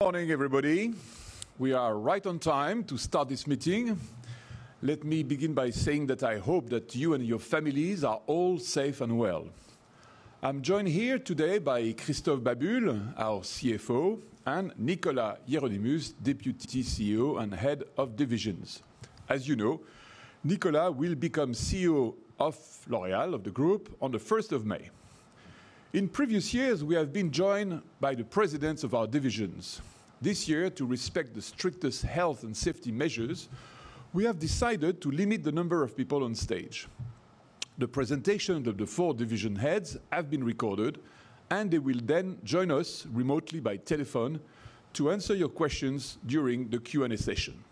Morning, everybody. We are right on time to start this meeting. Let me begin by saying that I hope that you and your families are all safe and well. I'm joined here today by Christophe Babule, our CFO, and Nicolas Hieronimus, Deputy CEO and Head of Divisions. As you know, Nicolas will become CEO of L'Oréal, of the group, on the 1st of May. In previous years, we have been joined by the presidents of our divisions. This year, to respect the strictest health and safety measures, we have decided to limit the number of people on stage. The presentation of the four division heads have been recorded, and they will then join us remotely by telephone to answer your questions during the Q&A session.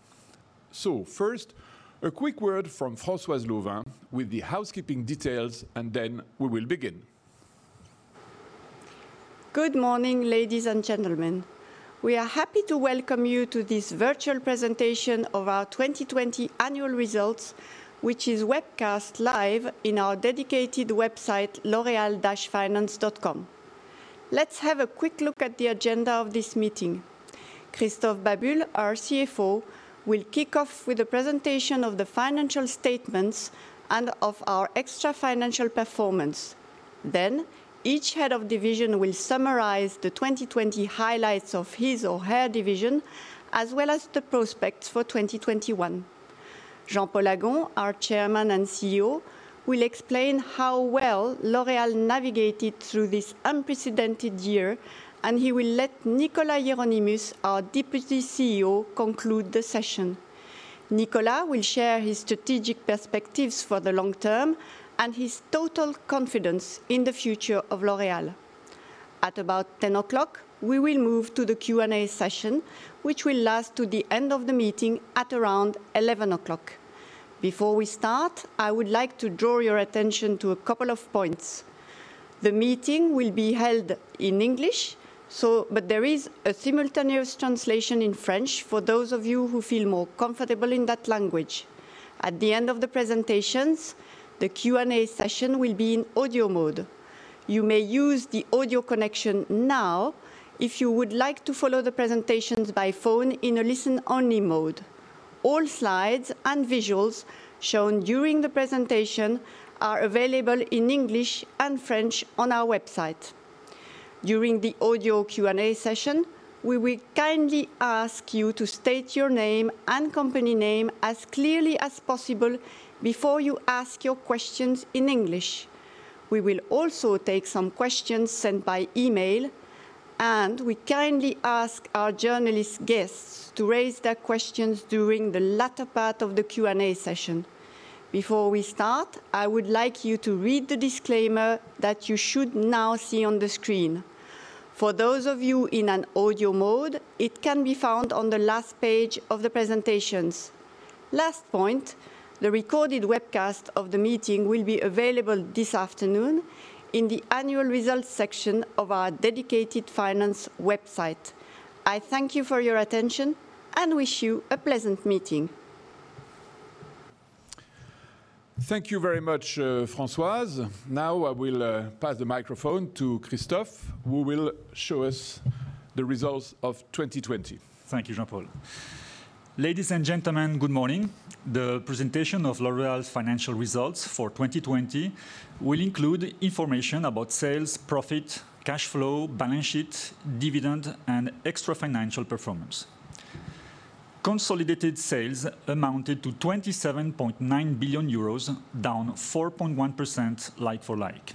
First, a quick word from Françoise Lauvin with the housekeeping details, then we will begin. Good morning, ladies and gentlemen. We are happy to welcome you to this virtual presentation of our 2020 annual results, which is webcast live in our dedicated website, loreal-finance.com. Let's have a quick look at the agenda of this meeting. Christophe Babule, our CFO, will kick off with a presentation of the financial statements and of our extra-financial performance. Each head of division will summarize the 2020 highlights of his or her division, as well as the prospects for 2021. Jean-Paul Agon, our Chairman and CEO, will explain how well L'Oréal navigated through this unprecedented year, and he will let Nicolas Hieronimus, our Deputy CEO, conclude the session. Nicolas will share his strategic perspectives for the long term and his total confidence in the future of L'Oréal. At about 10:00 A.M., we will move to the Q&A session, which will last to the end of the meeting at around 11:00 A.M. Before we start, I would like to draw your attention to a couple of points. The meeting will be held in English, but there is a simultaneous translation in French for those of you who feel more comfortable in that language. At the end of the presentations, the Q&A session will be in audio mode. You may use the audio connection now if you would like to follow the presentations by phone in a listen-only mode. All slides and visuals shown during the presentation are available in English and French on our website. During the audio Q&A session, we will kindly ask you to state your name and company name as clearly as possible before you ask your questions in English. We will also take some questions sent by email, and we kindly ask our journalist guests to raise their questions during the latter part of the Q&A session. Before we start, I would like you to read the disclaimer that you should now see on the screen. For those of you in an audio mode, it can be found on the last page of the presentations. Last point. The recorded webcast of the meeting will be available this afternoon in the annual results section of our dedicated finance website. I thank you for your attention and wish you a pleasant meeting. Thank you very much, Françoise. Now I will pass the microphone to Christophe, who will show us the results of 2020. Thank you, Jean-Paul. Ladies and gentlemen, good morning. The presentation of L'Oréal's financial results for 2020 will include information about sales, profit, cash flow, balance sheet, dividend, and extra-financial performance. Consolidated sales amounted to 27.9 billion euros, down 4.1% like-for-like.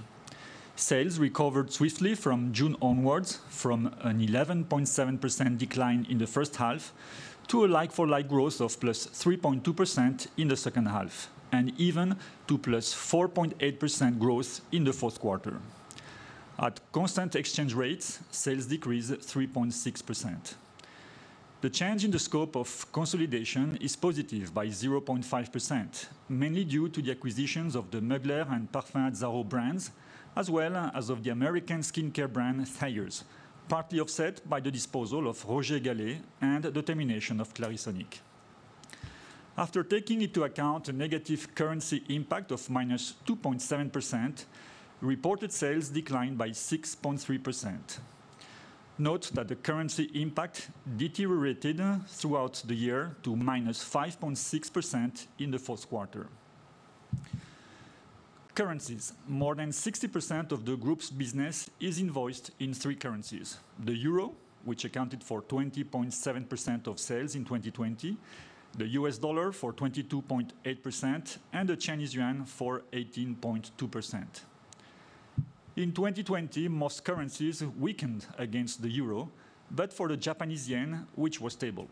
Sales recovered swiftly from June onwards from an 11.7% decline in the first half to a like-for-like growth of plus 3.2% in the second half, and even to plus 4.8% growth in the fourth quarter. At constant exchange rates, sales decreased 3.6%. The change in the scope of consolidation is positive by 0.5%, mainly due to the acquisitions of the Mugler and Parfums Azzaro brands, as well as of the American skincare brand, Thayers, partly offset by the disposal of Roger & Gallet and the termination of Clarisonic. After taking into account a negative currency impact of -2.7%, reported sales declined by 6.3%. Note that the currency impact deteriorated throughout the year to -5.6% in the fourth quarter. Currencies. More than 60% of the group's business is invoiced in three currencies, the euro, which accounted for 20.7% of sales in 2020, the U.S. dollar for 22.8%, and the Chinese yuan for 18.2%. In 2020, most currencies weakened against the euro, but for the Japanese yen, which was stable.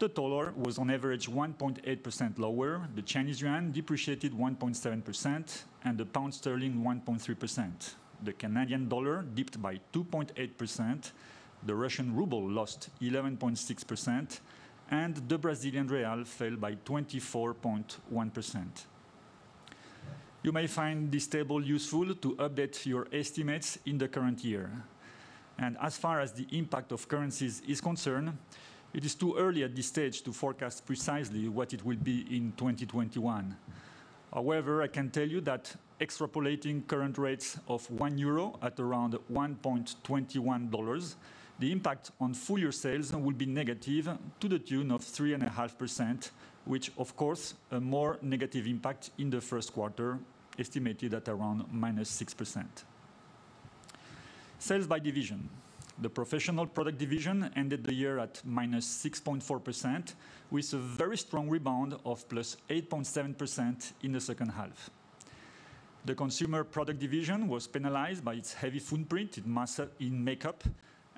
The dollar was on average 1.8% lower, the Chinese yuan depreciated 1.7%, and the pound sterling 1.3%. The Canadian dollar dipped by 2.8%, the Russian ruble lost 11.6%, and the Brazilian real fell by 24.1%. You may find this table useful to update your estimates in the current year. As far as the impact of currencies is concerned, it is too early at this stage to forecast precisely what it will be in 2021. I can tell you that extrapolating current rates of 1 euro at around $1.21, the impact on full-year sales will be negative to the tune of 3.5%, which, of course, a more negative impact in the first quarter, estimated at around -6%. Sales by division. The Professional Products Division ended the year at -6.4%, with a very strong rebound of +8.7% in the second half. The Consumer Products Division was penalized by its heavy footprint in makeup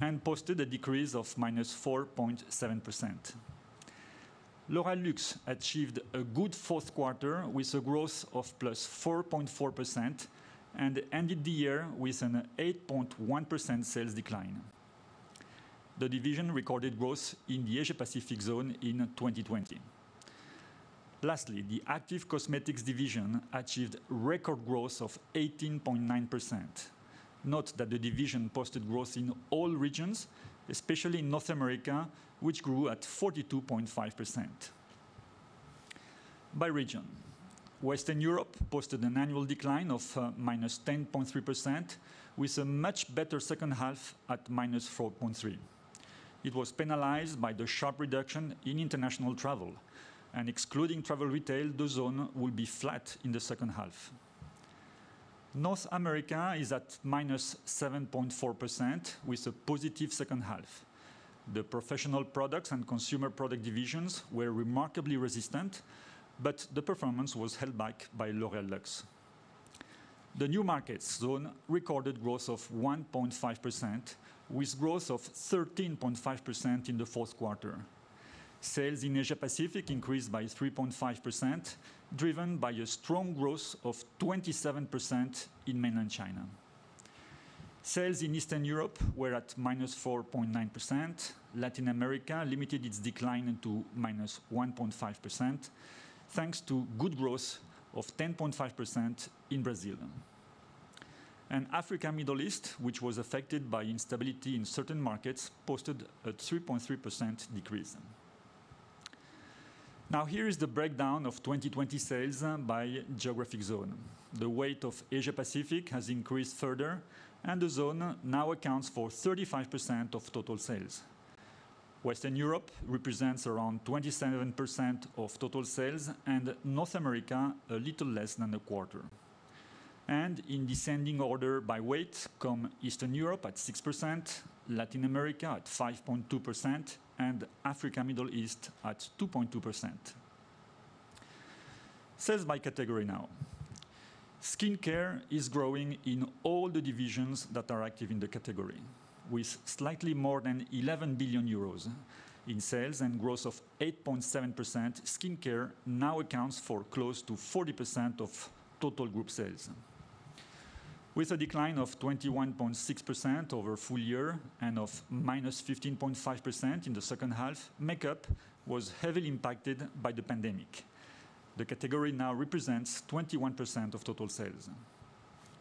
and posted a decrease of -4.7%. L'Oréal Luxe achieved a good fourth quarter with a growth of +4.4% and ended the year with an 8.1% sales decline. The division recorded growth in the Asia-Pacific zone in 2020. Lastly, the Active Cosmetics Division achieved record growth of 18.9%. Note that the division posted growth in all regions, especially in North America, which grew at 42.5%. By region, Western Europe posted an annual decline of -10.3% with a much better second half at -4.3%. It was penalized by the sharp reduction in international travel and excluding travel retail, the zone will be flat in the second half. North America is at -7.4% with a positive second half. The Professional Products and Consumer Products divisions were remarkably resistant, but the performance was held back by L'Oréal Luxe. The New Markets zone recorded growth of 1.5%, with growth of 13.5% in the fourth quarter. Sales in Asia-Pacific increased by 3.5%, driven by a strong growth of 27% in mainland China. Sales in Eastern Europe were at -4.9%. Latin America limited its decline to -1.5%, thanks to good growth of 10.5% in Brazil. Africa Middle East, which was affected by instability in certain markets, posted a 3.3% decrease. Here is the breakdown of 2020 sales by geographic zone. The weight of Asia-Pacific has increased further, and the zone now accounts for 35% of total sales. Western Europe represents around 27% of total sales and North America a little less than a quarter. In descending order by weight come Eastern Europe at 6%, Latin America at 5.2%, and Africa Middle East at 2.2%. Sales by category now. skincare is growing in all the divisions that are active in the category. With slightly more than EUR 11 billion in sales and growth of 8.7%, skincare now accounts for close to 40% of total group sales. With a decline of 21.6% over full year and of -15.5% in the second half, makeup was heavily impacted by the pandemic. The category now represents 21% of total sales.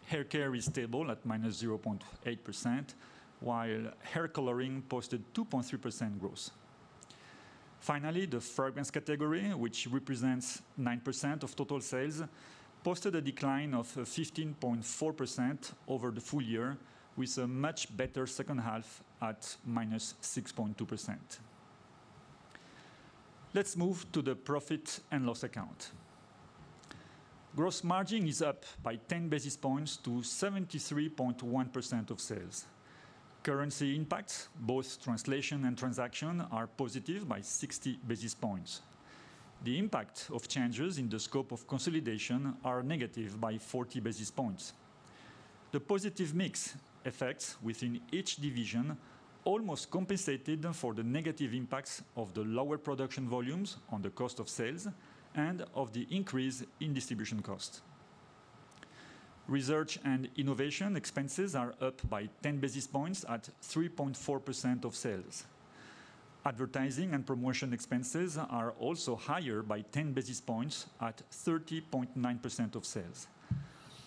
Haircare is stable at -0.8%, while hair coloring posted 2.3% growth. Finally, the fragrance category, which represents 9% of total sales, posted a decline of 15.4% over the full year with a much better second half at -6.2%. Let's move to the profit and loss account. Gross margin is up by 10 basis points to 73.1% of sales. Currency impacts, both translation and transaction, are positive by 60 basis points. The impact of changes in the scope of consolidation are negative by 40 basis points. The positive mix effects within each division almost compensated for the negative impacts of the lower production volumes on the cost of sales and of the increase in distribution costs. Research and innovation expenses are up by 10 basis points at 3.4% of sales. Advertising and promotion expenses are also higher by 10 basis points at 30.9% of sales.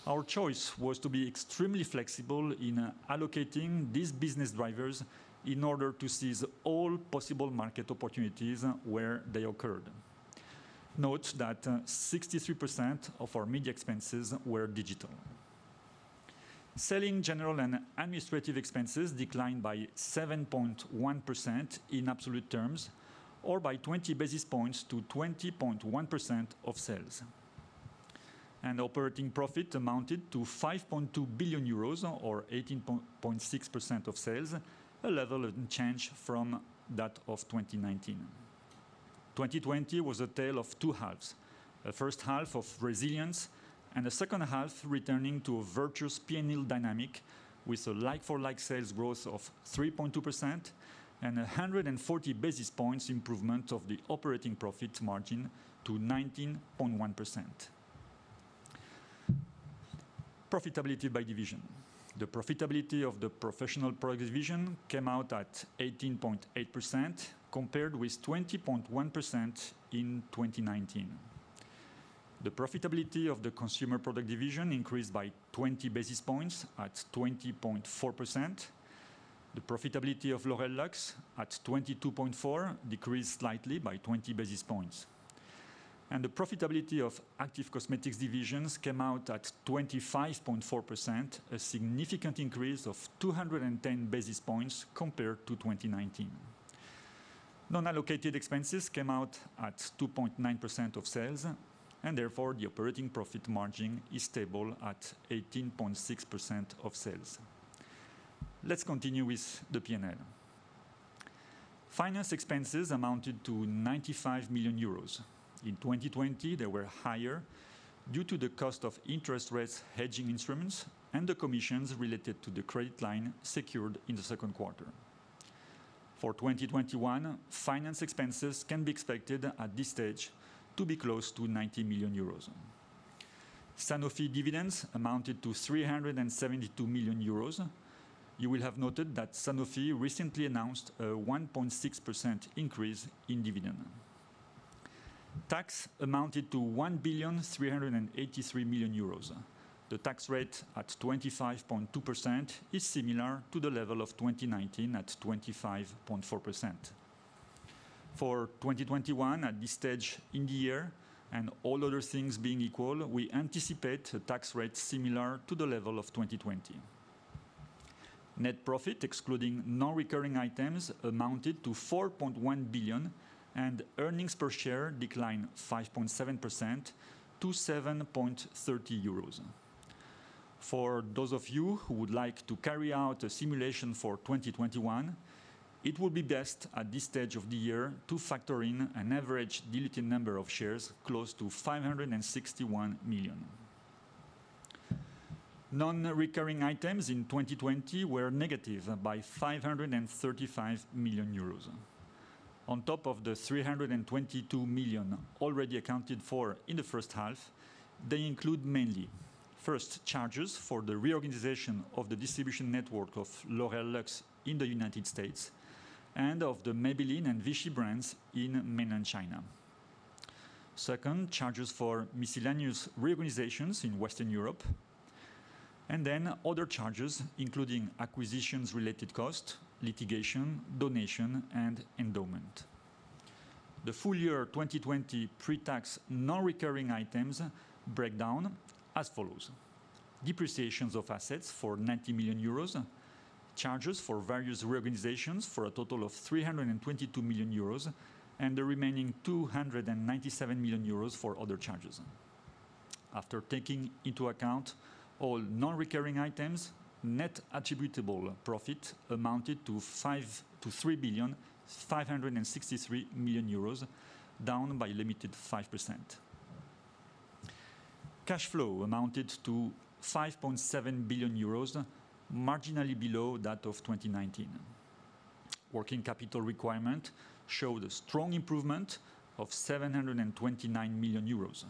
Our choice was to be extremely flexible in allocating these business drivers in order to seize all possible market opportunities where they occurred. Note that 63% of our media expenses were digital. Selling, General, and Administrative expenses declined by 7.1% in absolute terms or by 20 basis points to 20.1% of sales. Operating profit amounted to 5.2 billion euros or 18.6% of sales, a level unchanged from that of 2019. 2020 was a tale of two halves, a first half of resilience and a second half returning to a virtuous P&L dynamic with a like-for-like sales growth of 3.2% and 140 basis points improvement of the operating profit margin to 19.1%. Profitability by division. The profitability of the Professional Products Division came out at 18.8%, compared with 20.1% in 2019. The profitability of the Consumer Products Division increased by 20 basis points at 20.4%. The profitability of L'Oréal Luxe at 22.4% decreased slightly by 20 basis points. The profitability of Active Cosmetics Divisions came out at 25.4%, a significant increase of 210 basis points compared to 2019. Non-allocated expenses came out at 2.9% of sales, and therefore the operating profit margin is stable at 18.6% of sales. Let's continue with the P&L. Finance expenses amounted to 95 million euros. In 2020, they were higher due to the cost of interest rates hedging instruments and the commissions related to the credit line secured in the second quarter. For 2021, finance expenses can be expected at this stage to be close to 90 million euros. Sanofi dividends amounted to 372 million euros. You will have noted that Sanofi recently announced a 1.6% increase in dividend. Tax amounted to 1.383 billion. The tax rate at 25.2% is similar to the level of 2019 at 25.4%. For 2021, at this stage in the year, and all other things being equal, we anticipate a tax rate similar to the level of 2020. Net profit, excluding non-recurring items, amounted to 4.1 billion and earnings per share declined 5.7% to 7.30 euros. For those of you who would like to carry out a simulation for 2021, it would be best at this stage of the year to factor in an average diluted number of shares close to 561 million. Non-recurring items in 2020 were negative by 535 million euros. On top of the 322 million already accounted for in the first half, they include mainly, first, charges for the reorganization of the distribution network of L'Oréal Luxe in the U.S. and of the Maybelline and Vichy brands in Mainland China. Second, charges for miscellaneous reorganizations in Western Europe, and then other charges including acquisitions-related cost, litigation, donation, and endowment. The full year 2020 pre-tax non-recurring items break down as follows. Depreciations of assets for 90 million euros, charges for various reorganizations for a total of 322 million euros, and the remaining 297 million euros for other charges. After taking into account all non-recurring items, net attributable profit amounted to 3.563 billion, down by a limited 5%. Cash flow amounted to 5.7 billion euros, marginally below that of 2019. Working capital requirement showed a strong improvement of 729 million euros.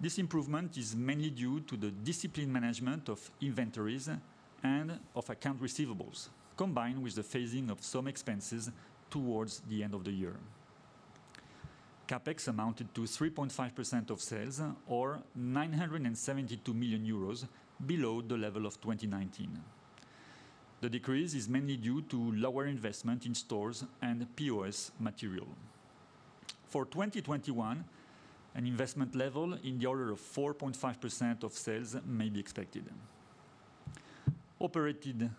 This improvement is mainly due to the discipline management of inventories and of accounts receivable, combined with the phasing of some expenses towards the end of the year. CapEx amounted to 3.5% of sales or 972 million euros below the level of 2019. The decrease is mainly due to lower investment in stores and POS material. For 2021, an investment level in the order of 4.5% of sales may be expected. Operating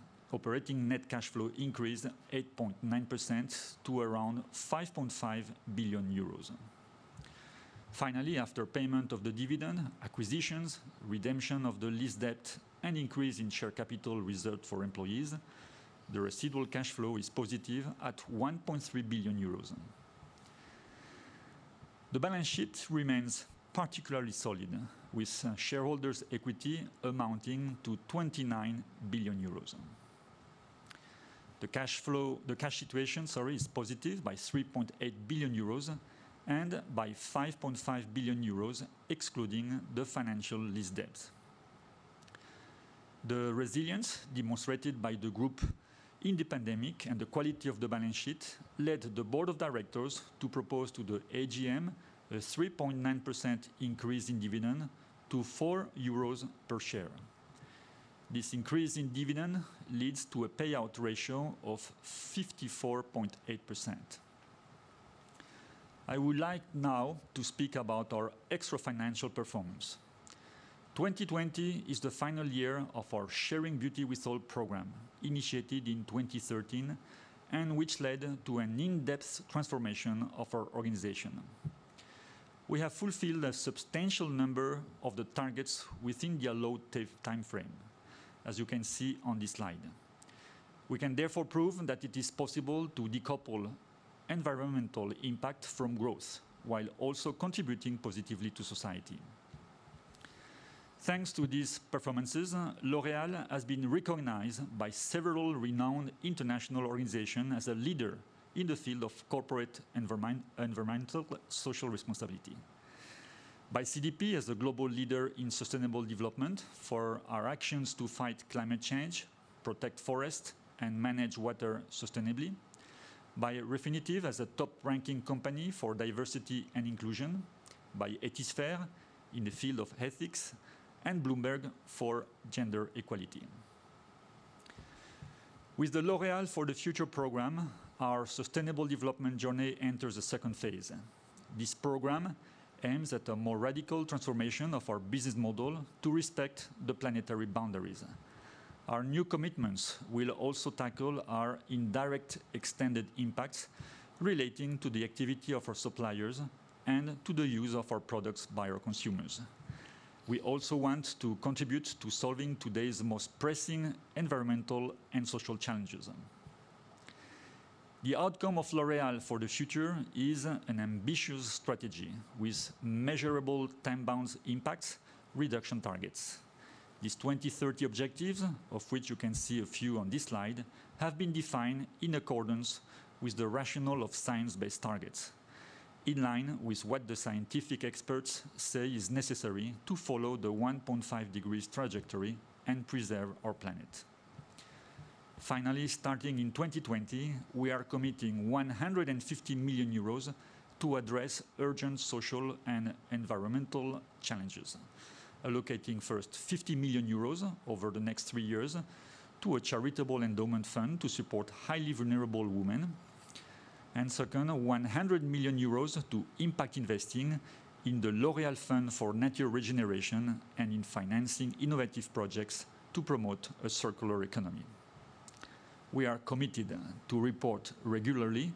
net cash flow increased 8.9% to around 5.5 billion euros. Finally, after payment of the dividend, acquisitions, redemption of the lease debt, and increase in share capital reserved for employees, the residual cash flow is positive at 1.3 billion euros. The balance sheet remains particularly solid, with shareholders' equity amounting to 29 billion euros. The cash situation is positive by 3.8 billion euros and by 5.5 billion euros excluding the financial lease debts. The resilience demonstrated by the group in the pandemic and the quality of the balance sheet led the board of directors to propose to the AGM a 3.9% increase in dividend to 4 euros per share. This increase in dividend leads to a payout ratio of 54.8%. I would like now to speak about our extra-financial performance. 2020 is the final year of our Sharing Beauty with All program, initiated in 2013, and which led to an in-depth transformation of our organization. We have fulfilled a substantial number of the targets within the allotted time frame, as you can see on this slide. We can therefore prove that it is possible to decouple environmental impact from growth while also contributing positively to society. Thanks to these performances, L'Oréal has been recognized by several renowned international organizations as a leader in the field of corporate and environmental social responsibility. By CDP as a global leader in sustainable development for our actions to fight climate change, protect forest, and manage water sustainably. By Refinitiv as a top-ranking company for diversity and inclusion, by Ethisphere in the field of ethics, and Bloomberg for gender equality. With the L'Oréal for the Future program, our sustainable development journey enters a second phase. This program aims at a more radical transformation of our business model to respect the planetary boundaries. Our new commitments will also tackle our indirect extended impacts relating to the activity of our suppliers and to the use of our products by our consumers. We also want to contribute to solving today's most pressing environmental and social challenges. The outcome of L'Oréal for the Future is an ambitious strategy with measurable time-bound impact reduction targets. These 2030 objectives, of which you can see a few on this slide, have been defined in accordance with the rationale of science-based targets, in line with what the scientific experts say is necessary to follow the 1.5 degrees trajectory and preserve our planet. Finally, starting in 2020, we are committing 150 million euros to address urgent social and environmental challenges, allocating first 15 million euros over the next three years to a charitable endowment fund to support highly vulnerable women. Second, 100 million euros to impact investing in the L'Oréal Fund for Nature Regeneration and in financing innovative projects to promote a circular economy. We are committed to report regularly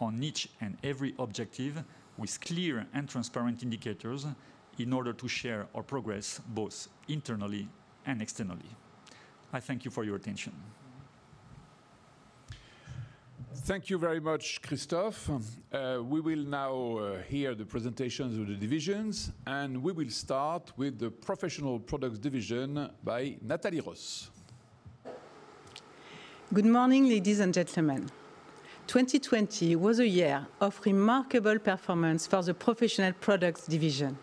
on each and every objective with clear and transparent indicators in order to share our progress both internally and externally. I thank you for your attention. Thank you very much, Christophe. We will now hear the presentations of the divisions. We will start with the Professional Products Division by Nathalie Roos. Good morning, ladies and gentlemen. 2020 was a year of remarkable performance for the Professional Products Division.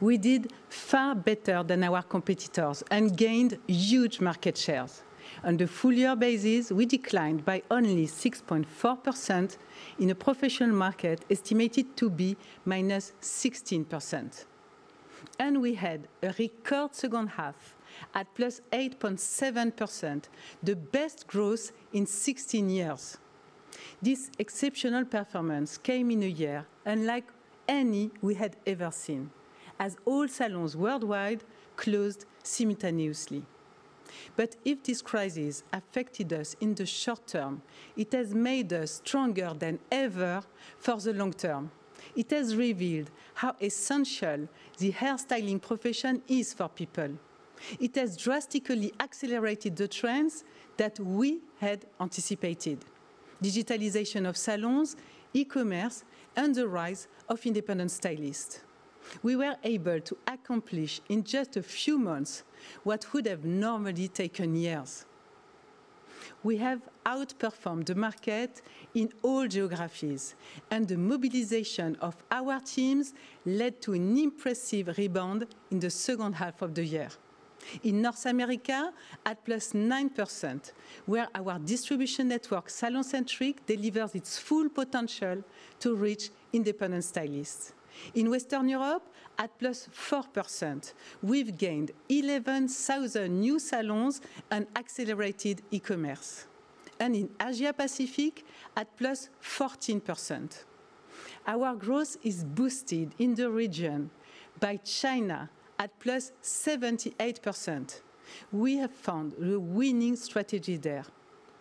We did far better than our competitors and gained huge market shares. On the full year basis, we declined by only 6.4% in a professional market estimated to be minus 16%. We had a record second half at plus 8.7%, the best growth in 16 years. This exceptional performance came in a year unlike any we had ever seen, as all salons worldwide closed simultaneously. If this crisis affected us in the short term, it has made us stronger than ever for the long term. It has revealed how essential the hairstyling profession is for people. It has drastically accelerated the trends that we had anticipated, digitalization of salons, e-commerce, and the rise of independent stylists. We were able to accomplish in just a few months what would have normally taken years. We have outperformed the market in all geographies, the mobilization of our teams led to an impressive rebound in the second half of the year. In North America, at +9%, where our distribution network, SalonCentric, delivers its full potential to reach independent stylists. In Western Europe, at +4%, we've gained 11,000 new salons and accelerated e-commerce. In Asia Pacific, at +14%. Our growth is boosted in the region by China at +78%. We have found the winning strategy there,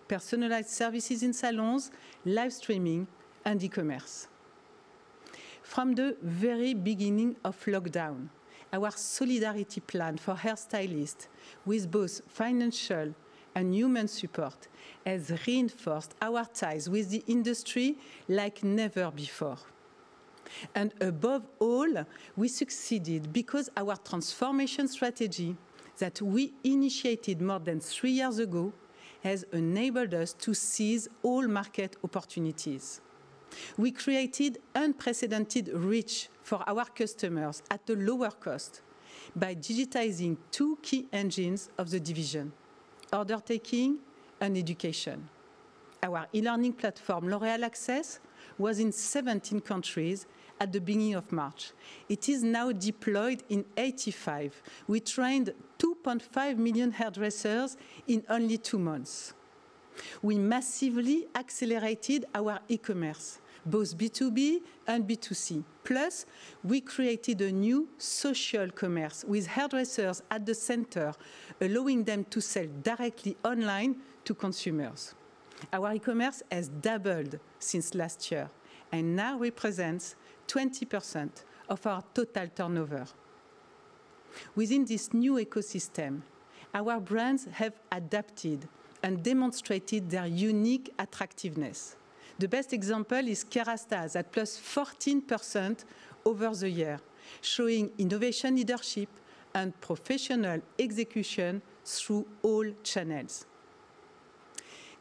personalized services in salons, live streaming, and e-commerce. From the very beginning of lockdown, our solidarity plan for hairstylists with both financial and human support has reinforced our ties with the industry like never before. Above all, we succeeded because our transformation strategy that we initiated more than three years ago has enabled us to seize all market opportunities. We created unprecedented reach for our customers at a lower cost by digitizing two key engines of the division, order taking and education. Our e-learning platform, L'Oréal Access, was in 17 countries at the beginning of March. It is now deployed in 85. We trained 2.5 million hairdressers in only two months. We massively accelerated our e-commerce, both B2B and B2C. We created a new social commerce with hairdressers at the center, allowing them to sell directly online to consumers. Our e-commerce has doubled since last year and now represents 20% of our total turnover. Within this new ecosystem, our brands have adapted and demonstrated their unique attractiveness. The best example is Kérastase at +14% over the year, showing innovation leadership and professional execution through all channels.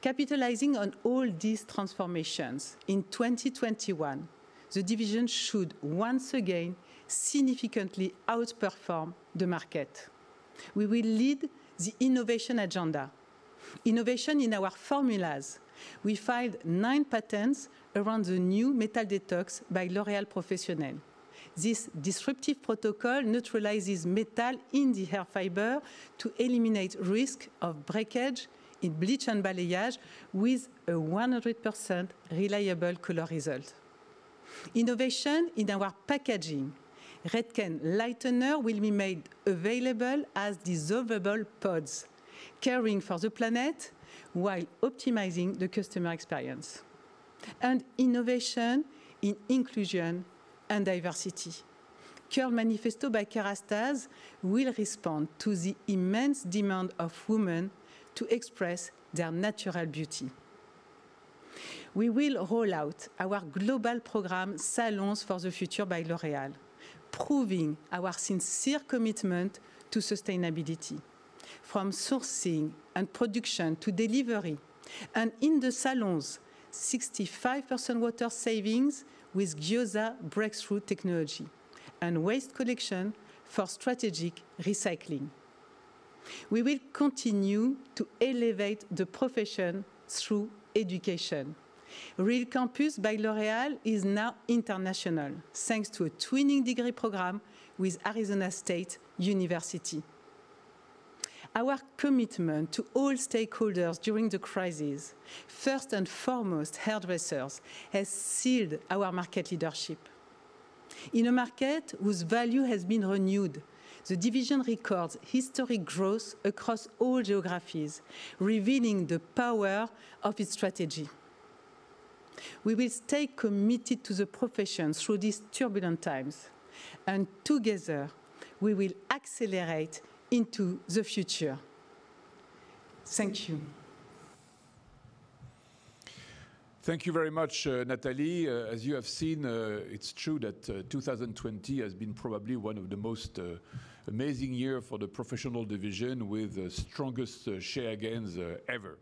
Capitalizing on all these transformations, in 2021, the division should once again significantly outperform the market. We will lead the innovation agenda. Innovation in our formulas. We filed nine patents around the new Metal Detox by L'Oréal Professionnel. This disruptive protocol neutralizes metal in the hair fiber to eliminate risk of breakage in bleach and balayage with a 100% reliable color result. Innovation in our packaging. Redken lightener will be made available as dissolvable pods, caring for the planet while optimizing the customer experience. Innovation in inclusion and diversity. Curl Manifesto by Kérastase will respond to the immense demand of women to express their natural beauty. We will roll out our global program, Salons for the Future by L'Oréal, proving our sincere commitment to sustainability. From sourcing and production to delivery. In the salons, 65% water savings with Gjosa breakthrough technology, and waste collection for strategic recycling. We will continue to elevate the profession through education. Real Campus, by L'Oréal is now international, thanks to a twinning degree program with Arizona State University. Our commitment to all stakeholders during the crisis, first and foremost, hairdressers, has sealed our market leadership. In a market whose value has been renewed, the division records historic growth across all geographies, revealing the power of its strategy. We will stay committed to the profession through these turbulent times, and together, we will accelerate into the future. Thank you. Thank you very much, Nathalie. As you have seen, it's true that 2020 has been probably one of the most amazing year for the Professional Division, with the strongest share gains ever.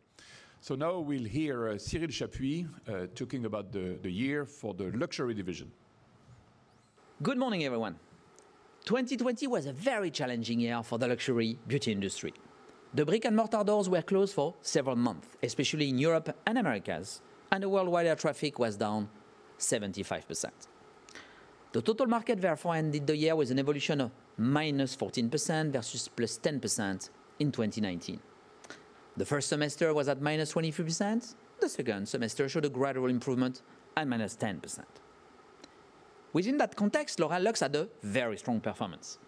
Now we'll hear Cyril Chapuy talking about the year for the Luxury Division. Good morning, everyone. 2020 was a very challenging year for the luxury beauty industry. The brick and mortar doors were closed for several months, especially in Europe and Americas, and the worldwide air traffic was down 75%. The total market therefore ended the year with an evolution of -14% versus +10% in 2019. The first semester was at -23%. The second semester showed a gradual improvement at -10%. Within that context, L'Oréal Luxe had a very strong performance.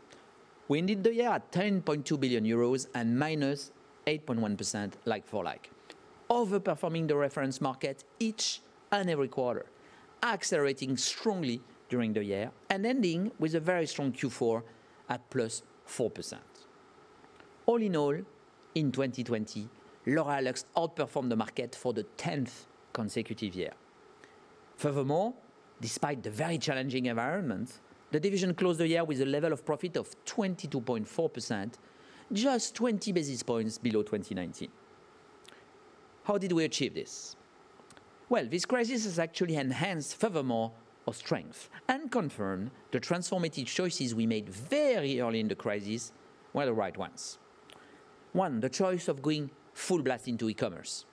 We ended the year at 10.2 billion euros and -8.1% like-for-like, over-performing the reference market each and every quarter, accelerating strongly during the year, and ending with a very strong Q4 at +4%. All in all, in 2020, L'Oréal Luxe outperformed the market for the 10th consecutive year. Furthermore, despite the very challenging environment, the division closed the year with a level of profit of 22.4%, just 20 basis points below 2019. How did we achieve this? Well, this crisis has actually enhanced furthermore our strength and confirmed the transformative choices we made very early in the crisis were the right ones. one. The choice of going full blast into e-commerce.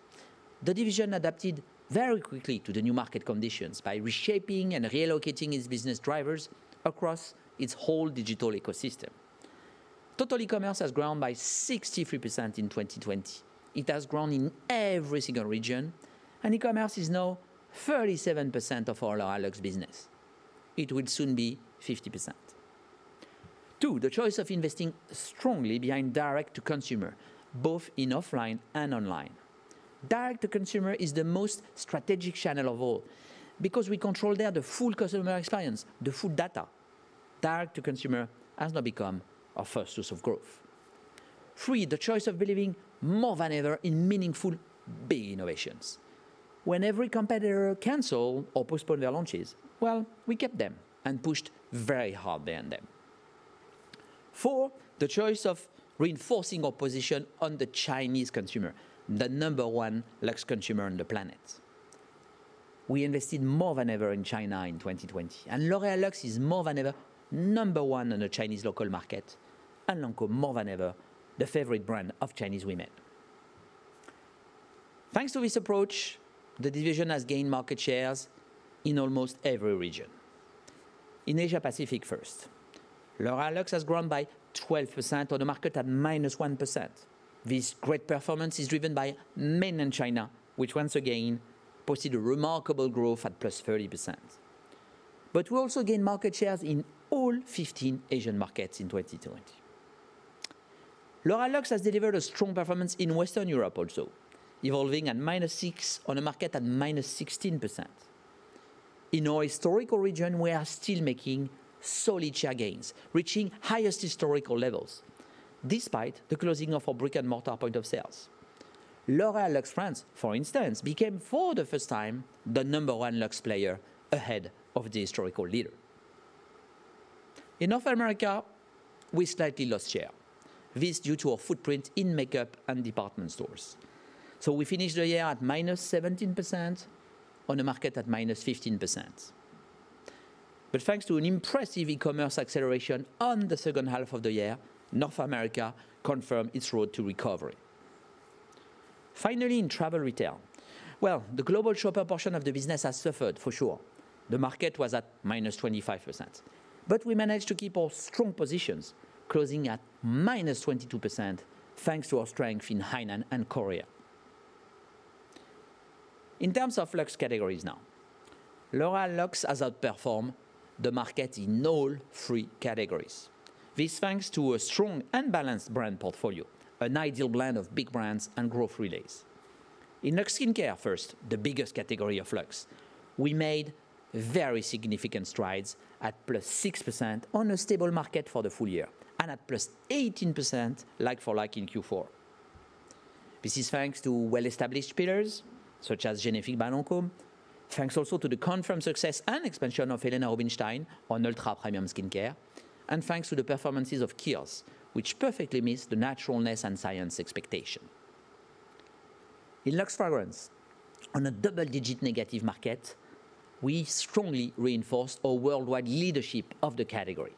The division adapted very quickly to the new market conditions by reshaping and relocating its business drivers across its whole digital ecosystem. Total e-commerce has grown by 63% in 2020. It has grown in every single region, and e-commerce is now 37% of all L'Oréal Luxe business. It will soon be 50%. Two. The choice of investing strongly behind direct to consumer, both in offline and online. Direct to consumer is the most strategic channel of all because we control there the full customer experience, the full data. Direct to consumer has now become our first source of growth. Three. The choice of believing more than ever in meaningful, big innovations. When every competitor canceled or postponed their launches, well, we kept them and pushed very hard behind them. Four, the choice of reinforcing our position on the Chinese consumer, the number one Luxe consumer on the planet. We invested more than ever in China in 2020, and L'Oréal Luxe is more than ever number one in the Chinese local market, and Lancôme more than ever, the favorite brand of Chinese women. Thanks to this approach, the division has gained market shares in almost every region. In Asia-Pacific first, L'Oréal Luxe has grown by 12% on a market at -1%. This great performance is driven by mainly China, which once again posted a remarkable growth at +30%. We also gained market shares in all 15 Asian markets in 2020. L'Oréal Luxe has delivered a strong performance in Western Europe also, evolving at -6% on a market at -16%. In our historical region, we are still making solid share gains, reaching highest historical levels, despite the closing of our brick and mortar point of sales. L'Oréal Luxe France, for instance, became for the first time the number one Luxe player ahead of the historical leader. In North America, we slightly lost share. This is due to our footprint in makeup and department stores. We finished the year at -17% on a market at -15%. Thanks to an impressive e-commerce acceleration on the second half of the year, North America confirmed its road to recovery. Finally, in travel retail, well, the global shopper portion of the business has suffered for sure. The market was at -25%, but we managed to keep our strong positions closing at -22%, thanks to our strength in Hainan and Korea. In terms of Luxe categories now, L'Oréal Luxe has outperformed the market in all three categories. This, thanks to a strong and balanced brand portfolio, an ideal blend of big brands and growth relays. In Luxe Skincare first, the biggest category of Luxe, we made very significant strides at +6% on a stable market for the full year, and at +18% like-for-like in Q4. This is thanks to well-established pillars such as Génifique by Lancôme. Thanks also to the confirmed success and expansion of Helena Rubinstein on ultra-premium skincare, and thanks to the performances of Kiehl's, which perfectly meets the naturalness and science expectation. In Luxe Fragrance, on a double-digit negative market, we strongly reinforced our worldwide leadership of the category.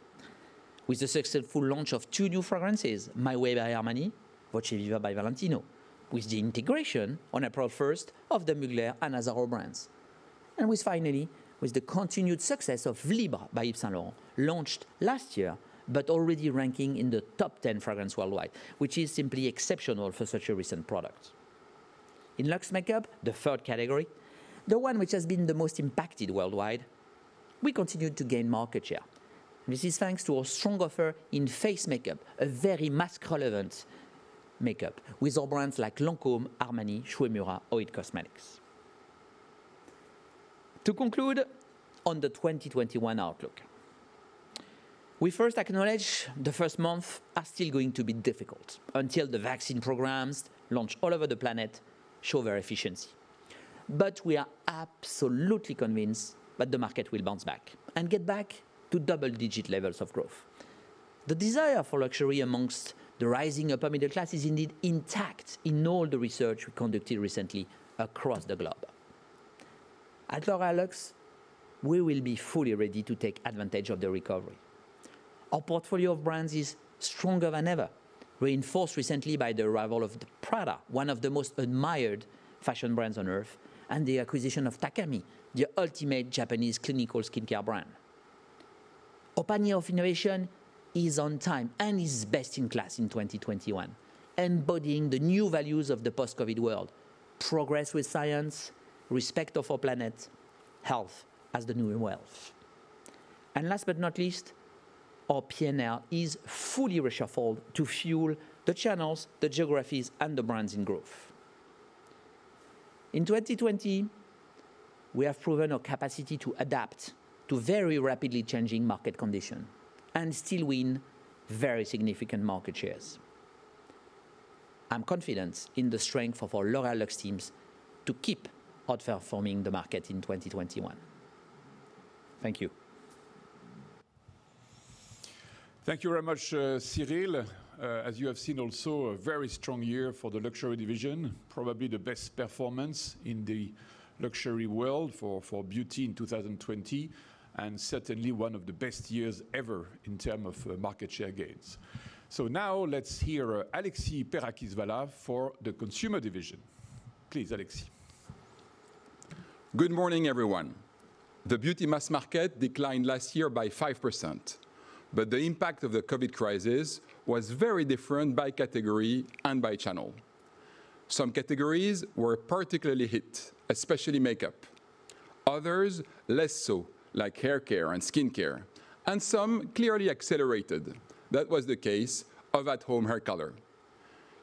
With the successful launch of two new fragrances, My Way by Armani, Voce Viva by Valentino, with the integration on April 1st of the Mugler and Azzaro brands, and with finally the continued success of Libre by Yves Saint Laurent, launched last year, but already ranking in the top 10 fragrance worldwide, which is simply exceptional for such a recent product. In Lux Makeup, the third category, the one which has been the most impacted worldwide, we continued to gain market share. This is thanks to our strong offer in face makeup, a very mass relevant makeup with our brands like Lancôme, Armani, Shu Uemura, or IT Cosmetics. To conclude on the 2021 outlook, we first acknowledge the first month are still going to be difficult until the vaccine programs launch all over the planet show their efficiency. We are absolutely convinced that the market will bounce back and get back to double-digit levels of growth. The desire for luxury amongst the rising upper middle class is indeed intact in all the research we conducted recently across the globe. At L'Oréal Luxe, we will be fully ready to take advantage of the recovery. Our portfolio of brands is stronger than ever, reinforced recently by the arrival of Prada, one of the most admired fashion brands on Earth, and the acquisition of Takami, the ultimate Japanese clinical skincare brand. Our plan of innovation is on time and is best in class in 2021, embodying the new values of the post-COVID world, progress with science, respect of our planet, health as the new wealth. Last but not least, our P&L is fully reshuffled to fuel the channels, the geographies, and the brands in growth. In 2020, we have proven our capacity to adapt to very rapidly changing market condition and still win very significant market shares. I'm confident in the strength of our L'Oréal Luxe teams to keep outperforming the market in 2021. Thank you. Thank you very much, Cyril. As you have seen also, a very strong year for the luxury division, probably the best performance in the luxury world for beauty in 2020, and certainly one of the best years ever in term of market share gains. Now let's hear Alexis Perakis-Valat for the Consumer Division. Please, Alexis. Good morning, everyone. The beauty mass market declined last year by 5%, but the impact of the COVID crisis was very different by category and by channel. Some categories were particularly hit, especially makeup, others less so, like haircare and skincare, and some clearly accelerated. That was the case of at-home hair color.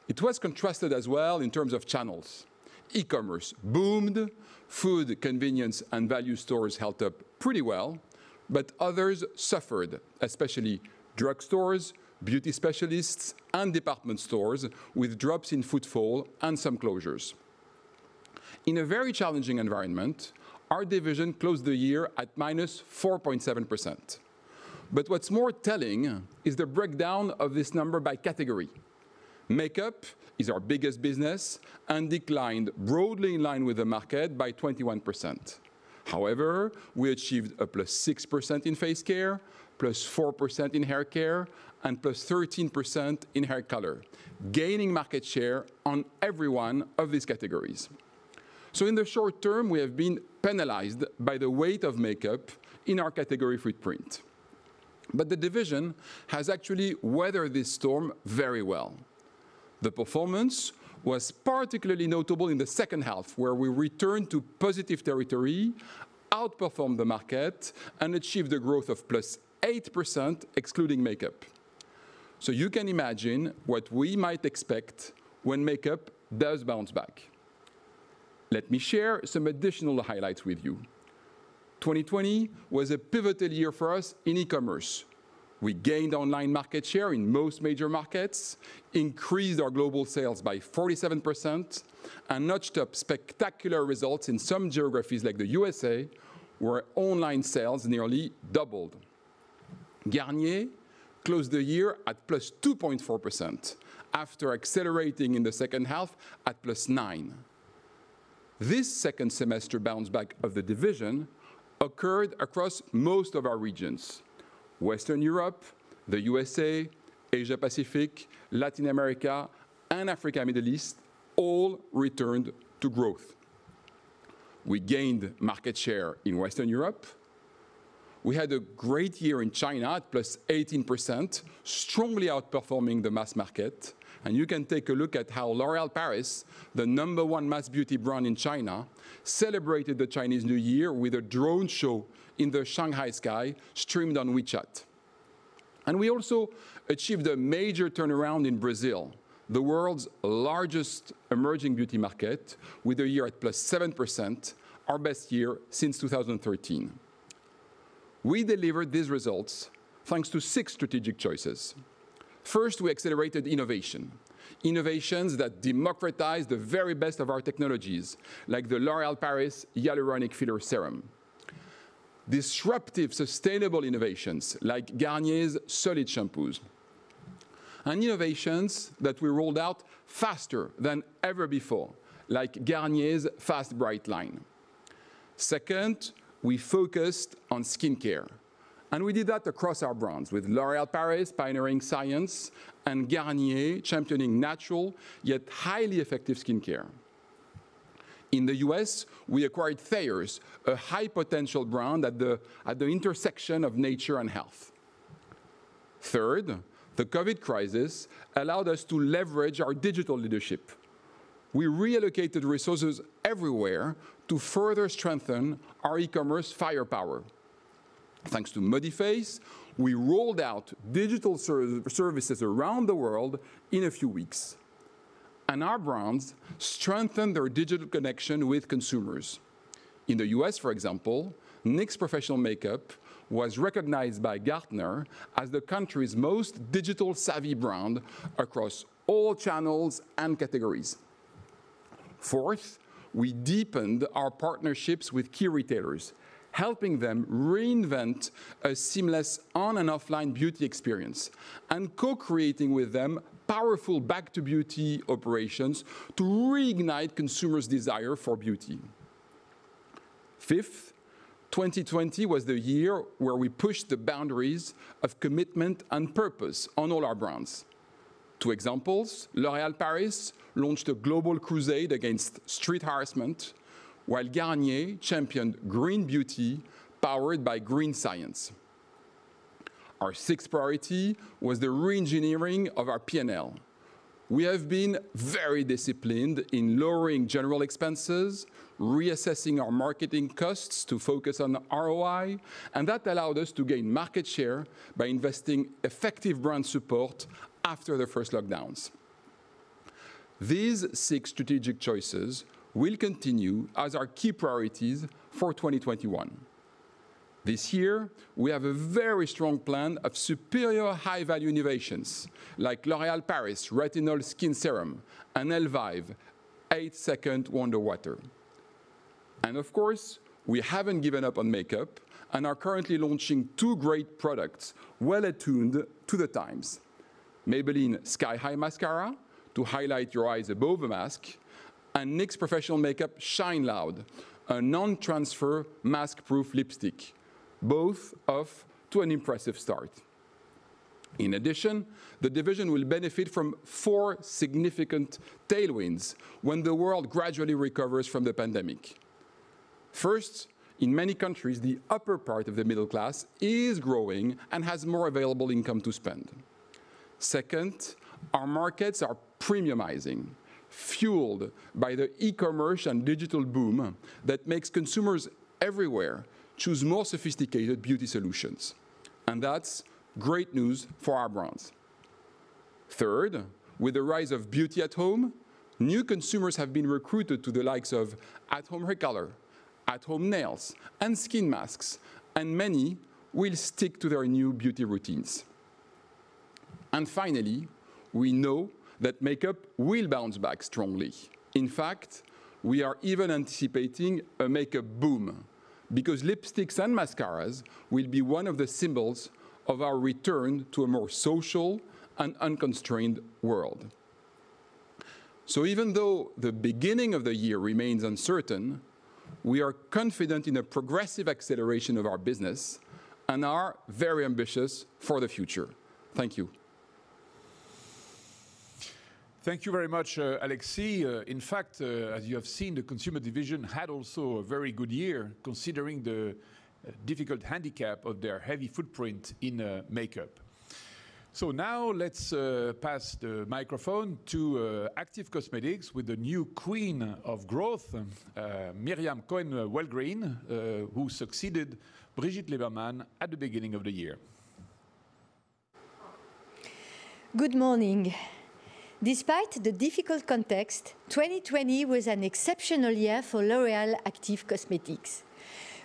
It was contrasted as well in terms of channels. e-commerce boomed, food, convenience, and value stores held up pretty well, but others suffered, especially drugstores, beauty specialists, and department stores with drops in footfall and some closures. In a very challenging environment, our division closed the year at -4.7%. What's more telling is the breakdown of this number by category. Makeup is our biggest business and declined broadly in line with the market by 21%. We achieved a +6% in face care, +4% in hair care, and +13% in hair color, gaining market share on every one of these categories. So in the short term, we have been penalized by the weight of makeup in our category footprint. The division has actually weathered this storm very well. The performance was particularly notable in the second half, where we returned to positive territory, outperformed the market, and achieved a growth of +8% excluding makeup. You can imagine what we might expect when makeup does bounce back. Let me share some additional highlights with you. 2020 was a pivoted year for us in e-commerce. We gained online market share in most major markets, increased our global sales by 47%, and notched up spectacular results in some geographies like the USA, where online sales nearly doubled. Garnier closed the year at +2.4% after accelerating in the second half at +9%. This second-semester bounce back of the division occurred across most of our regions. Western Europe, the U.S.A., Asia-Pacific, Latin America, and Africa and Middle East all returned to growth. We gained market share in Western Europe. We had a great year in China at +18%, strongly outperforming the mass market. You can take a look at how L'Oréal Paris, the number one mass beauty brand in China, celebrated the Chinese New Year with a drone show in the Shanghai sky, streamed on WeChat. We also achieved a major turnaround in Brazil, the world's largest emerging beauty market, with a year at +7%, our best year since 2013. We delivered these results thanks to six strategic choices. First, we accelerated innovation, innovations that democratize the very best of our technologies, like the L'Oréal Paris Hyaluronic Filler Serum. Disruptive, sustainable innovations like Garnier's solid shampoos, and innovations that we rolled out faster than ever before, like Garnier's Fast Bright line. Second, we focused on skincare, and we did that across our brands with L'Oréal Paris pioneering science and Garnier championing natural, yet highly effective skincare. In the U.S., we acquired Thayers, a high potential brand at the intersection of nature and health. Third, the COVID crisis allowed us to leverage our digital leadership. We reallocated resources everywhere to further strengthen our e-commerce firepower. Thanks to ModiFace, we rolled out digital services around the world in a few weeks, and our brands strengthened their digital connection with consumers. In the U.S., for example, NYX Professional Makeup was recognized by Gartner as the country's most digital savvy brand across all channels and categories. Fourth, we deepened our partnerships with key retailers, helping them reinvent a seamless on and offline beauty experience and co-creating with them powerful Back to Beauty operations to reignite consumers' desire for beauty. Fifth, 2020 was the year where we pushed the boundaries of commitment and purpose on all our brands. Two examples, L'Oréal Paris launched a global crusade against street harassment, while Garnier championed green beauty powered by green science. Our sixth priority was the re-engineering of our P&L. We have been very disciplined in lowering general expenses, reassessing our marketing costs to focus on ROI. That allowed us to gain market share by investing effective brand support after the first lockdowns. These six strategic choices will continue as our key priorities for 2021. This year, we have a very strong plan of superior high-value innovations like L'Oréal Paris Retinol Skin Serum and Elvive 8 Second Wonder Water. Of course, we haven't given up on makeup and are currently launching two great products well attuned to the times, Maybelline Sky High Mascara to highlight your eyes above a mask, and NYX Professional Makeup Shine Loud, a non-transfer mask-proof lipstick, both off to an impressive start. In addition, the division will benefit from four significant tailwinds when the world gradually recovers from the pandemic. First, in many countries, the upper part of the middle class is growing and has more available income to spend. Second, our markets are premiumizing, fueled by the e-commerce and digital boom that makes consumers everywhere choose more sophisticated beauty solutions, and that's great news for our brands. Third, with the rise of beauty at home, new consumers have been recruited to the likes of at-home hair color, at-home nails, and skin masks, and many will stick to their new beauty routines. Finally, we know that makeup will bounce back strongly. In fact, we are even anticipating a makeup boom because lipsticks and mascaras will be one of the symbols of our return to a more social and unconstrained world. Even though the beginning of the year remains uncertain, we are confident in a progressive acceleration of our business and are very ambitious for the future. Thank you. Thank you very much, Alexis. In fact, as you have seen, the Consumer Division had also a very good year considering the difficult handicap of their heavy footprint in makeup. Let's pass the microphone to Active Cosmetics with the new queen of growth, Myriam Cohen-Welgryn, who succeeded Brigitte Liberman at the beginning of the year. Good morning. Despite the difficult context, 2020 was an exceptional year for L'Oréal Active Cosmetics.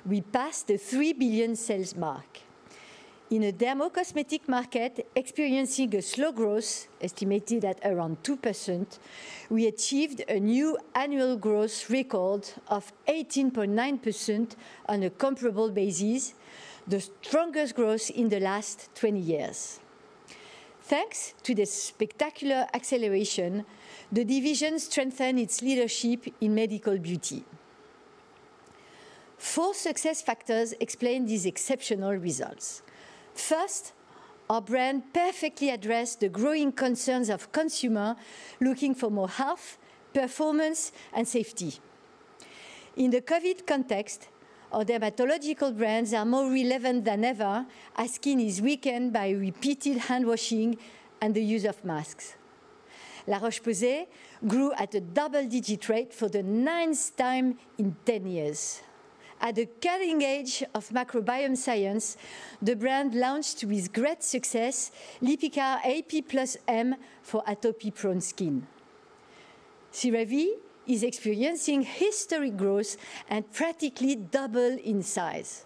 We passed the 3 billion sales mark. In a dermo-cosmetic market experiencing a slow growth estimated at around 2%, we achieved a new annual growth record of 18.9% on a comparable basis, the strongest growth in the last 20 years. Thanks to this spectacular acceleration, the division strengthened its leadership in medical beauty. Four success factors explain these exceptional results. First, our brand perfectly addressed the growing concerns of consumer looking for more health, performance, and safety. In the COVID context, our dermatological brands are more relevant than ever, as skin is weakened by repeated handwashing and the use of masks. La Roche-Posay grew at a double-digit rate for the ninth time in 10 years. At the cutting edge of microbiome science, the brand launched with great success Lipikar AP+M for atopy-prone skin. CeraVe is experiencing historic growth and practically double in size.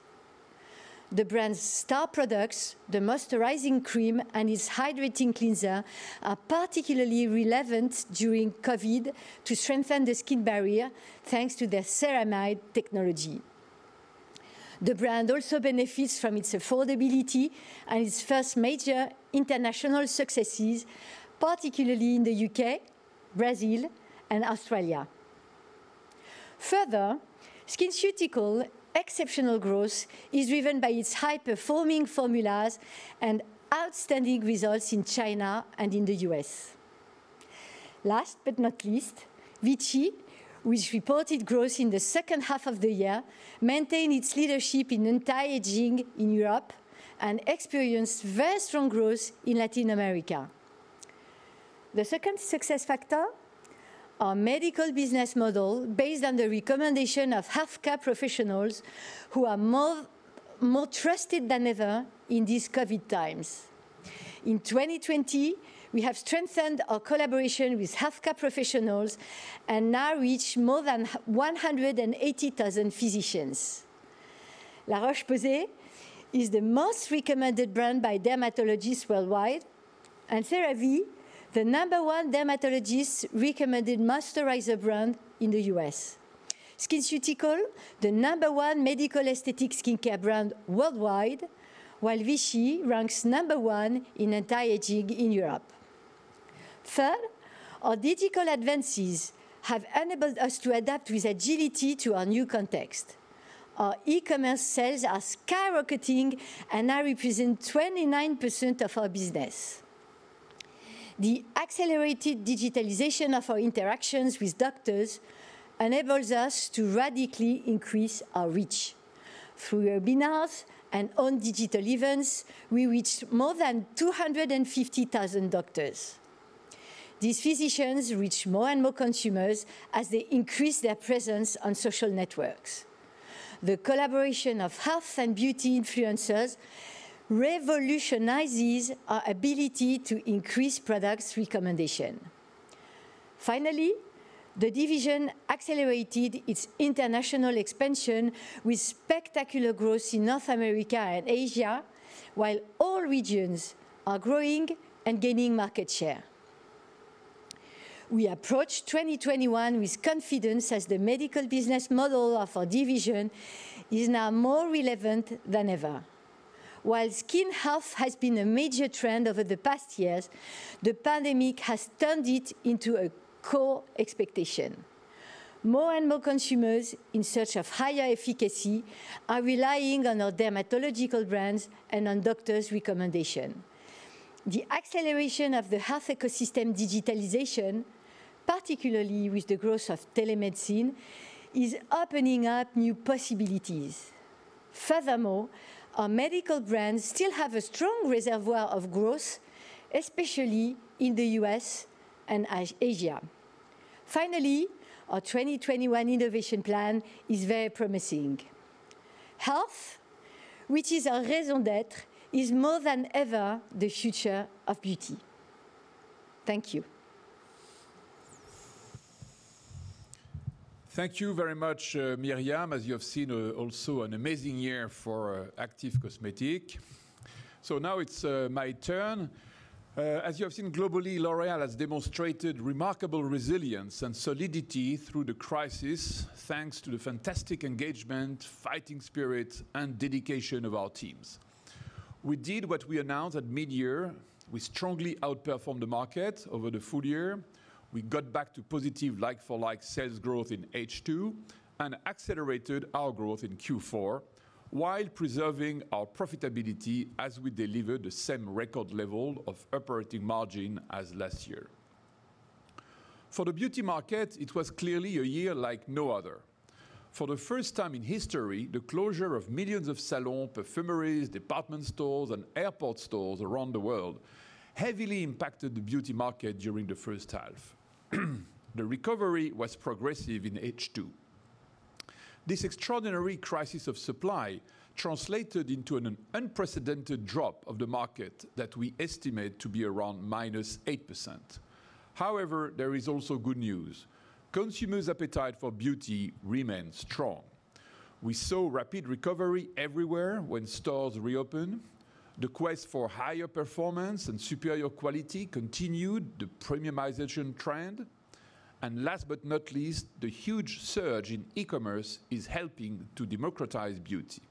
The brand's star products, the moisturizing cream and its hydrating cleanser, are particularly relevant during COVID to strengthen the skin barrier, thanks to their ceramide technology. The brand also benefits from its affordability and its first major international successes, particularly in the U.K., Brazil, and Australia. Further, SkinCeuticals exceptional growth is driven by its high-performing formulas and outstanding results in China and in the U.S. Last but not least, Vichy, which reported growth in the second half of the year, maintained its leadership in anti-aging in Europe and experienced very strong growth in Latin America. The second success factor, our medical business model based on the recommendation of healthcare professionals who are more trusted than ever in these COVID times. In 2020, we have strengthened our collaboration with healthcare professionals and now reach more than 180,000 physicians. La Roche-Posay is the most recommended brand by dermatologists worldwide, and CeraVe the number one dermatologist recommended moisturizer brand in the U.S. SkinCeuticals, the number one medical aesthetic skincare brand worldwide, while Vichy ranks number one in anti-aging in Europe. Third, our digital advances have enabled us to adapt with agility to our new context. Our e-commerce sales are skyrocketing and now represent 29% of our business. The accelerated digitalization of our interactions with doctors enables us to radically increase our reach. Through webinars and own digital events, we reached more than 250,000 doctors. These physicians reach more and more consumers as they increase their presence on social networks. The collaboration of health and beauty influencers revolutionizes our ability to increase products recommendation. Finally, the division accelerated its international expansion with spectacular growth in North America and Asia while all regions are growing and gaining market share. We approach 2021 with confidence as the medical business model of our division is now more relevant than ever. While skin health has been a major trend over the past years, the pandemic has turned it into a core expectation. More and more consumers in search of higher efficacy are relying on our dermatological brands and on doctors' recommendation. The acceleration of the health ecosystem digitalization, particularly with the growth of telemedicine, is opening up new possibilities. Our medical brands still have a strong reservoir of growth, especially in the U.S. and Asia. Our 2021 innovation plan is very promising. Health, which is our raison d'être, is more than ever the future of beauty. Thank you. Thank you very much, Myriam. As you have seen, also an amazing year for Active Cosmetics. Now it's my turn. As you have seen globally, L'Oréal has demonstrated remarkable resilience and solidity through the crisis, thanks to the fantastic engagement, fighting spirit, and dedication of our teams. We did what we announced at mid-year. We strongly outperformed the market over the full year. We got back to positive like-for-like sales growth in H2 and accelerated our growth in Q4 while preserving our profitability as we delivered the same record level of operating margin as last year. For the beauty market, it was clearly a year like no other. For the first time in history, the closure of millions of salons, perfumeries, department stores, and airport stores around the world heavily impacted the beauty market during the first half. The recovery was progressive in H2. This extraordinary crisis of supply translated into an unprecedented drop of the market that we estimate to be around minus 8%. There is also good news. Consumers' appetite for beauty remains strong. We saw rapid recovery everywhere when stores reopened. The quest for higher performance and superior quality continued the premiumization trend. Last but not least, the huge surge in e-commerce is helping to democratize beauty.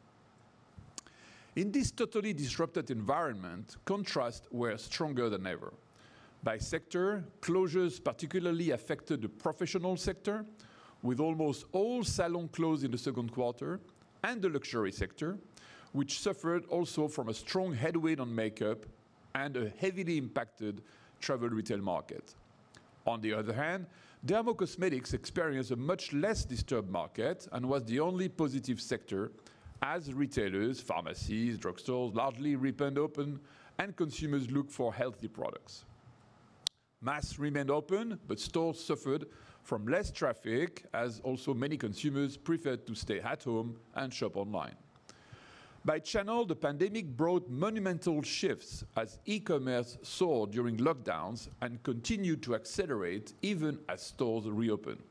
In this totally disrupted environment, contrasts were stronger than ever. By sector, closures particularly affected the professional sector, with almost all salons closed in the second quarter, and the luxury sector, which suffered also from a strong headwind on makeup and a heavily impacted travel retail market. Dermo-Cosmetics experienced a much less disturbed market and was the only positive sector as retailers, pharmacies, drugstores largely reopened and consumers looked for healthy products. Mass remained open, but stores suffered from less traffic as also many consumers preferred to stay at home and shop online. By channel, the pandemic brought monumental shifts as e-commerce soared during lockdowns and continued to accelerate even as stores reopened.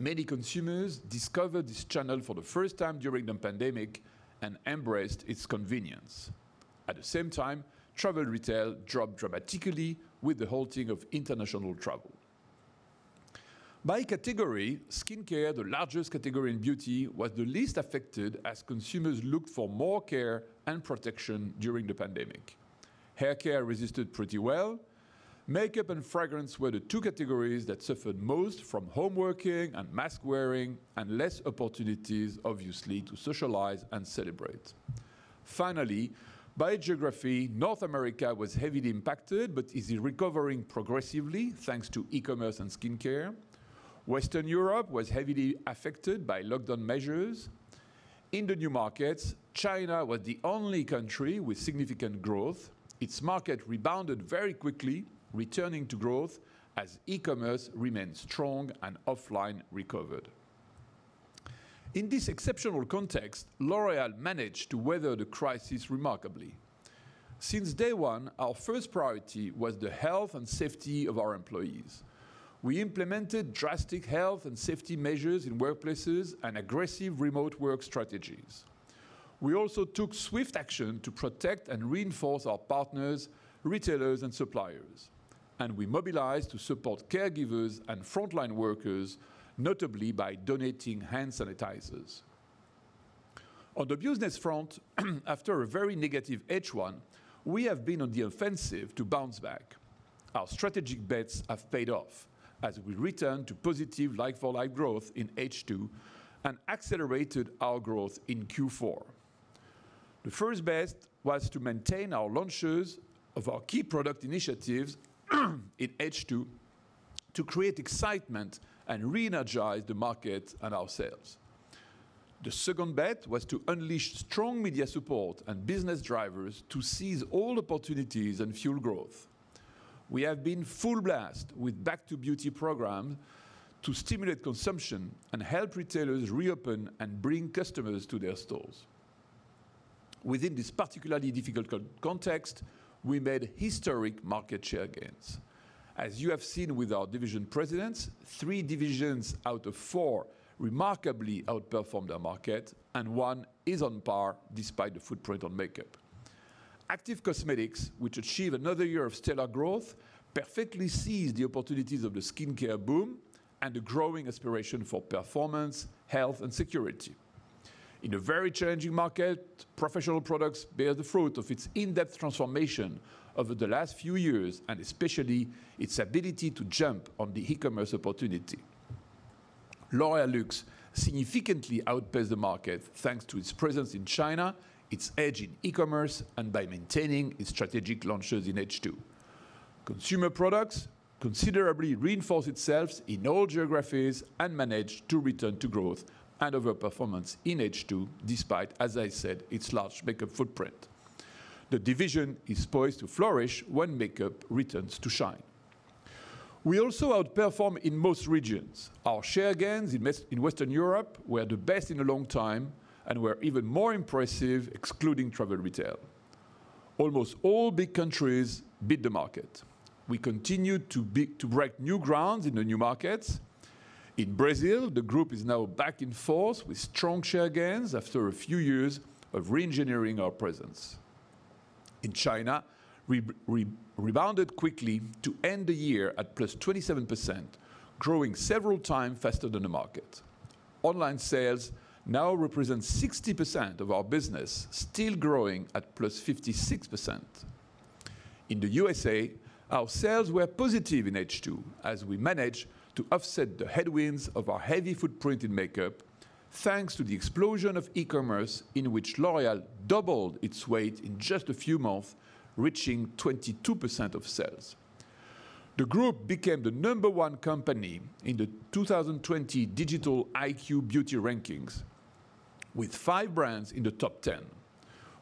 Many consumers discovered this channel for the first time during the pandemic and embraced its convenience. At the same time, travel retail dropped dramatically with the halting of international travel. By category, skincare, the largest category in beauty, was the least affected as consumers looked for more care and protection during the pandemic. Haircare resisted pretty well. makeup and fragrance were the two categories that suffered most from homeworking and mask-wearing, and less opportunities, obviously, to socialize and celebrate. Finally, by geography, North America was heavily impacted but is recovering progressively thanks to e-commerce and skincare. Western Europe was heavily affected by lockdown measures. In the new markets, China was the only country with significant growth. Its market rebounded very quickly, returning to growth as e-commerce remained strong and offline recovered. In this exceptional context, L'Oréal managed to weather the crisis remarkably. Since day one, our first priority was the health and safety of our employees. We implemented drastic health and safety measures in workplaces and aggressive remote work strategies. We also took swift action to protect and reinforce our partners, retailers, and suppliers. We mobilized to support caregivers and frontline workers, notably by donating hand sanitizers. On the business front, after a very negative H1, we have been on the offensive to bounce back. Our strategic bets have paid off as we return to positive like-for-like growth in H2 and accelerated our growth in Q4. The first bet was to maintain our launches of our key product initiatives in H2 to create excitement and reenergize the market and our sales. The second bet was to unleash strong media support and business drivers to seize all opportunities and fuel growth. We have been full blast with Back to Beauty program to stimulate consumption and help retailers reopen and bring customers to their stores. Within this particularly difficult context, we made historic market share gains. As you have seen with our division presidents, three divisions out of four remarkably outperformed their market, and one is on par despite the footprint on makeup. Active Cosmetics, which achieved another year of stellar growth, perfectly seized the opportunities of the skincare boom and the growing aspiration for performance, health, and security. In a very challenging market, Professional Products bear the fruit of its in-depth transformation over the last few years, and especially its ability to jump on the e-commerce opportunity. L'Oréal Luxe significantly outpaced the market thanks to its presence in China, its edge in e-commerce, and by maintaining its strategic launches in H2. Consumer Products considerably reinforced itself in all geographies and managed to return to growth and overperformance in H2, despite, as I said, its large makeup footprint. The division is poised to flourish when makeup returns to shine. We also outperformed in most regions. Our share gains in Western Europe were the best in a long time and were even more impressive excluding travel retail. Almost all big countries beat the market. We continued to break new grounds in the new markets. In Brazil, the group is now back in force with strong share gains after a few years of re-engineering our presence. In China, we rebounded quickly to end the year at +27%, growing several times faster than the market. Online sales now represent 60% of our business, still growing at +56%. In the U.S.A., our sales were positive in H2 as we managed to offset the headwinds of our heavy footprint in makeup, thanks to the explosion of e-commerce in which L'Oréal doubled its weight in just a few months, reaching 22% of sales. The group became the number one company in the 2020 Digital IQ Beauty rankings, with five brands in the top 10.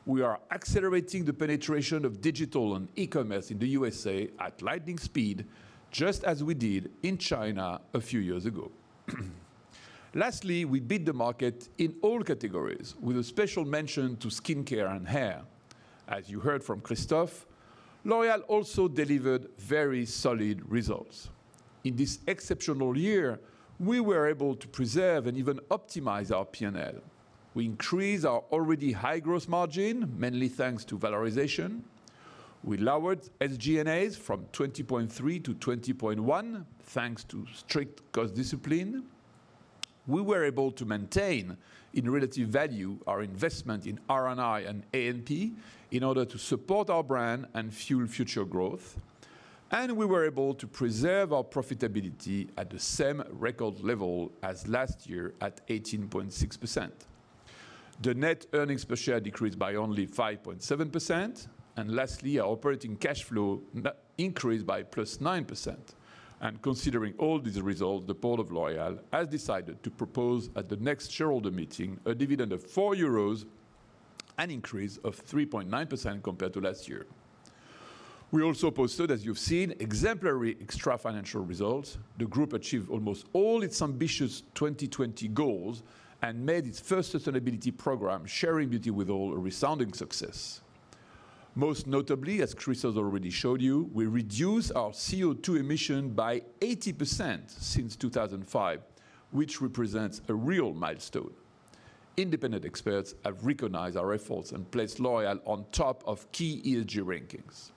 We are accelerating the penetration of digital and e-commerce in the U.S.A. at lightning speed, just as we did in China a few years ago. Lastly, we beat the market in all categories with a special mention to skincare and hair. As you heard from Christophe, L'Oréal also delivered very solid results. In this exceptional year, we were able to preserve and even optimize our P&L. We increased our already high gross margin, mainly thanks to valorization. We lowered SG&As from 20.3% to 20.1% thanks to strict cost discipline. We were able to maintain, in relative value, our investment in R&I and A&P in order to support our brand and fuel future growth. We were able to preserve our profitability at the same record level as last year at 18.6%. The net earnings per share decreased by only 5.7%. Lastly, our operating cash flow increased by +9%. Considering all these results, the board of L'Oréal has decided to propose at the next shareholder meeting a dividend of 4 euros, an increase of 3.9% compared to last year. We also posted, as you've seen, exemplary extra-financial results. The group achieved almost all its ambitious 2020 goals and made its first sustainability program, Sharing Beauty with All, a resounding success. Most notably, as Chris has already showed you, we reduced our CO2 emission by 80% since 2005, which represents a real milestone. Independent experts have recognized our efforts and placed L'Oréal on top of key ESG rankings.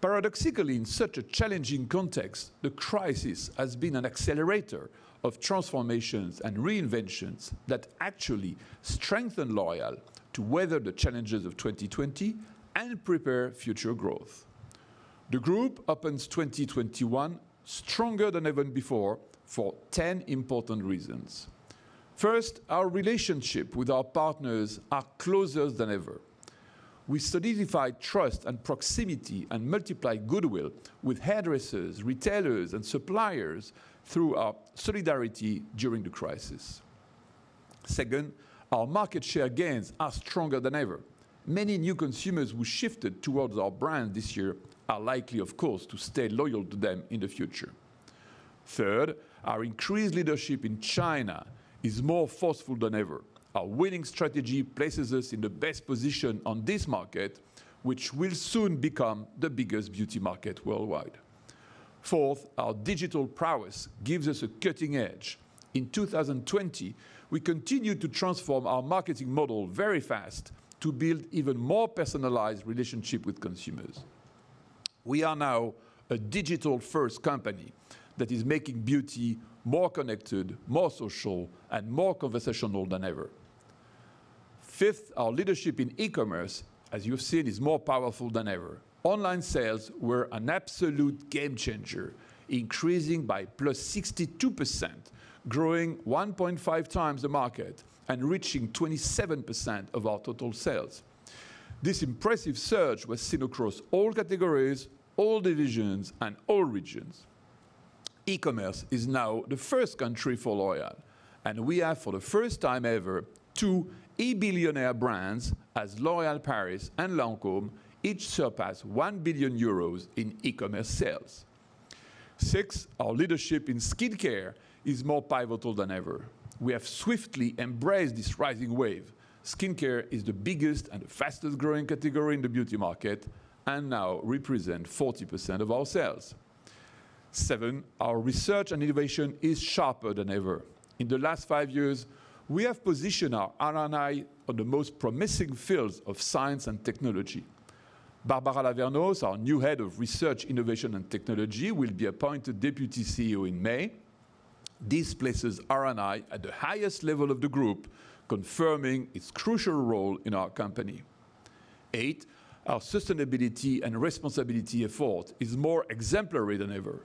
Paradoxically, in such a challenging context, the crisis has been an accelerator of transformations and reinventions that actually strengthened L'Oréal to weather the challenges of 2020 and prepare future growth. The group opens 2021 stronger than ever before for 10 important reasons. First, our relationship with our partners are closer than ever. We solidified trust and proximity and multiplied goodwill with hairdressers, retailers, and suppliers through our solidarity during the crisis. Second, our market share gains are stronger than ever. Many new consumers who shifted towards our brand this year are likely, of course, to stay loyal to them in the future. Third, our increased leadership in China is more forceful than ever. Our winning strategy places us in the best position on this market, which will soon become the biggest beauty market worldwide. Fourth, our digital prowess gives us a cutting edge. In 2020, we continued to transform our marketing model very fast to build even more personalized relationship with consumers. We are now a digital-first company that is making beauty more connected, more social, and more conversational than ever. Fifth, our leadership in e-commerce, as you've seen, is more powerful than ever. Online sales were an absolute game changer, increasing by +62%, growing 1.5x the market and reaching 27% of our total sales. This impressive surge was seen across all categories, all divisions, and all regions. E-commerce is now the first country for L'Oréal, and we have, for the first time ever, two e-billionaire brands, as L'Oréal Paris and Lancôme each surpass 1 billion euros in e-commerce sales. Six, our leadership in skincare is more pivotal than ever. We have swiftly embraced this rising wave. Skincare is the biggest and fastest-growing category in the beauty market and now represent 40% of our sales. Seven, our research and innovation is sharper than ever. In the last five years, we have positioned our R&I on the most promising fields of science and technology. Barbara Lavernos, our new head of research, innovation, and technology, will be appointed Deputy CEO in May. This places R&I at the highest level of the group, confirming its crucial role in our company. Eight, our sustainability and responsibility effort is more exemplary than ever.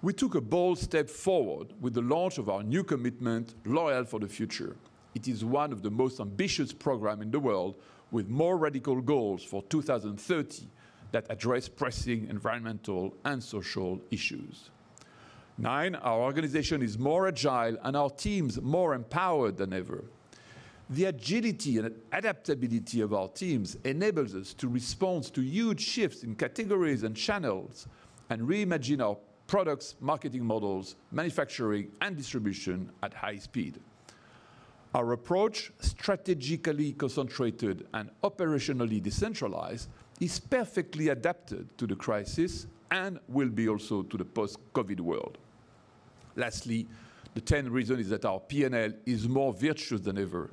We took a bold step forward with the launch of our new commitment, L'Oréal for the Future. It is one of the most ambitious program in the world, with more radical goals for 2030 that address pressing environmental and social issues. Nine, our organization is more agile and our teams more empowered than ever. The agility and adaptability of our teams enables us to respond to huge shifts in categories and channels and reimagine our products, marketing models, manufacturing, and distribution at high speed. Our approach, strategically concentrated and operationally decentralized, is perfectly adapted to the crisis and will be also to the post-COVID world. Lastly, the 10th reason is that our P&L is more virtuous than ever.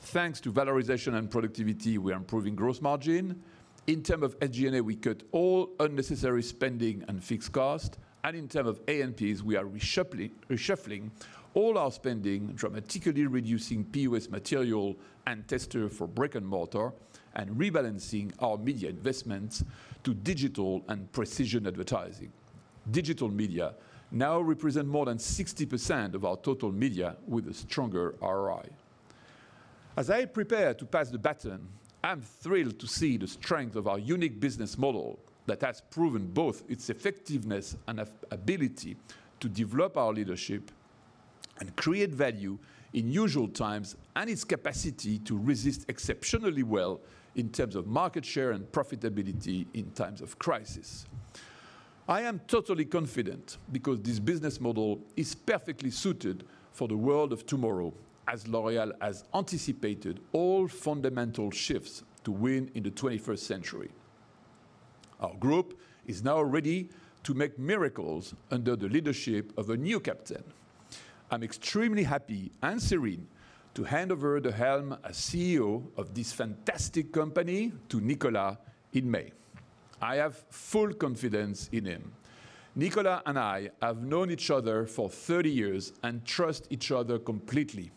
Thanks to valorization and productivity, we are improving gross margin. In terms of SG&A, we cut all unnecessary spending and fixed costs. In terms of A&Ps, we are reshuffling all our spending, dramatically reducing POS material and testers for brick and mortar, rebalancing our media investments to digital and precision advertising. Digital media now represent more than 60% of our total media with a stronger ROI. As I prepare to pass the baton, I'm thrilled to see the strength of our unique business model that has proven both its effectiveness and ability to develop our leadership and create value in usual times, and its capacity to resist exceptionally well in terms of market share and profitability in times of crisis. I am totally confident because this business model is perfectly suited for the world of tomorrow, as L'Oréal has anticipated all fundamental shifts to win in the 21st century. Our group is now ready to make miracles under the leadership of a new captain. I'm extremely happy and serene to hand over the helm as CEO of this fantastic company to Nicolas in May. I have full confidence in him. Nicolas and I have known each other for 30 years and trust each other completely.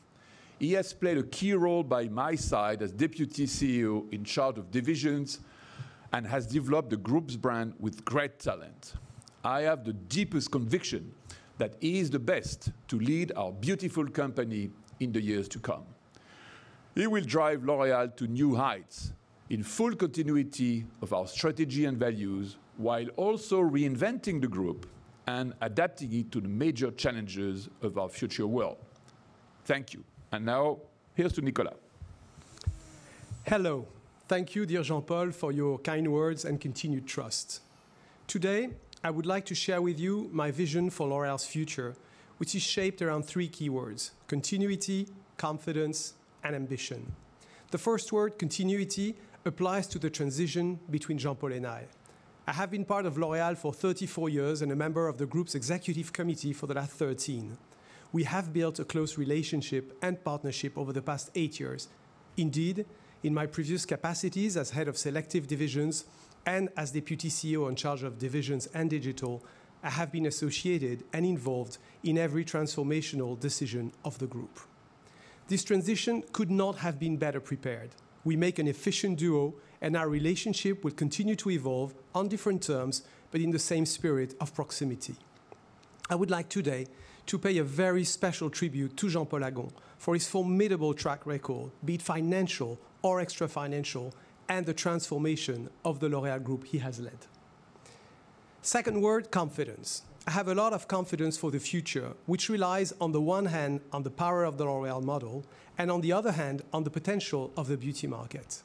He has played a key role by my side as Deputy CEO in charge of Divisions, and has developed the group's brand with great talent. I have the deepest conviction that he is the best to lead our beautiful company in the years to come. He will drive L'Oréal to new heights in full continuity of our strategy and values, while also reinventing the group and adapting it to the major challenges of our future world. Thank you. Now here's to Nicolas. Hello. Thank you, dear Jean-Paul, for your kind words and continued trust. Today, I would like to share with you my vision for L'Oréal's future, which is shaped around three keywords: continuity, confidence, and ambition. The first word, continuity, applies to the transition between Jean-Paul and I. I have been part of L'Oréal for 34 years and a member of the group's executive committee for the last 13. We have built a close relationship and partnership over the past eight years. Indeed, in my previous capacities as head of selective divisions and as Deputy Chief Executive Officer in charge of divisions and digital, I have been associated and involved in every transformational decision of the group. This transition could not have been better prepared. We make an efficient duo, and our relationship will continue to evolve on different terms, but in the same spirit of proximity. I would like today to pay a very special tribute to Jean-Paul Agon for his formidable track record, be it financial or extra-financial, and the transformation of the L'Oréal Group he has led. Second word, confidence. I have a lot of confidence for the future, which relies on the one hand on the power of the L'Oréal model and on the other hand on the potential of the beauty market.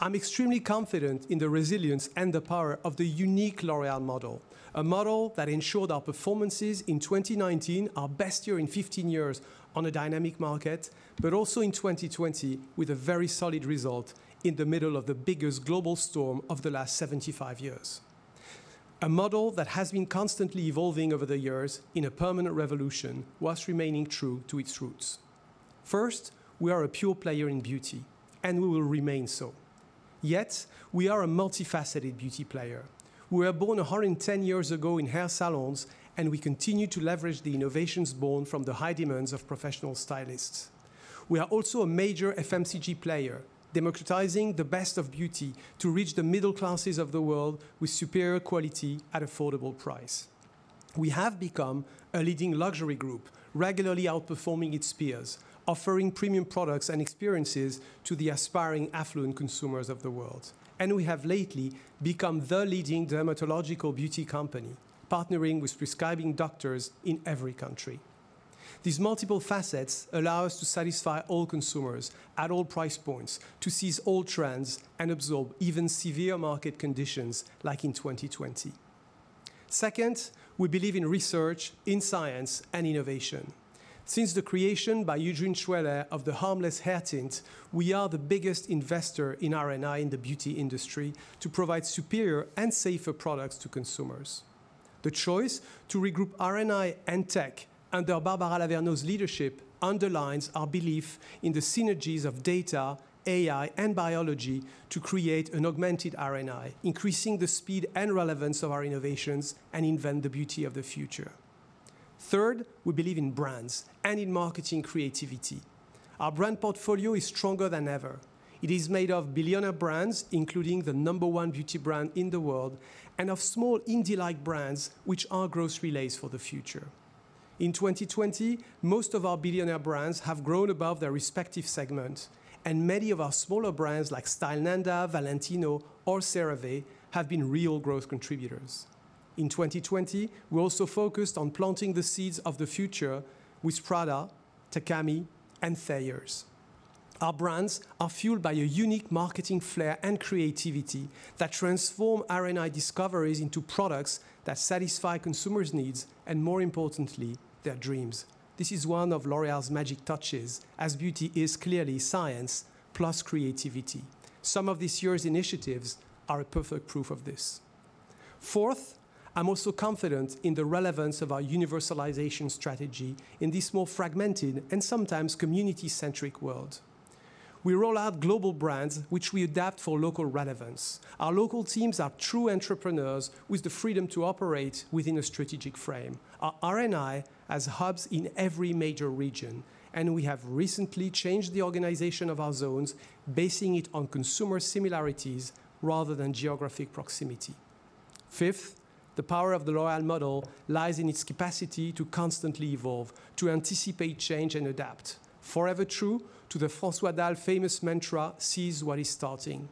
I'm extremely confident in the resilience and the power of the unique L'Oréal model, a model that ensured our performances in 2019, our best year in 15 years on a dynamic market, but also in 2020 with a very solid result in the middle of the biggest global storm of the last 75 years. A model that has been constantly evolving over the years in a permanent revolution whilst remaining true to its roots. First, we are a pure player in beauty, and we will remain so. Yet, we are a multifaceted beauty player. We were born 110 years ago in hair salons, and we continue to leverage the innovations born from the high demands of professional stylists. We are also a major FMCG player, democratizing the best of beauty to reach the middle classes of the world with superior quality at affordable price. We have become a leading luxury group, regularly outperforming its peers, offering premium products and experiences to the aspiring affluent consumers of the world. We have lately become the leading dermatological beauty company, partnering with prescribing doctors in every country. These multiple facets allow us to satisfy all consumers at all price points to seize all trends and absorb even severe market conditions like in 2020. Second, we believe in research, in science, and innovation. Since the creation by Eugène Schueller of the harmless hair tint, we are the biggest investor in R&I in the beauty industry to provide superior and safer products to consumers. The choice to regroup R&I and tech under Barbara Lavernos's leadership underlines our belief in the synergies of data, AI, and biology to create an augmented R&I, increasing the speed and relevance of our innovations and invent the beauty of the future. Third, we believe in brands and in marketing creativity. Our brand portfolio is stronger than ever. It is made of billionaire brands, including the number one beauty brand in the world, and of small indie-like brands, which are growth relays for the future. In 2020, most of our billionaire brands have grown above their respective segment, and many of our smaller brands like Stylenanda, Valentino, or CeraVe have been real growth contributors. In 2020, we also focused on planting the seeds of the future with Prada, Takami, and Thayers. Our brands are fueled by a unique marketing flair and creativity that transform R&I discoveries into products that satisfy consumers' needs and, more importantly, their dreams. This is one of L'Oréal's magic touches, as beauty is clearly science plus creativity. Some of this year's initiatives are a perfect proof of this. Fourth, I'm also confident in the relevance of our universalization strategy in this more fragmented and sometimes community-centric world. We roll out global brands, which we adapt for local relevance. Our local teams are true entrepreneurs with the freedom to operate within a strategic frame. Our R&I has hubs in every major region, and we have recently changed the organization of our zones, basing it on consumer similarities rather than geographic proximity. Fifth, the power of the L'Oréal model lies in its capacity to constantly evolve, to anticipate change, and adapt. Forever true to the François Dalle famous mantra, "Seize what is starting."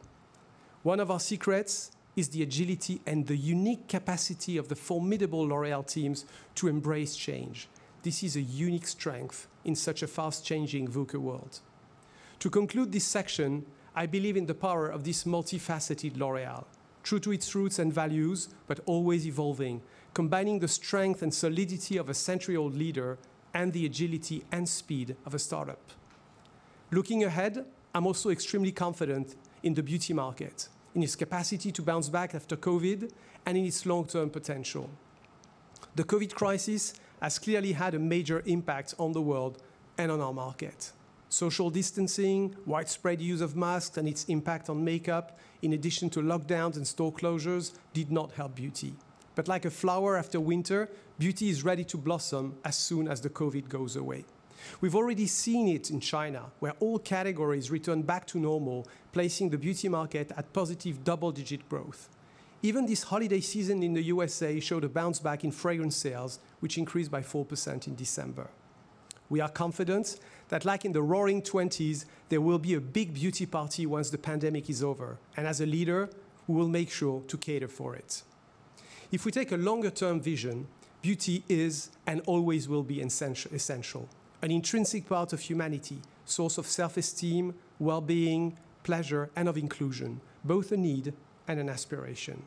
One of our secrets is the agility and the unique capacity of the formidable L'Oréal teams to embrace change. This is a unique strength in such a fast-changing VUCA world. To conclude this section, I believe in the power of this multifaceted L'Oréal, true to its roots and values, but always evolving, combining the strength and solidity of a century-old leader and the agility and speed of a startup. Looking ahead, I'm also extremely confident in the beauty market, in its capacity to bounce back after COVID, and in its long-term potential. The COVID crisis has clearly had a major impact on the world and on our market. Social distancing, widespread use of masks, and its impact on makeup, in addition to lockdowns and store closures, did not help beauty. Like a flower after winter, beauty is ready to blossom as soon as the COVID goes away. We've already seen it in China, where all categories return back to normal, placing the beauty market at positive double-digit growth. Even this holiday season in the USA showed a bounce-back in fragrance sales, which increased by 4% in December. We are confident that, like in the Roaring '20s, there will be a big beauty party once the pandemic is over, and as a leader, we will make sure to cater for it. If we take a longer-term vision, beauty is and always will be essential, an intrinsic part of humanity, source of self-esteem, wellbeing, pleasure, and of inclusion, both a need and an aspiration.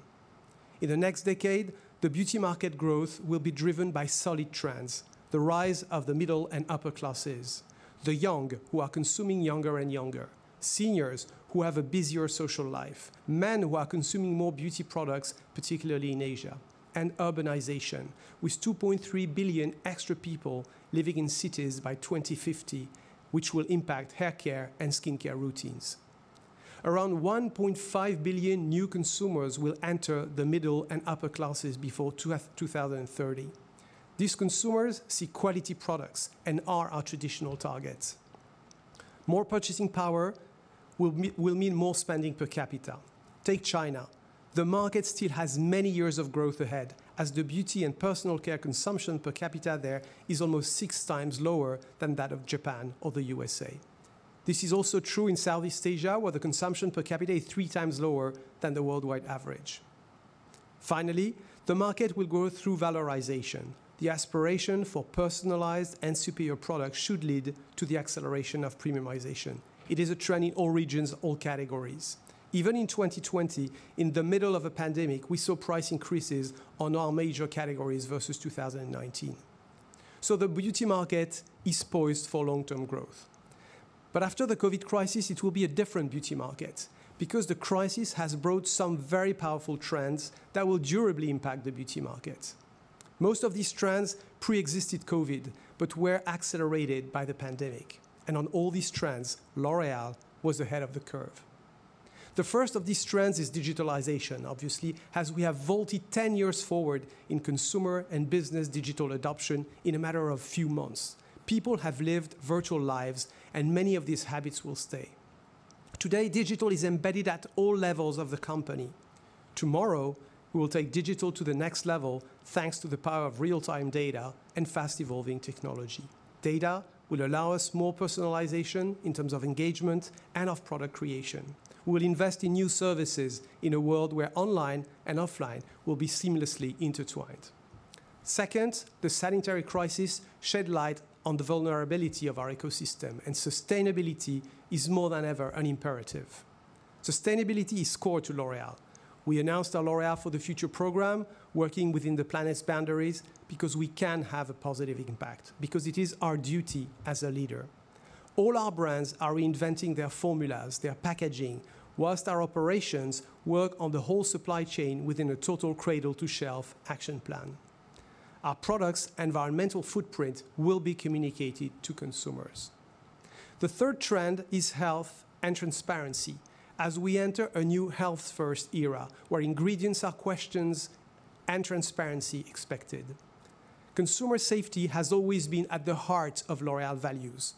In the next decade, the beauty market growth will be driven by solid trends, the rise of the middle and upper classes, the young who are consuming younger and younger, seniors who have a busier social life, men who are consuming more beauty products, particularly in Asia, and urbanization, with 2.3 billion extra people living in cities by 2050, which will impact hair care and skin care routines. Around 1.5 billion new consumers will enter the middle and upper classes before 2030. These consumers seek quality products and are our traditional targets. More purchasing power will mean more spending per capita. Take China. The market still has many years of growth ahead as the beauty and personal care consumption per capita there is almost six times lower than that of Japan or the U.S.A. This is also true in Southeast Asia, where the consumption per capita is three times lower than the worldwide average. The market will grow through valorization. The aspiration for personalized and superior products should lead to the acceleration of premiumization. It is a trend in all regions, all categories. Even in 2020, in the middle of a pandemic, we saw price increases on our major categories versus 2019. The beauty market is poised for long-term growth. After the COVID crisis, it will be a different beauty market because the crisis has brought some very powerful trends that will durably impact the beauty market. Most of these trends preexisted COVID, but were accelerated by the pandemic. On all these trends, L'Oréal was ahead of the curve. The first of these trends is digitalization, obviously, as we have vaulted 10 years forward in consumer and business digital adoption in a matter of few months. People have lived virtual lives. Many of these habits will stay. Today, digital is embedded at all levels of the company. Tomorrow, we will take digital to the next level, thanks to the power of real-time data and fast-evolving technology. Data will allow us more personalization in terms of engagement and of product creation. We will invest in new services in a world where online and offline will be seamlessly intertwined. Second, the sanitary crisis shed light on the vulnerability of our ecosystem. Sustainability is more than ever an imperative. Sustainability is core to L'Oréal. We announced our L'Oréal for the Future program, working within the planet's boundaries because we can have a positive impact, because it is our duty as a leader. All our brands are reinventing their formulas, their packaging, whilst our operations work on the whole supply chain within a total cradle-to-shelf action plan. Our products' environmental footprint will be communicated to consumers. The third trend is health and transparency, as we enter a new health-first era where ingredients are questioned and transparency expected. Consumer safety has always been at the heart of L'Oréal values.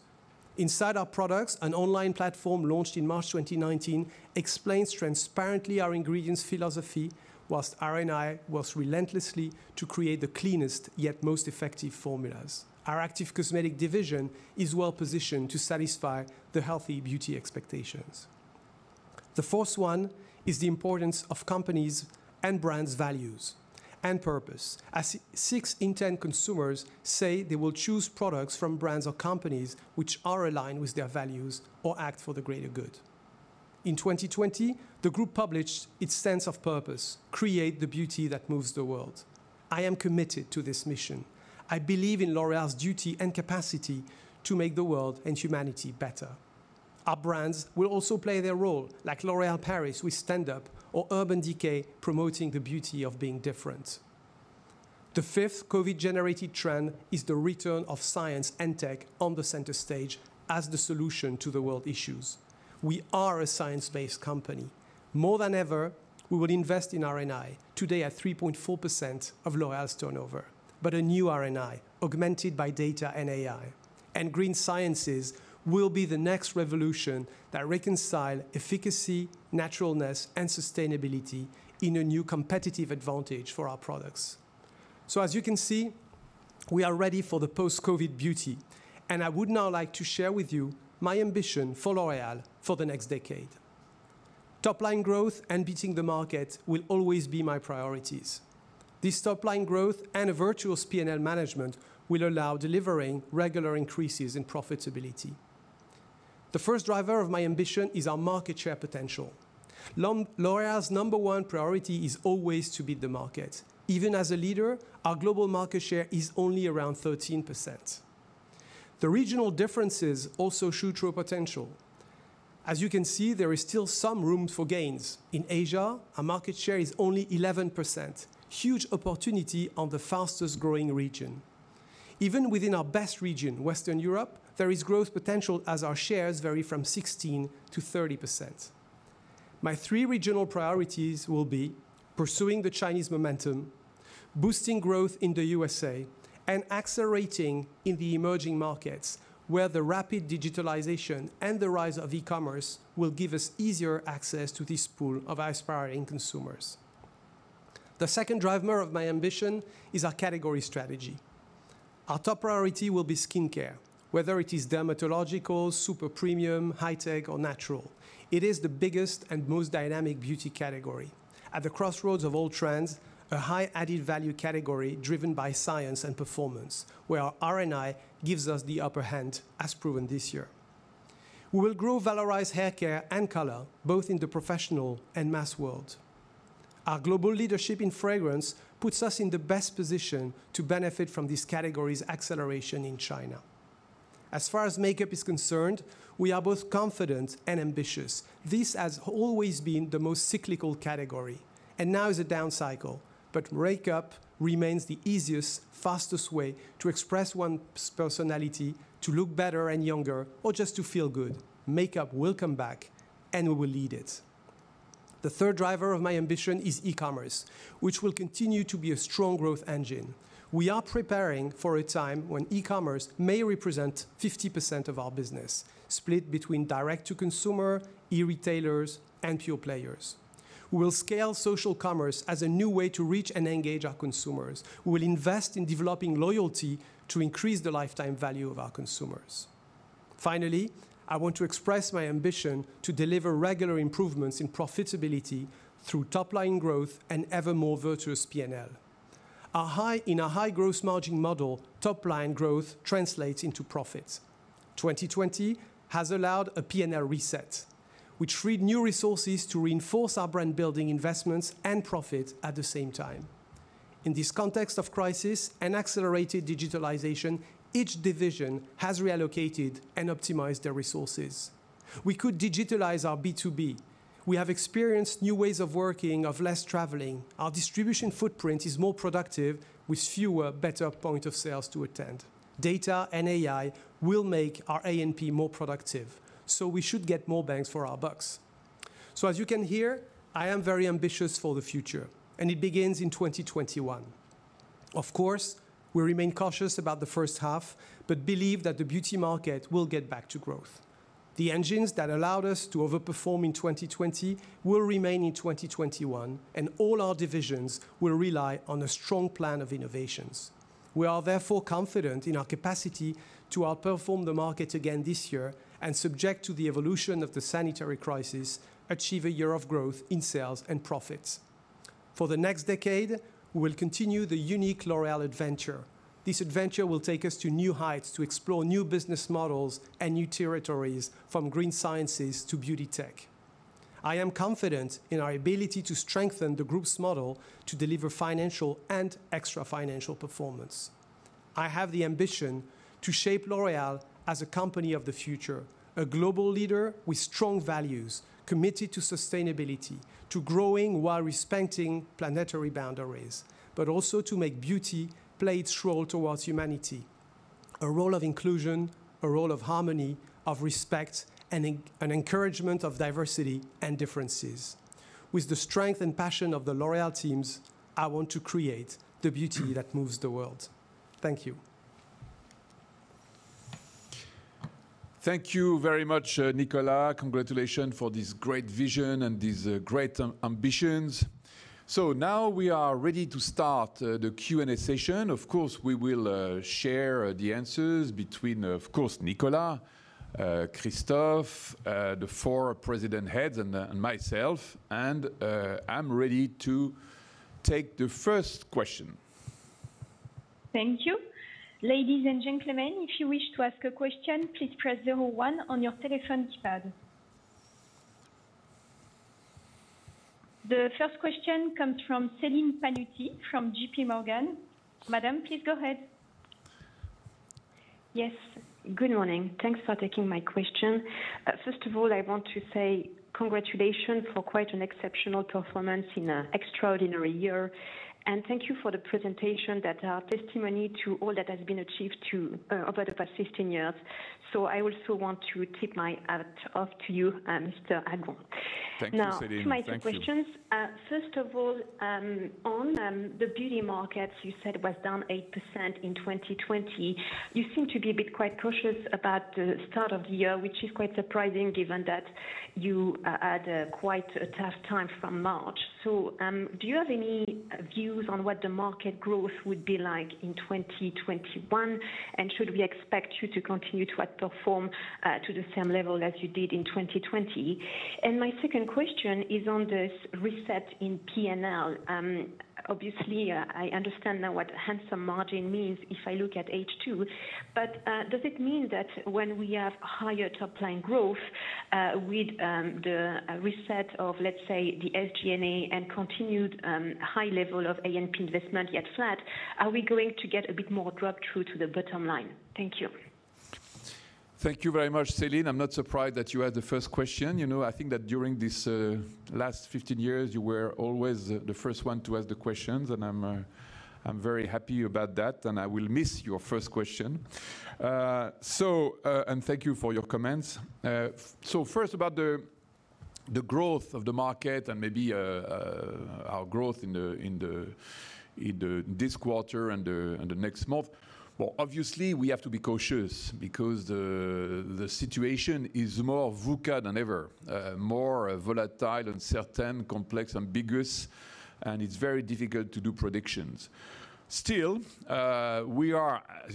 Inside our products, an online platform launched in March 2019 explains transparently our ingredients philosophy, whilst R&I works relentlessly to create the cleanest yet most effective formulas. Our Active Cosmetics Division is well-positioned to satisfy the healthy beauty expectations. The fourth one is the importance of companies' and brands' values and purpose, as six in 10 consumers say they will choose products from brands or companies which are aligned with their values or act for the greater good. In 2020, the group published its sense of purpose, Create the Beauty That Moves the World. I am committed to this mission. I believe in L'Oréal's duty and capacity to make the world and humanity better. Our brands will also play their role, like L'Oréal Paris with Stand Up or Urban Decay promoting the beauty of being different. The fifth COVID-generated trend is the return of science and tech on the center stage as the solution to the world issues. We are a science-based company. More than ever, we will invest in R&I, today at 3.4% of L'Oréal's turnover. A new R&I, augmented by data and AI, and green sciences will be the next revolution that reconcile efficacy, naturalness, and sustainability in a new competitive advantage for our products. As you can see, we are ready for the post-COVID beauty, and I would now like to share with you my ambition for L'Oréal for the next decade. Topline growth and beating the market will always be my priorities. This top-line growth and a virtuous P&L management will allow delivering regular increases in profitability. The first driver of my ambition is our market share potential. L'Oréal's number one priority is always to beat the market. Even as a leader, our global market share is only around 13%. The regional differences also show true potential. As you can see, there is still some room for gains. In Asia, our market share is only 11%. Huge opportunity on the fastest-growing region. Even within our best region, Western Europe, there is growth potential as our shares vary from 16% to 30%. My three regional priorities will be pursuing the Chinese momentum, boosting growth in the U.S.A., and accelerating in the emerging markets, where the rapid digitalization and the rise of e-commerce will give us easier access to this pool of aspiring consumers. The second driver of my ambition is our category strategy. Our top priority will be skincare. Whether it is dermatological, super premium, high tech, or natural, it is the biggest and most dynamic beauty category. At the crossroads of all trends, a high added value category driven by science and performance, where our R&I gives us the upper hand, as proven this year. We will grow valorized haircare and color, both in the professional and mass world. Our global leadership in fragrance puts us in the best position to benefit from this category's acceleration in China. As far as makeup is concerned, we are both confident and ambitious. This has always been the most cyclical category, and now is a down cycle, but makeup remains the easiest, fastest way to express one's personality, to look better and younger, or just to feel good. Makeup will come back, and we will lead it. The third driver of my ambition is e-commerce, which will continue to be a strong growth engine. We are preparing for a time when e-commerce may represent 50% of our business, split between direct-to-consumer, e-retailers, and pure players. We will scale social commerce as a new way to reach and engage our consumers. We will invest in developing loyalty to increase the lifetime value of our consumers. Finally, I want to express my ambition to deliver regular improvements in profitability through top-line growth and ever more virtuous P&L. In a high gross margin model, top-line growth translates into profits. 2020 has allowed a P&L reset, which freed new resources to reinforce our brand-building investments and profit at the same time. In this context of crisis and accelerated digitalization, each division has reallocated and optimized their resources. We could digitalize our B2B. We have experienced new ways of working, of less traveling. Our distribution footprint is more productive with fewer, better point of sales to attend. Data and AI will make our A&P more productive, we should get more bangs for our bucks. As you can hear, I am very ambitious for the future, and it begins in 2021. Of course, we remain cautious about the first half, but believe that the beauty market will get back to growth. The engines that allowed us to over-perform in 2020 will remain in 2021, and all our divisions will rely on a strong plan of innovations. We are therefore confident in our capacity to out-perform the market again this year and, subject to the evolution of the sanitary crisis, achieve a year of growth in sales and profits. For the next decade, we will continue the unique L'Oréal adventure. This adventure will take us to new heights to explore new business models and new territories, from green sciences to beauty tech. I am confident in our ability to strengthen the group's model to deliver financial and extra-financial performance. I have the ambition to shape L'Oréal as a company of the future, a global leader with strong values, committed to sustainability, to growing while respecting planetary boundaries, but also to make beauty play its role towards humanity. A role of inclusion, a role of harmony, of respect, and encouragement of diversity and differences. With the strength and passion of the L'Oréal teams, I want to create the beauty that moves the world. Thank you. Thank you very much, Nicolas. Congratulations for this great vision and these great ambitions. Now we are ready to start the Q&A session. Of course, we will share the answers between Nicolas, Christophe, the four president heads, and myself. I'm ready to take the first question. Thank you. Ladies and gentlemen, if you wish to ask a question, please press zero one on your telephone keypad. The first question comes from Celine Pannuti from JPMorgan. Madame, please go ahead. Yes, good morning. Thanks for taking my question. First of all, I want to say congratulations for quite an exceptional performance in an extraordinary year, and thank you for the presentation that are testimony to all that has been achieved over the past 15 years. I also want to tip my hat off to you, Mr. Agon. Thank you, Céline. Thank you. Two minor questions. First of all, on the beauty markets, you said it was down 8% in 2020. You seem to be a bit quite cautious about the start of the year, which is quite surprising given that you had quite a tough time from March. Do you have any views on what the market growth would be like in 2021, and should we expect you to continue to out-perform to the same level as you did in 2020? My second question is on this reset in P&L. Obviously, I understand now what handsome margin means if I look at H2, does it mean that when we have higher top-line growth with the reset of, let's say, the SG&A and continued high level of A&P investment yet flat, are we going to get a bit more drop-through to the bottom line? Thank you. Thank you very much, Céline. I'm not surprised that you had the first question. I think that during these last 15 years, you were always the first one to ask the questions, and I'm very happy about that, and I will miss your first question. Thank you for your comments. First, about the growth of the market and maybe our growth in this quarter and the next month. Well, obviously, we have to be cautious because the situation is more VUCA than ever, more volatile, uncertain, complex, ambiguous, and it's very difficult to do predictions. Still, as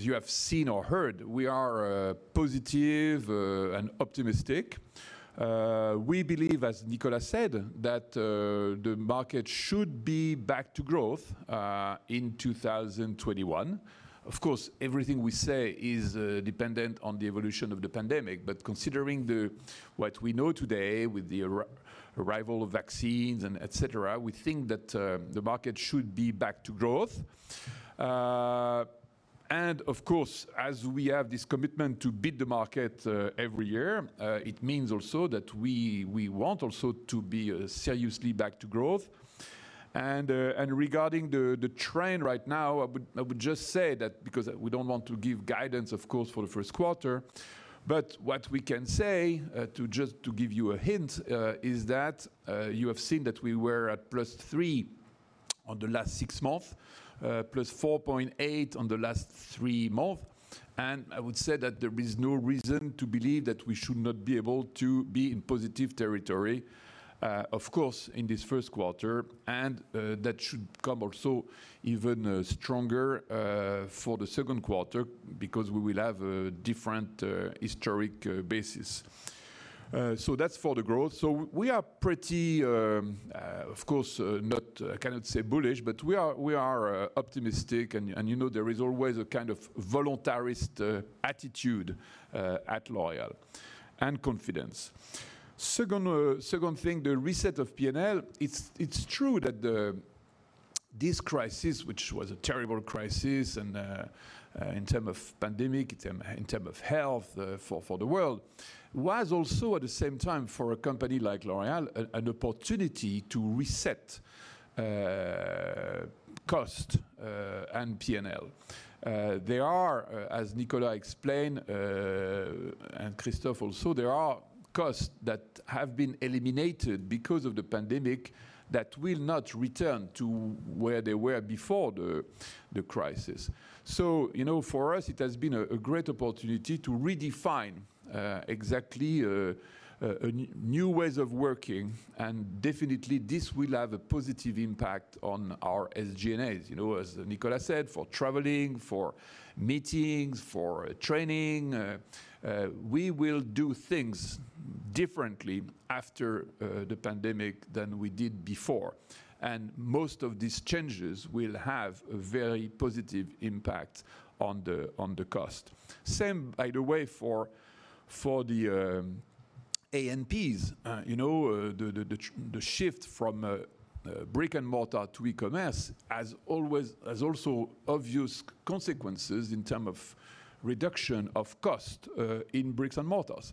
you have seen or heard, we are positive and optimistic. We believe, as Nicolas said, that the market should be back to growth in 2021. Of course, everything we say is dependent on the evolution of the pandemic. Considering what we know today with the arrival of vaccines, et cetera, we think that the market should be back to growth. Of course, as we have this commitment to beat the market every year, it means also that we want also to be seriously back to growth. Regarding the trend right now, I would just say that because we don't want to give guidance, of course, for the first quarter, but what we can say, just to give you a hint, is that you have seen that we were at +3% on the last six months, +4.8% on the last three months, and I would say that there is no reason to believe that we should not be able to be in positive territory, of course, in this first quarter, and that should come also even stronger for the second quarter because we will have a different historic basis. That's for the growth. We are pretty, of course, cannot say bullish, but we are optimistic, and there is always a kind of voluntarist attitude at L'Oréal, and confidence. Second thing, the reset of P&L. It's true that this crisis, which was a terrible crisis in term of pandemic, in term of health for the world, was also, at the same time, for a company like L'Oréal, an opportunity to reset cost and P&L. There are, as Nicolas explained, and Christophe also, there are costs that have been eliminated because of the pandemic that will not return to where they were before the crisis. For us, it has been a great opportunity to redefine exactly new ways of working, and definitely this will have a positive impact on our SG&As. As Nicolas said, for traveling, for meetings, for training, we will do things differently after the pandemic than we did before. Most of these changes will have a very positive impact on the cost. Same, by the way, for the A&Ps. The shift from brick and mortar to e-commerce has also obvious consequences in terms of reduction of cost in bricks and mortars.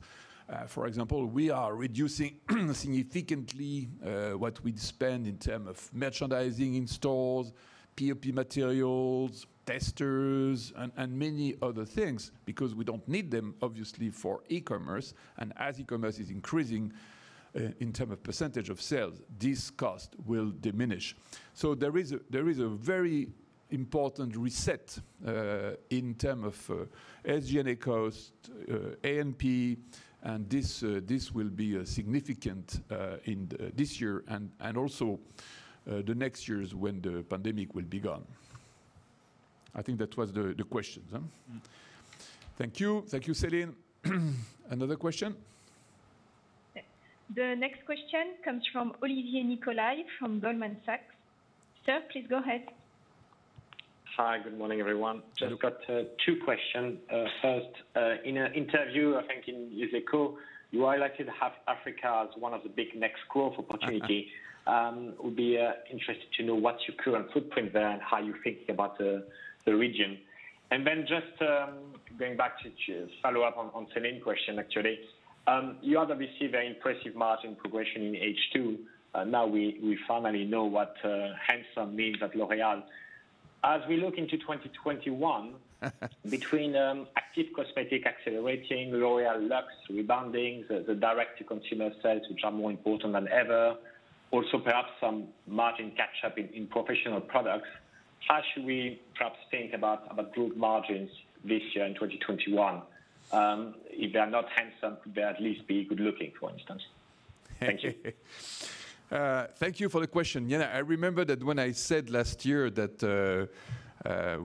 For example, we are reducing significantly what we'd spend in terms of merchandising in stores, POP materials, testers, and many other things because we don't need them, obviously, for e-commerce. As e-commerce is increasing in terms of percentage of sales, this cost will diminish. There is a very important reset in terms of SG&A cost, A&P, and this will be significant in this year and also the next years when the pandemic will be gone. I think that was the questions? Thank you. Thank you, Céline. Another question? The next question comes from Olivier Nicolai from Goldman Sachs. Sir, please go ahead. Hi. Good morning, everyone. Just got two question. First, in an interview, I think in, you highlighted half Africa as one of the big next growth opportunity. Would be interested to know what's your current footprint there and how you're thinking about the region. Then just going back to follow up on Celine question, actually. You obviously very impressive margin progression in H2. Now we finally know what handsome means at L'Oréal. We look into 2021- between Active Cosmetics accelerating, L'Oréal Luxe rebounding, the direct-to-consumer sales, which are more important than ever, also perhaps some margin catch-up in Professional Products, how should we perhaps think about group margins this year in 2021? If they are not handsome, could they at least be good-looking, for instance? Thank you. Thank you for the question. Yeah. I remember that when I said last year that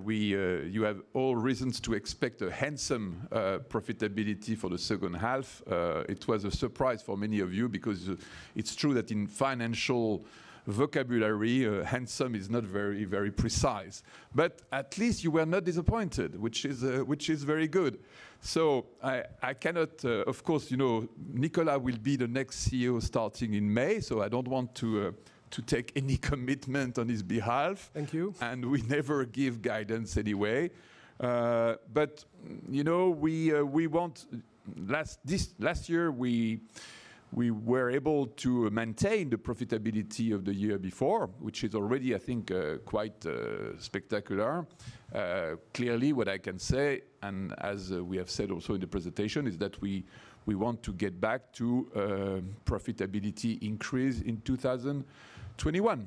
you have all reasons to expect a handsome profitability for the second half, it was a surprise for many of you because it's true that in financial vocabulary, handsome is not very precise. At least you were not disappointed, which is very good. Of course, Nicolas will be the next CEO starting in May, I don't want to take any commitment on his behalf. Thank you. We never give guidance anyway. Last year, We were able to maintain the profitability of the year before, which is already, I think, quite spectacular. Clearly, what I can say, and as we have said also in the presentation, is that we want to get back to profitability increase in 2021.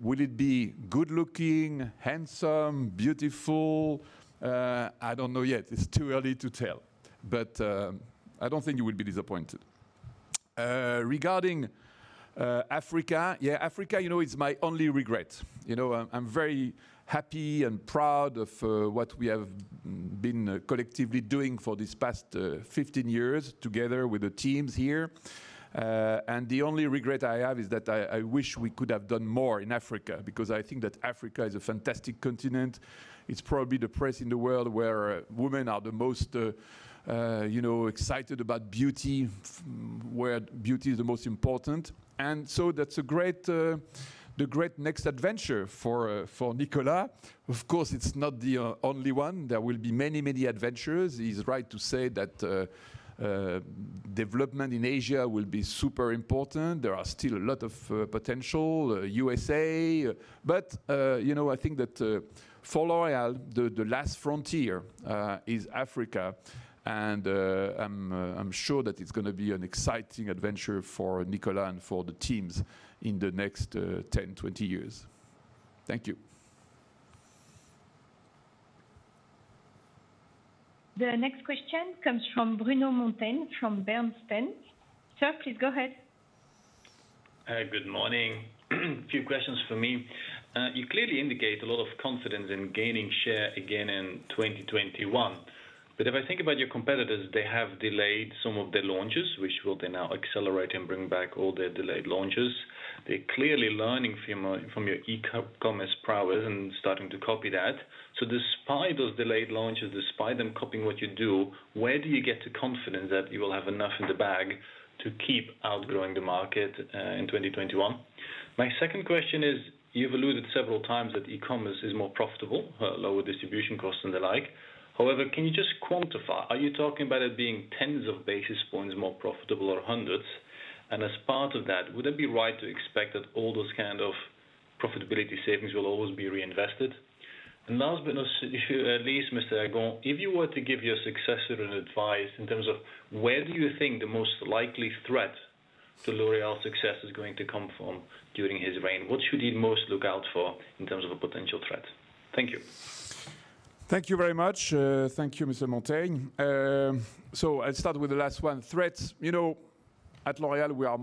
Will it be good looking, handsome, beautiful? I don't know yet. It's too early to tell, but I don't think you would be disappointed. Regarding Africa, yeah, Africa is my only regret. I'm very happy and proud of what we have been collectively doing for these past 15 years together with the teams here. The only regret I have is that I wish we could have done more in Africa because I think that Africa is a fantastic continent. It's probably the place in the world where women are the most excited about beauty, where beauty is the most important. That's the great next adventure for Nicolas. Of course, it's not the only one. There will be many, many adventures. He's right to say that development in Asia will be super important. There are still a lot of potential U.S.A. I think that for L'Oréal, the last frontier is Africa, and I'm sure that it's going to be an exciting adventure for Nicolas and for the teams in the next 10, 20 years. Thank you. The next question comes from Bruno Monteyne from Bernstein. Sir, please go ahead. Hi, good morning. Few questions from me. If I think about your competitors, they have delayed some of their launches, which will they now accelerate and bring back all their delayed launches. They're clearly learning from your e-commerce prowess and starting to copy that. Despite those delayed launches, despite them copying what you do, where do you get the confidence that you will have enough in the bag to keep outgrowing the market in 2021? My second question is, you've alluded several times that e-commerce is more profitable, lower distribution costs and the like. Can you just quantify, are you talking about it being tens of basis points more profitable or hundreds? As part of that, would it be right to expect that all those kind of profitability savings will always be reinvested? Last but not least, Mr. Agon, if you were to give your successor advice in terms of where do you think the most likely threat to L'Oréal success is going to come from during his reign? What should he most look out for in terms of a potential threat? Thank you. Thank you very much. Thank you, Mr. Monteyne. I'll start with the last one, threats. At L'Oréal, we are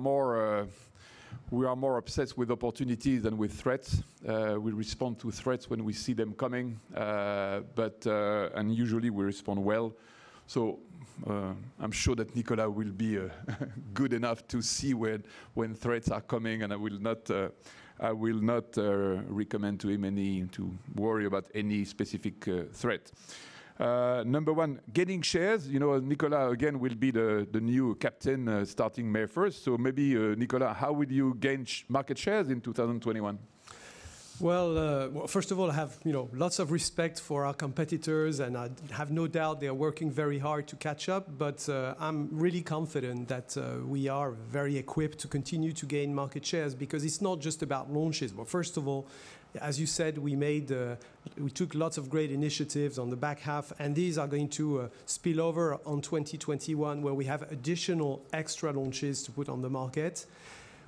more obsessed with opportunities than with threats. We respond to threats when we see them coming. Usually we respond well. I'm sure that Nicolas will be good enough to see when threats are coming, and I will not recommend to him any to worry about any specific threat. Number one, gaining shares. Nicolas, again, will be the new captain starting May 1st. Maybe Nicolas, how would you gain market shares in 2021? Well, first of all, I have lots of respect for our competitors, and I have no doubt they are working very hard to catch up. I'm really confident that we are very equipped to continue to gain market shares because it's not just about launches. First of all, as you said, we took lots of great initiatives on the back half, and these are going to spill over on 2021 where we have additional extra launches to put on the market.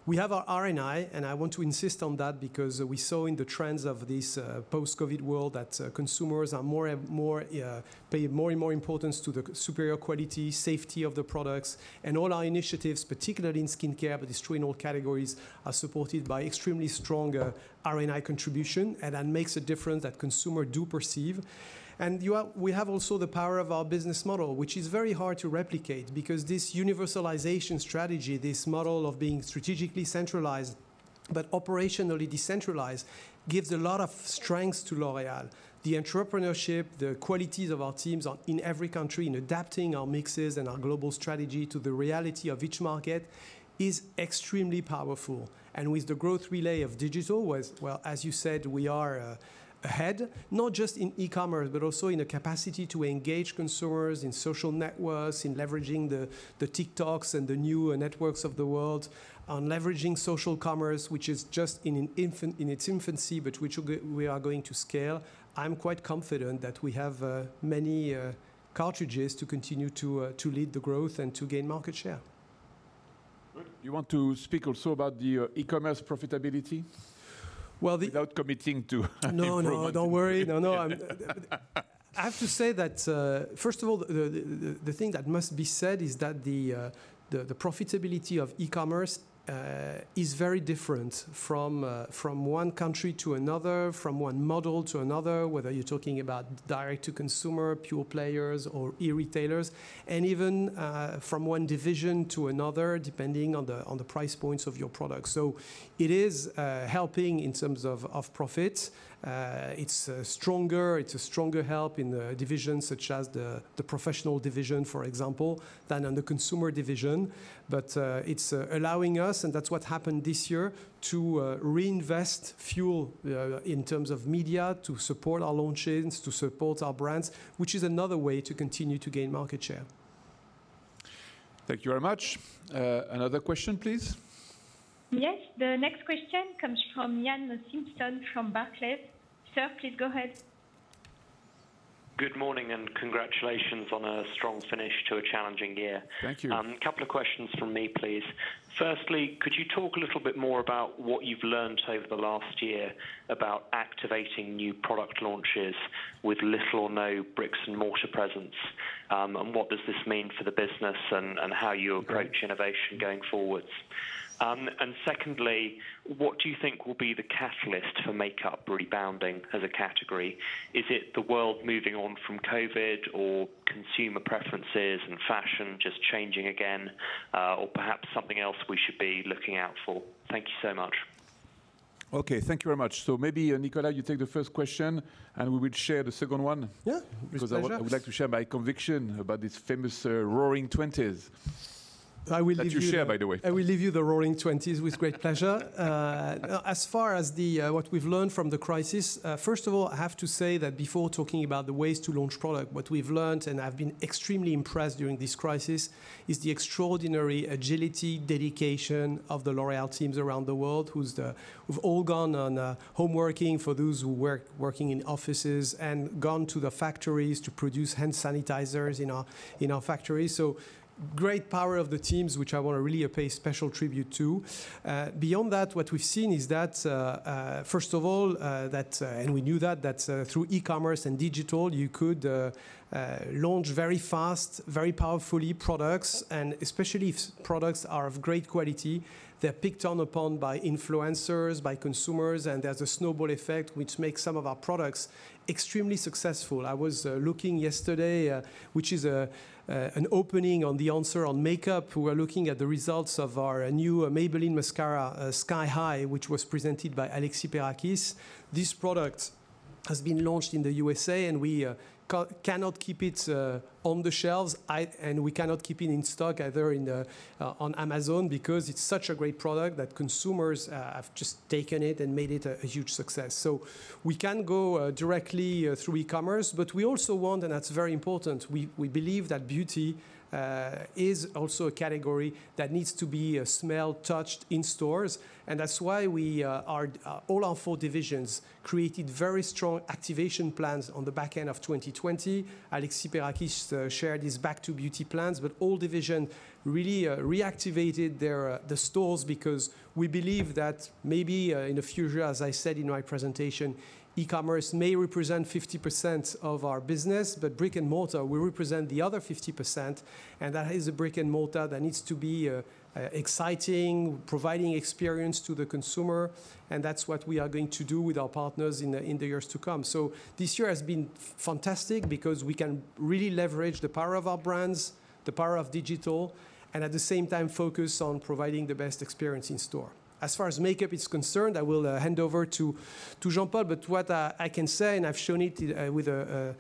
We have our R&I, and I want to insist on that because we saw in the trends of this post-COVID world that consumers pay more and more importance to the superior quality, safety of the products. All our initiatives, particularly in skincare, but it's true in all categories, are supported by extremely strong R&I contribution, and that makes a difference that consumer do perceive. We have also the power of our business model, which is very hard to replicate because this universalization strategy, this model of being strategically centralized but operationally decentralized, gives a lot of strengths to L'Oréal. The entrepreneurship, the qualities of our teams in every country in adapting our mixes and our global strategy to the reality of each market is extremely powerful. With the growth relay of digital, well, as you said, we are ahead, not just in e-commerce, but also in a capacity to engage consumers in social networks, in leveraging the TikToks and the new networks of the world, on leveraging social commerce, which is just in its infancy, but which we are going to scale. I'm quite confident that we have many cartridges to continue to lead the growth and to gain market share. You want to speak also about the e-commerce profitability? Well, the- Without committing to improvement. No, don't worry. No. I have to say that, first of all, the thing that must be said is that the profitability of e-commerce is very different from one country to another, from one model to another, whether you're talking about direct-to-consumer, pure players or e-retailers, and even from one division to another, depending on the price points of your product. It is helping in terms of profit. It's a stronger help in the division such as the Professional Products Division, for example, than on the Consumer Products Division. It's allowing us, and that's what happened this year, to reinvest fuel in terms of media, to support our launches, to support our brands, which is another way to continue to gain market share. Thank you very much. Another question, please. Yes. The next question comes from Iain Simpson from Barclays. Sir, please go ahead. Good morning. Congratulations on a strong finish to a challenging year. Thank you. Couple of questions from me, please. Firstly, could you talk a little bit more about what you've learnt over the last year about activating new product launches with little or no bricks and mortar presence? What does this mean for the business and how you approach innovation going forwards? Secondly, what do you think will be the catalyst for makeup rebounding as a category? Is it the world moving on from COVID, or consumer preferences and fashion just changing again, or perhaps something else we should be looking out for? Thank you so much. Okay. Thank you very much. Maybe, Nicolas, you take the first question, and we will share the second one. Yeah. With pleasure. I would like to share my conviction about this famous Roaring '20s. I will leave you- That you share, by the way. I will leave you the Roaring '20s with great pleasure. As far as what we've learned from the crisis, first of all, I have to say that before talking about the ways to launch product, what we've learned, and I've been extremely impressed during this crisis, is the extraordinary agility, dedication of the L'Oréal teams around the world, who've all gone on homeworking for those who were working in offices and gone to the factories to produce hand sanitizers in our factories. Great power of the teams, which I want to really pay special tribute to. Beyond that, what we've seen is that, first of all, and we knew that through e-commerce and digital, you could launch very fast, very powerfully products, and especially if products are of great quality, they're picked up on by influencers, by consumers, and there's a snowball effect, which makes some of our products extremely successful. I was looking yesterday, which is an opening on the answer on makeup. We're looking at the results of our new Maybelline mascara, Sky High, which was presented by Alexis Perakis. This product has been launched in the U.S.A., and we cannot keep it on the shelves, and we cannot keep it in stock either on Amazon because it's such a great product that consumers have just taken it and made it a huge success. We can go directly through e-commerce, but we also want, and that's very important, we believe that beauty is also a category that needs to be smelled, touched in stores, and that's why all our four divisions created very strong activation plans on the back end of 2020. Alexis Perakis shared his Back to Beauty plans, but all divisions really reactivated the stores because we believe that maybe in the future, as I said in my presentation, e-commerce may represent 50% of our business, but brick and mortar will represent the other 50%, and that is a brick and mortar that needs to be exciting, providing experience to the consumer, and that's what we are going to do with our partners in the years to come. This year has been fantastic because we can really leverage the power of our brands, the power of digital, and at the same time, focus on providing the best experience in store. As far as makeup is concerned, I will hand over to Jean-Paul, but what I can say, and I've shown it with a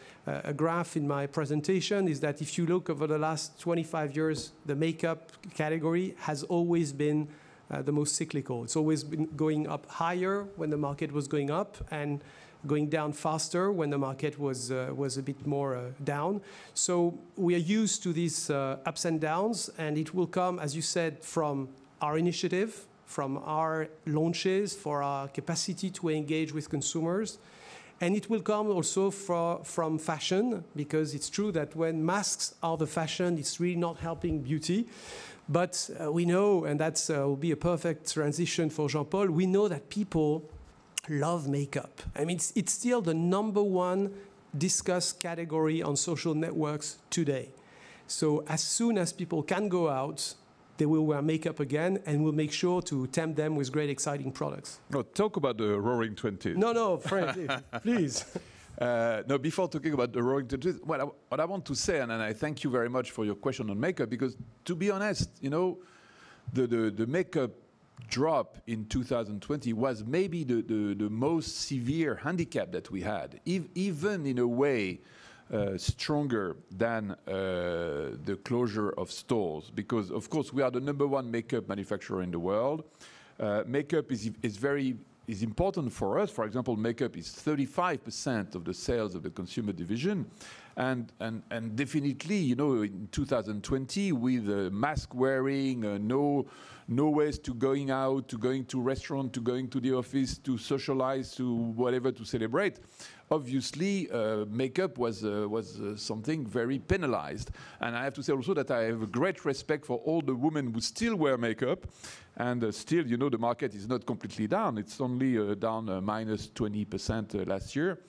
graph in my presentation, is that if you look over the last 25 years, the makeup category has always been the most cyclical. It's always been going up higher when the market was going up and going down faster when the market was a bit more down. We are used to these ups and downs, and it will come, as you said, from our initiative, from our launches, for our capacity to engage with consumers, and it will come also from fashion because it's true that when masks are the fashion, it's really not helping beauty. We know, and that's will be a perfect transition for Jean-Paul, that people love makeup. It's still the number one discussed category on social networks today. As soon as people can go out, they will wear makeup again, and we'll make sure to tempt them with great, exciting products. No, talk about the Roaring '20s. No, no. [inaudible] please. Before talking about the Roaring '20s, what I want to say, I thank you very much for your question on makeup because to be honest, the makeup drop in 2020 was maybe the most severe handicap that we had, even in a way, stronger than the closure of stores because, of course, we are the number one makeup manufacturer in the world. Makeup is important for us. For example, makeup is 35% of the sales of the Consumer Division. Definitely, in 2020, with mask wearing, no ways to going out, to going to restaurant, to going to the office, to socialize, to whatever, to celebrate, obviously, makeup was something very penalized. I have to say also that I have a great respect for all the women who still wear makeup. Still the market is not completely down. It is only down -20% last year.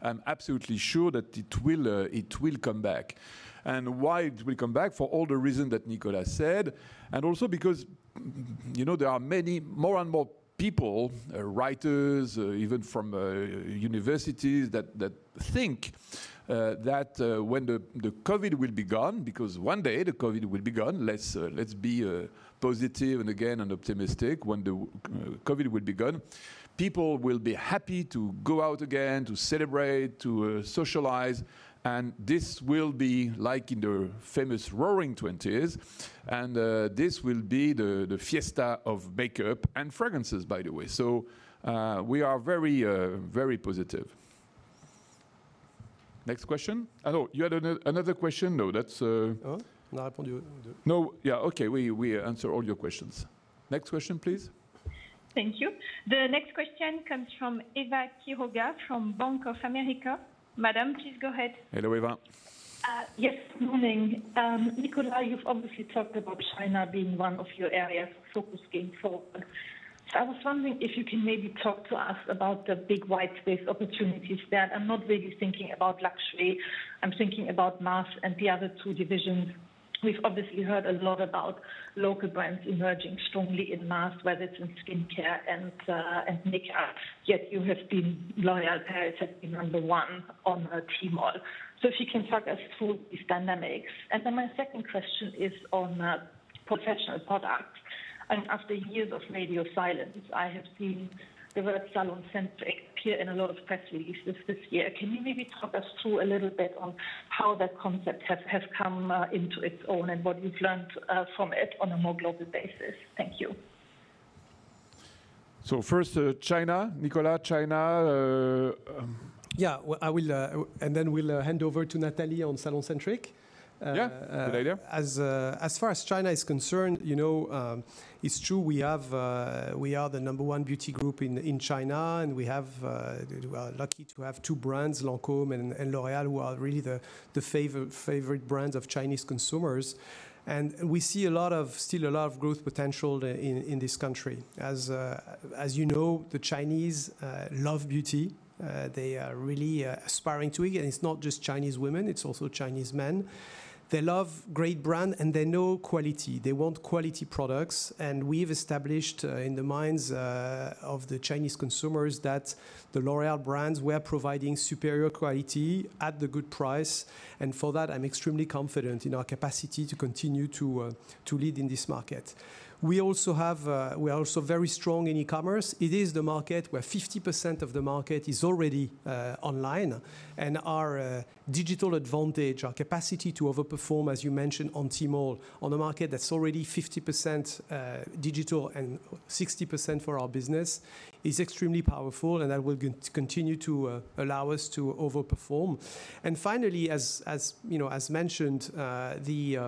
I'm absolutely sure that it will come back. Why it will come back? For all the reason that Nicolas said, also because there are more and more people, writers, even from universities, that think that when the COVID will be gone, because one day the COVID will be gone. Let's be positive and again and optimistic. When the COVID will be gone, people will be happy to go out again, to celebrate, to socialize, and this will be like in the famous Roaring '20s, and this will be the fiesta of makeup and fragrances, by the way. We are very positive. Next question. Oh, you had another question? No, that's- No, I told you. No, yeah, okay. We answer all your questions. Next question please. Thank you. The next question comes from Eva Quiroga from Bank of America. Madam, please go ahead. Hello, Eva. Yes, morning. Nicolas, you've obviously talked about China being one of your areas of focus going forward. I was wondering if you can maybe talk to us about the big white space opportunities there. I'm not really thinking about luxury. I'm thinking about Mass and the other two divisions. We've obviously heard a lot about local brands emerging strongly in Mass, whether it's in skincare and makeup. L'Oréal Paris has been number one on Tmall. If you can talk us through these dynamics. My second question is on Professional Products. After years of radio silence, I have seen the word SalonCentric appear in a lot of press releases this year. Can you maybe talk us through a little bit on how that concept has come into its own and what you've learned from it on a more global basis? Thank you. First, China. Nicolas, China. Yeah. We'll hand over to Nathalie on SalonCentric. Yeah, good idea. As far as China is concerned, it's true, we are the number one beauty group in China. We are lucky to have two brands, Lancôme and L'Oréal, who are really the favorite brands of Chinese consumers. We see still a lot of growth potential in this country. As you know, the Chinese love beauty. They are really aspiring to it. It's not just Chinese women, it's also Chinese men. They love great brand and they know quality. They want quality products. We've established in the minds of the Chinese consumers that the L'Oréal brands, we are providing superior quality at the good price. For that, I'm extremely confident in our capacity to continue to lead in this market. We are also very strong in e-commerce. It is the market where 50% of the market is already online, our digital advantage, our capacity to overperform, as you mentioned, on Tmall, on a market that's already 50% digital and 60% for our business, is extremely powerful, that will continue to allow us to overperform. Finally, as mentioned, the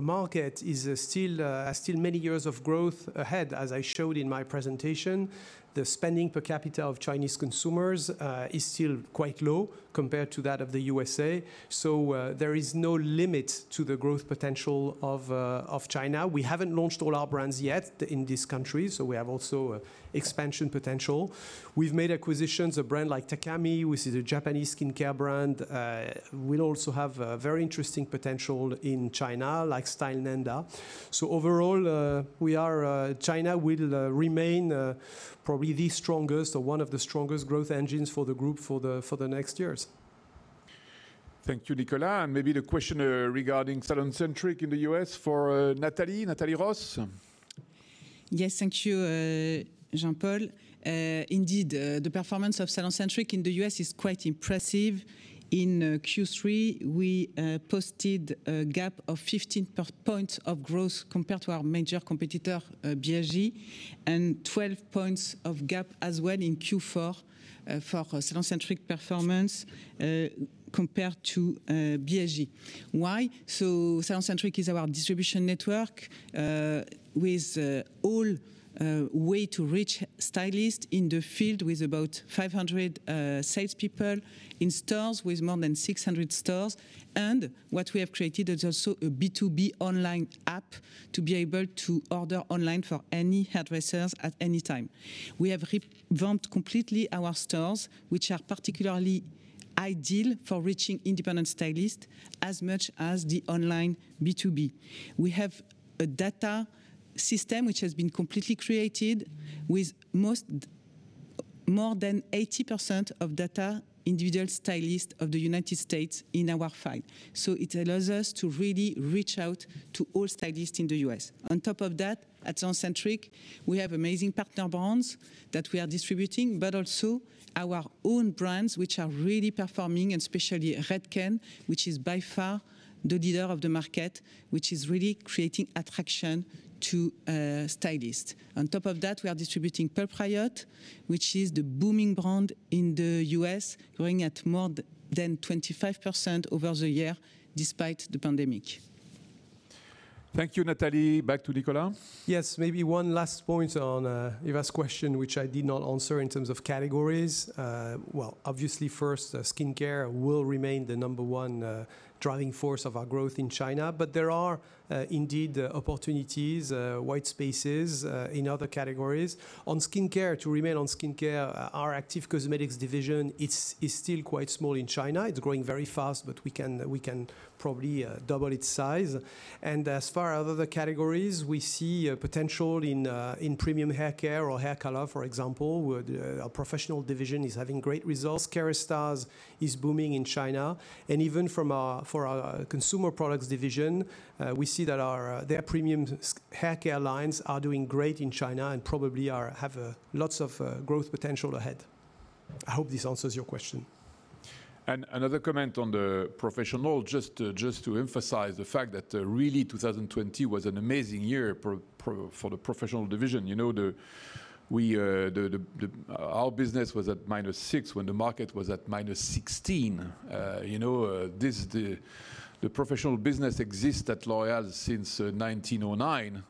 market has still many years of growth ahead, as I showed in my presentation. The spending per capita of Chinese consumers is still quite low compared to that of the U.S.A. There is no limit to the growth potential of China. We haven't launched all our brands yet in this country, we have also expansion potential. We've made acquisitions, a brand like Takami, which is a Japanese skincare brand will also have a very interesting potential in China, like Stylenanda. Overall, China will remain probably the strongest or one of the strongest growth engines for the group for the next years. Thank you, Nicolas. Maybe the question regarding SalonCentric in the U.S. for Nathalie. Nathalie Roos? Thank you, Jean-Paul. Indeed, the performance of SalonCentric in the U.S. is quite impressive. In Q3, we posted a gap of 15 points of growth compared to our major competitor, BHG, and 12 points of gap as well in Q4 for SalonCentric performance compared to BHG. Why? SalonCentric is our distribution network with all way to reach stylists in the field with about 500 salespeople in stores with more than 600 stores. What we have created is also a B2B online app to be able to order online for any hairdressers at any time. We have revamped completely our stores, which are particularly ideal for reaching independent stylists as much as the online B2B. We have a data system, which has been completely created with more than 80% of data individual stylists of the United States in our file. It allows us to really reach out to all stylists in the U.S. On top of that, at SalonCentric, we have amazing partner brands that we are distributing, but also our own brands, which are really performing, and especially Redken, which is by far the leader of the market, which is really creating attraction to stylists. On top of that, we are distributing Pulp Riot, which is the booming brand in the U.S., growing at more than 25% over the year despite the pandemic. Thank you, Nathalie. Back to Nicolas. Maybe one last point on Eva's question, which I did not answer in terms of categories. Obviously first, skincare will remain the number one driving force of our growth in China, there are indeed opportunities, white spaces, in other categories. On skincare, to remain on skincare, our Active Cosmetics Division is still quite small in China. It's growing very fast, we can probably double its size. As far as other categories, we see a potential in premium haircare or hair color, for example, where our Professional Products Division is having great results. Kérastase is booming in China. Even for our Consumer Products Division, we see that their premium haircare lines are doing great in China and probably have lots of growth potential ahead. I hope this answers your question. Another comment on the professional, just to emphasize the fact that really 2020 was an amazing year for the Professional division. Our business was at minus six when the market was at minus 16. The Professional business exists at L'Oréal since 1909.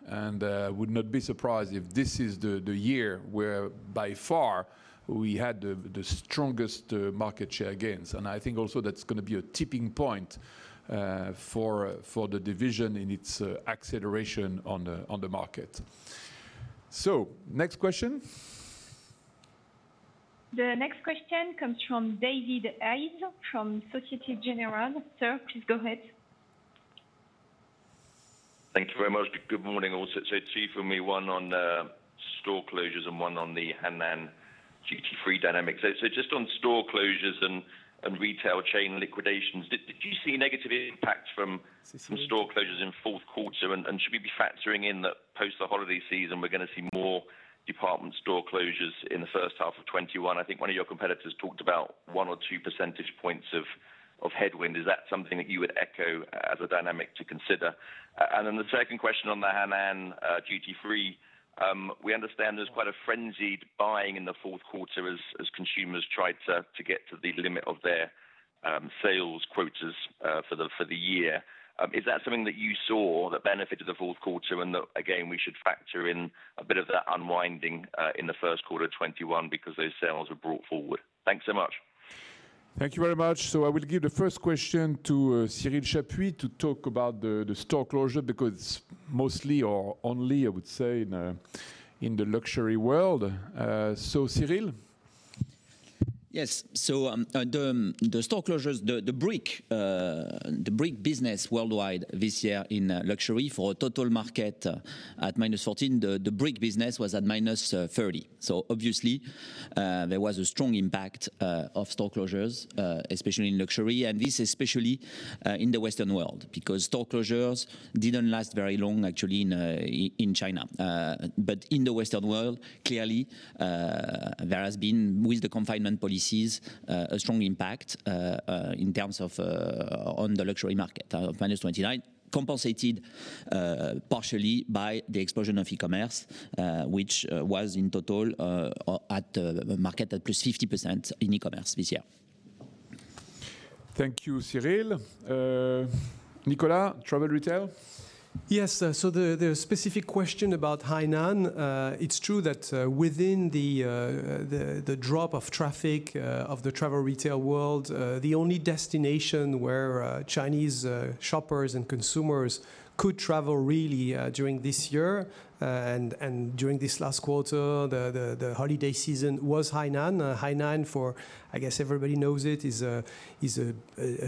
Would not be surprised if this is the year where by far we had the strongest market share gains. I think also that's going to be a tipping point for the division in its acceleration on the market. Next question. The next question comes from David Hayes from Societe Generale. Sir, please go ahead. Thank you very much. Good morning also. Two from me, one on store closures and one on the Hainan duty-free dynamic. Just on store closures and retail chain liquidations, did you see negative impact from store closures in fourth quarter? Should we be factoring in that post the holiday season, we're going to see more department store closures in the first half of 2021? I think one of your competitors talked about 1 or 2 percentage points of headwind. Is that something that you would echo as a dynamic to consider? The second question on the Hainan duty-free. We understand there's quite a frenzied buying in the fourth quarter as consumers tried to get to the limit of their sales quotas for the year. Is that something that you saw that benefited the fourth quarter and that, again, we should factor in a bit of that unwinding in the first quarter 2021 because those sales were brought forward? Thanks so much. Thank you very much. I will give the first question to Cyril Chapuy to talk about the store closure, because mostly or only, I would say, in the luxury world. Cyril? Yes. The store closures, the brick business worldwide this year in luxury for a total market at -14%, the brick business was at -30%. Obviously, there was a strong impact of store closures, especially in luxury. This especially in the Western World, because store closures didn't last very long actually in China. In the Western World, clearly, there has been, with the confinement policies, a strong impact in terms of on the luxury market, of -29%, compensated partially by the explosion of e-commerce, which was in total at the market at +50% in e-commerce this year. Thank you, Cyril. Nicolas, travel retail? The specific question about Hainan, it's true that within the drop of traffic of the travel retail world, the only destination where Chinese shoppers and consumers could travel really during this year and during this last quarter, the holiday season, was Hainan. Hainan for, I guess everybody knows it, is a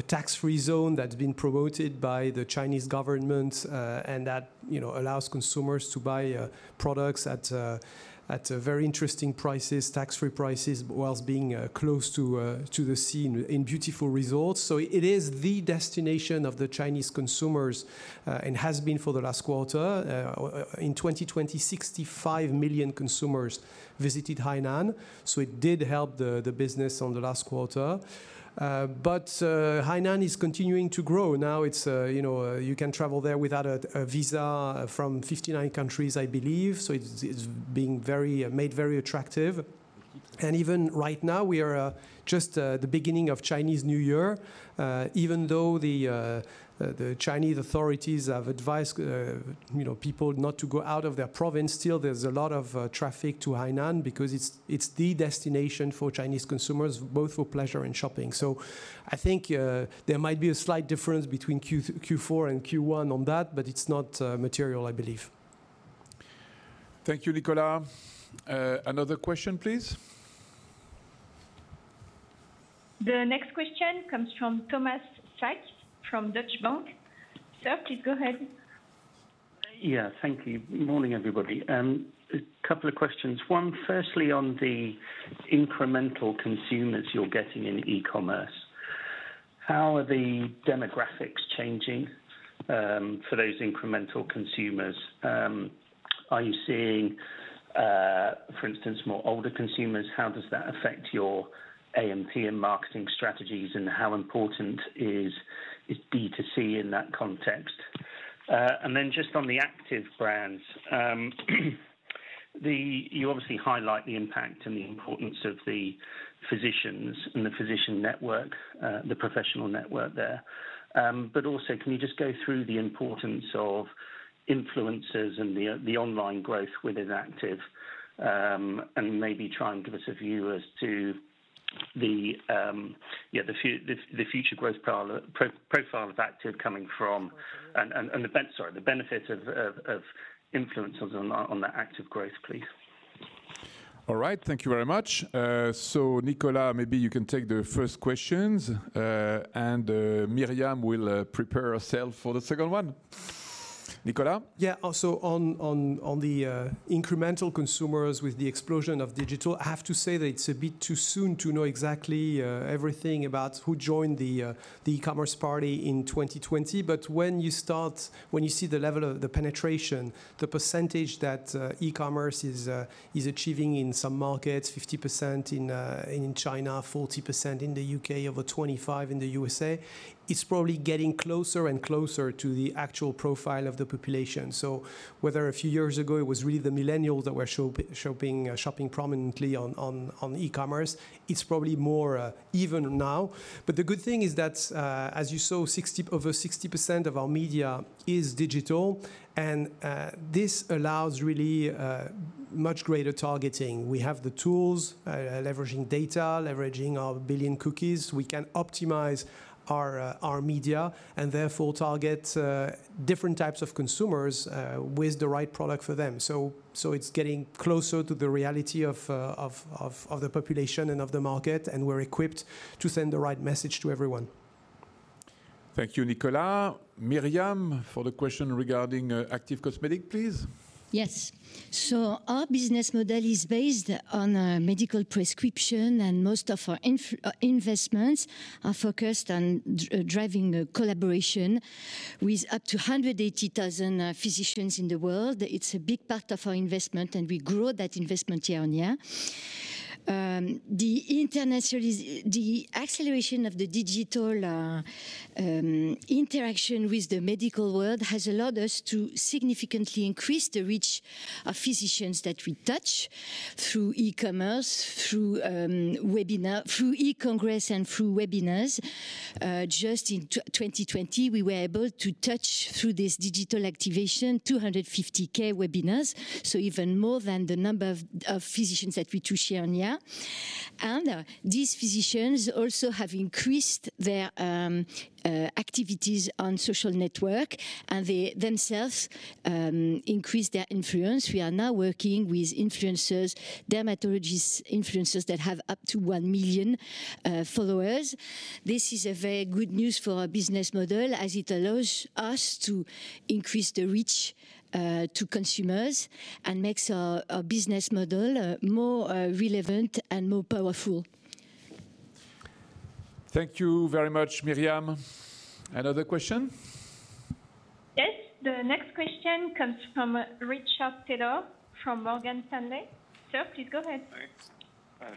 tax-free zone that's been promoted by the Chinese government, and that allows consumers to buy products at very interesting prices, tax-free prices, whilst being close to the scene in beautiful resorts. It is the destination of the Chinese consumers, and has been for the last quarter. In 2020, 65 million consumers visited Hainan. It did help the business on the last quarter. Hainan is continuing to grow. Now you can travel there without a visa from 59 countries, I believe. It's being made very attractive. Even right now, we are just at the beginning of Chinese New Year. Even though the Chinese authorities have advised people not to go out of their province, still there's a lot of traffic to Hainan because it's the destination for Chinese consumers, both for pleasure and shopping. I think there might be a slight difference between Q4 and Q1 on that, but it's not material, I believe. Thank you, Nicolas. Another question, please. The next question comes from Thomas Sykes from Deutsche Bank. Sir, please go ahead. Yeah. Thank you. Morning, everybody. A couple of questions. One, firstly on the incremental consumers you're getting in e-commerce. How are the demographics changing for those incremental consumers? Are you seeing, for instance, more older consumers? How does that affect your A&P and marketing strategies, how important is D2C in that context? Then just on the active brands, you obviously highlight the impact and the importance of the physicians and the physician network, the professional network there. Also, can you just go through the importance of influencers and the online growth within active, and maybe try and give us a view as to the future growth profile of active coming from Sorry, the benefit of influencers on the active growth, please. All right. Thank you very much. Nicolas, maybe you can take the first questions, and Myriam will prepare herself for the second one. Nicolas? Yeah. Also, on the incremental consumers with the explosion of digital, I have to say that it is a bit too soon to know exactly everything about who joined the e-commerce party in 2020. When you see the level of the penetration, the percentage that e-commerce is achieving in some markets, 50% in China, 40% in the U.K., over 25 in the U.S.A., it is probably getting closer and closer to the actual profile of the population. Whether a few years ago it was really the millennials that were shopping prominently on e-commerce, it is probably more even now. The good thing is that, as you saw, over 60% of our media is digital, and this allows really much greater targeting. We have the tools, leveraging data, leveraging our billion cookies. We can optimize our media, and therefore target different types of consumers with the right product for them. It's getting closer to the reality of the population and of the market, and we're equipped to send the right message to everyone. Thank you, Nicolas. Myriam, for the question regarding Active Cosmetics, please. Our business model is based on medical prescription, and most of our investments are focused on driving a collaboration with up to 180,000 physicians in the world. It's a big part of our investment, and we grow that investment year-on-year. The acceleration of the digital interaction with the medical world has allowed us to significantly increase the reach of physicians that we touch through e-commerce, through e-congress, and through webinars. Just in 2020, we were able to touch, through this digital activation, 250,000 webinars. Even more than the number of physicians that we touch year-on-year. These physicians also have increased their activities on social network and they themselves increased their influence. We are now working with influencers, dermatologist influencers that have up to one million followers. This is a very good news for our business model, as it allows us to increase the reach to consumers and makes our business model more relevant and more powerful. Thank you very much, Myriam. Another question? Yes. The next question comes from Richard Taylor from Morgan Stanley. Sir, please go ahead. Thanks.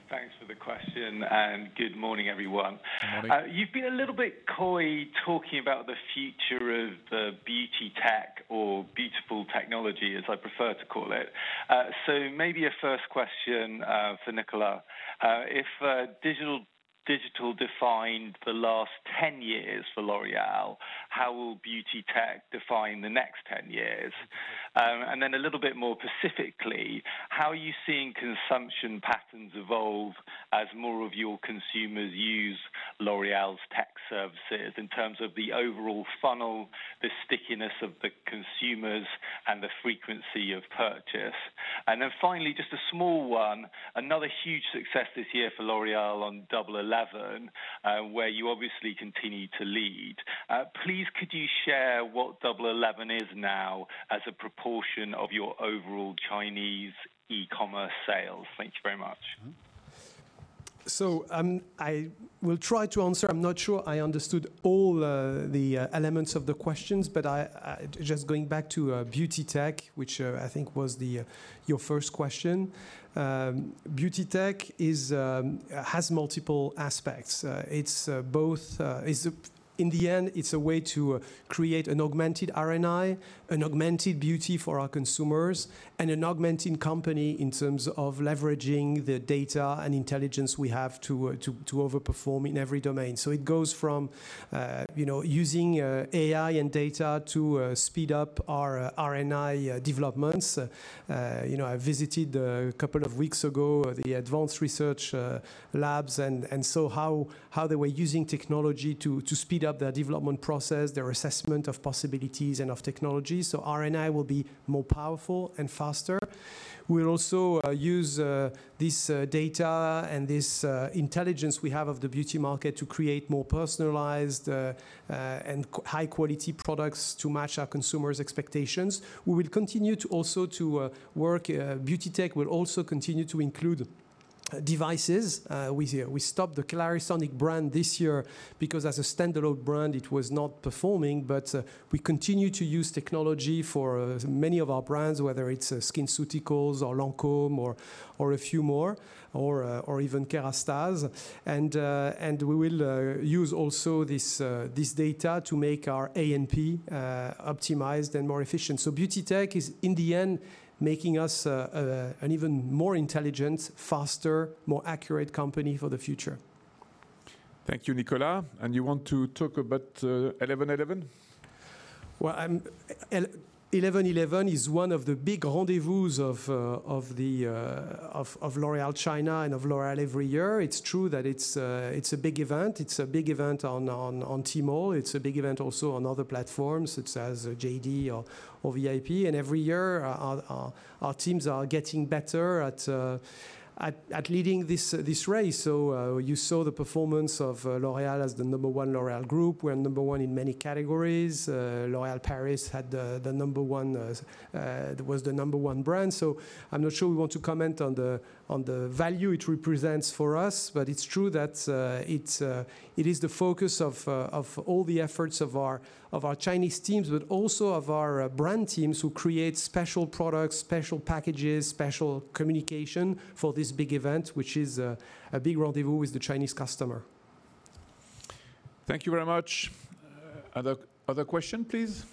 Thanks for the question, and good morning, everyone. Morning. You've been a little bit coy talking about the future of the beauty tech or beautiful technology, as I prefer to call it. Maybe a first question for Nicolas. If digital defined the last 10 years for L'Oréal, how will beauty tech define the next 10 years? A little bit more specifically, how are you seeing consumption patterns evolve as more of your consumers use L'Oréal's tech services in terms of the overall funnel, the stickiness of the consumers, and the frequency of purchase? Finally, just a small one, another huge success this year for L'Oréal on Double 11, where you obviously continue to lead. Please, could you share what Double 11 is now as a proportion of your overall Chinese e-commerce sales? Thank you very much. I will try to answer. I'm not sure I understood all the elements of the questions, but just going back to beauty tech, which I think was your first question. Beauty tech has multiple aspects. In the end, it's a way to create an augmented R&I, an augmented beauty for our consumers, and an augmented company in terms of leveraging the data and intelligence we have to overperform in every domain. It goes from using AI and data to speed up our R&I developments. I visited, a couple of weeks ago, the advanced research labs, and saw how they were using technology to speed up their development process, their assessment of possibilities and of technology. R&I will be more powerful and faster. We'll also use this data and this intelligence we have of the beauty market to create more personalized and high-quality products to match our consumers' expectations. Beauty tech will also continue to include devices. We stopped the Clarisonic brand this year because as a standalone brand, it was not performing. We continue to use technology for many of our brands, whether it's SkinCeuticals or Lancôme or a few more, or even Kérastase. We will use also this data to make our A&P optimized and more efficient. Beauty tech is, in the end, making us an even more intelligent, faster, more accurate company for the future. Thank you, Nicolas. You want to talk about 11.11? Well, 11.11 is one of the big rendezvouses of L'Oréal China and of L'Oréal every year. It's true that it's a big event. It's a big event on Tmall, it's a big event also on other platforms such as JD.com or Vipshop. Every year, our teams are getting better at leading this race. You saw the performance of L'Oréal as the number one L'Oréal group. We're number one in many categories. L'Oréal Paris was the number one brand. I'm not sure we want to comment on the value it represents for us, but it's true that it is the focus of all the efforts of our Chinese teams, but also of our brand teams who create special products, special packages, special communication for this big event, which is a big rendezvous with the Chinese customer. Thank you very much. Other question, please?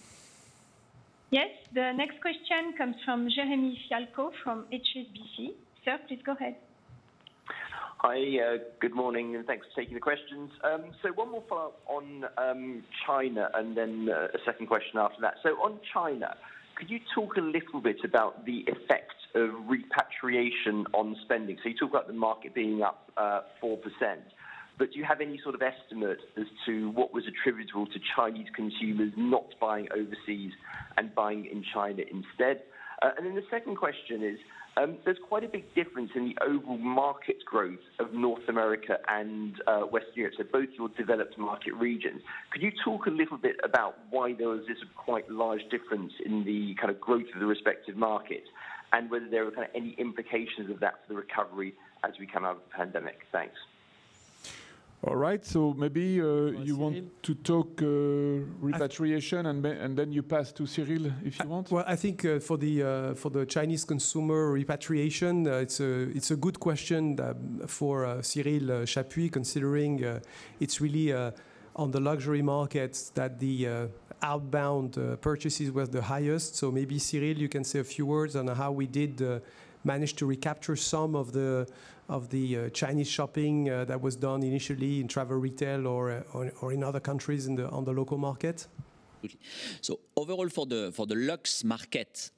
Yes. The next question comes from Jeremy Fialko from HSBC. Sir, please go ahead. Hi, good morning, and thanks for taking the questions. One more follow-up on China and then a second question after that. On China, could you talk a little bit about the effect of repatriation on spending? You talk about the market being up 4%, do you have any sort of estimate as to what was attributable to Chinese consumers not buying overseas and buying in China instead? The second question is, there's quite a big difference in the overall market growth of North America and Western Europe, both your developed market regions. Could you talk a little bit about why there is this quite large difference in the kind of growth of the respective markets, and whether there are kind of any implications of that for the recovery as we come out of the pandemic? Thanks. All right. Maybe you want to talk repatriation, and then you pass to Cyril if you want? Well, I think for the Chinese consumer repatriation, it's a good question for Cyril Chapuy, considering it's really on the luxury markets that the outbound purchases were the highest. Maybe Cyril, you can say a few words on how we did manage to recapture some of the Chinese shopping that was done initially in travel retail or in other countries on the local market. Overall, for the luxe market,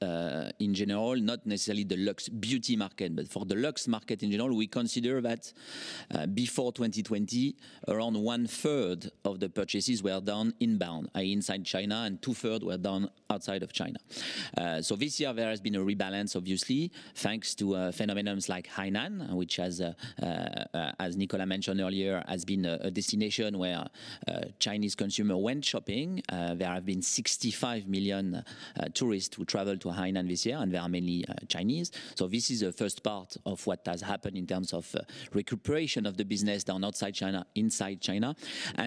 in general, not necessarily the luxe beauty market, but for the luxe market in general, we consider that before 2020, around 1/3 of the purchases were done inbound, inside China, and 2/3 were done outside of China. This year, there has been a rebalance, obviously, thanks to phenomenons like Hainan, which as Nicolas mentioned earlier, has been a destination where Chinese consumer went shopping. There have been 65 million tourists who traveled to Hainan this year, and they are mainly Chinese. This is the first part of what has happened in terms of recuperation of the business done outside China, inside China.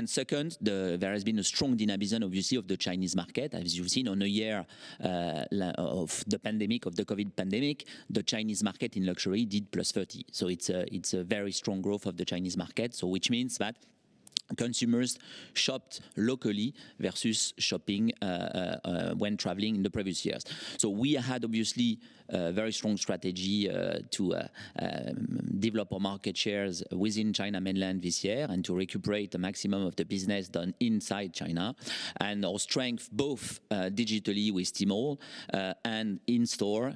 Second, there has been a strong dynamism, obviously, of the Chinese market. As you've seen on a year of the COVID pandemic, the Chinese market in luxury did +30%. It's a very strong growth of the Chinese market. Which means that consumers shopped locally versus shopping when traveling in the previous years. We had, obviously, a very strong strategy to develop our market shares within China mainland this year, and to recuperate the maximum of the business done inside China. Our strength, both digitally with Tmall and in-store,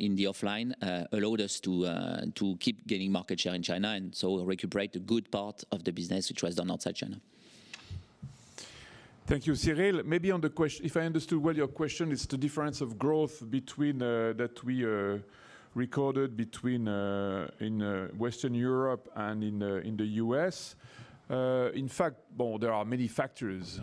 in the offline, allowed us to keep gaining market share in China and so recuperate a good part of the business, which was done outside China. Thank you, Cyril. If I understood well, your question is the difference of growth that we recorded between in Western Europe and in the U.S. In fact, there are many factors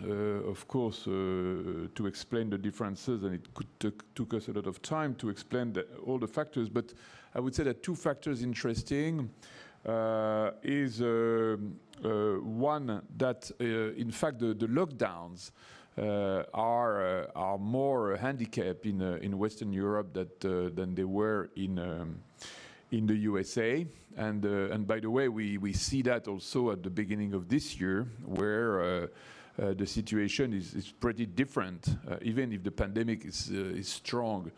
of course to explain the differences, and it could took us a lot of time to explain all the factors, but I would say that two factors interesting is one that, in fact, the lockdowns are more handicap in Western Europe than they were in the U.S.A. By the way, we see that also at the beginning of this year where the situation is pretty different. Even if the pandemic is strong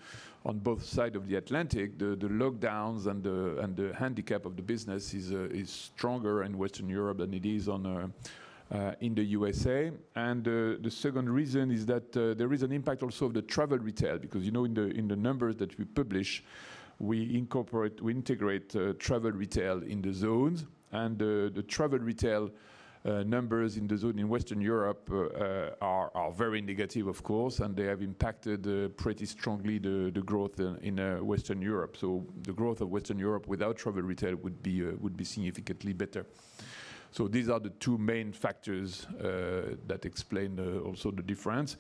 on both side of the Atlantic, the lockdowns and the handicap of the business is stronger in Western Europe than it is in the U.S.A. The second reason is that there is an impact also of the travel retail, because in the numbers that we publish, we integrate travel retail in the zones, and the travel retail numbers in the zone in Western Europe are very negative, of course, and they have impacted pretty strongly the growth in Western Europe. The growth of Western Europe without travel retail would be significantly better. These are the two main factors that explain also the difference.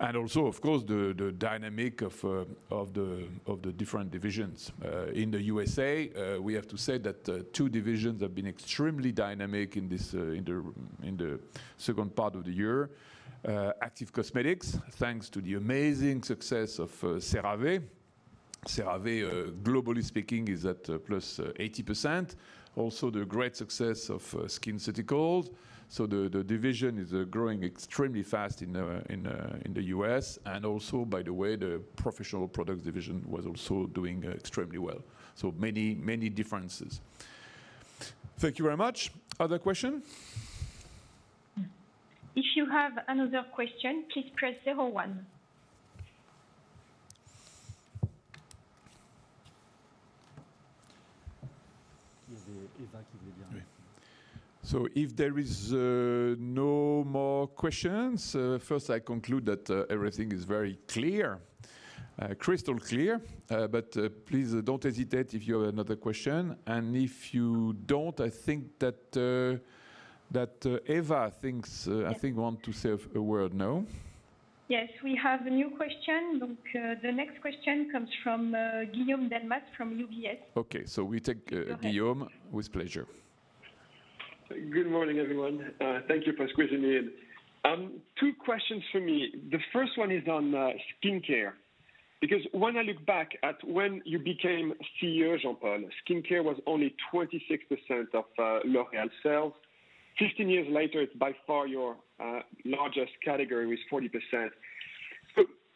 Also, of course, the dynamic of the different divisions. In the U.S.A., we have to say that two divisions have been extremely dynamic in the second part of the year. Active Cosmetics, thanks to the amazing success of CeraVe. CeraVe, globally speaking, is at plus 80%. Also, the great success of SkinCeuticals. The division is growing extremely fast in the U.S., and also, by the way, the Professional Products Division was also doing extremely well. Many differences. Thank you very much. Other questions? If you have another question, please press zero one. If there is no more questions, first I conclude that everything is very clear, crystal clear. Please don't hesitate if you have another question. I think want to say a word, no? Yes, we have a new question. The next question comes from Guillaume Delmas from UBS. Okay, we take Guillaume with pleasure. Good morning, everyone. Thank you for squeezing me in. Two questions for me. The first one is on skincare, because when I look back at when you became CEO, Jean-Paul, skincare was only 26% of L'Oréal sales. 15 years later, it's by far your largest category, with 40%.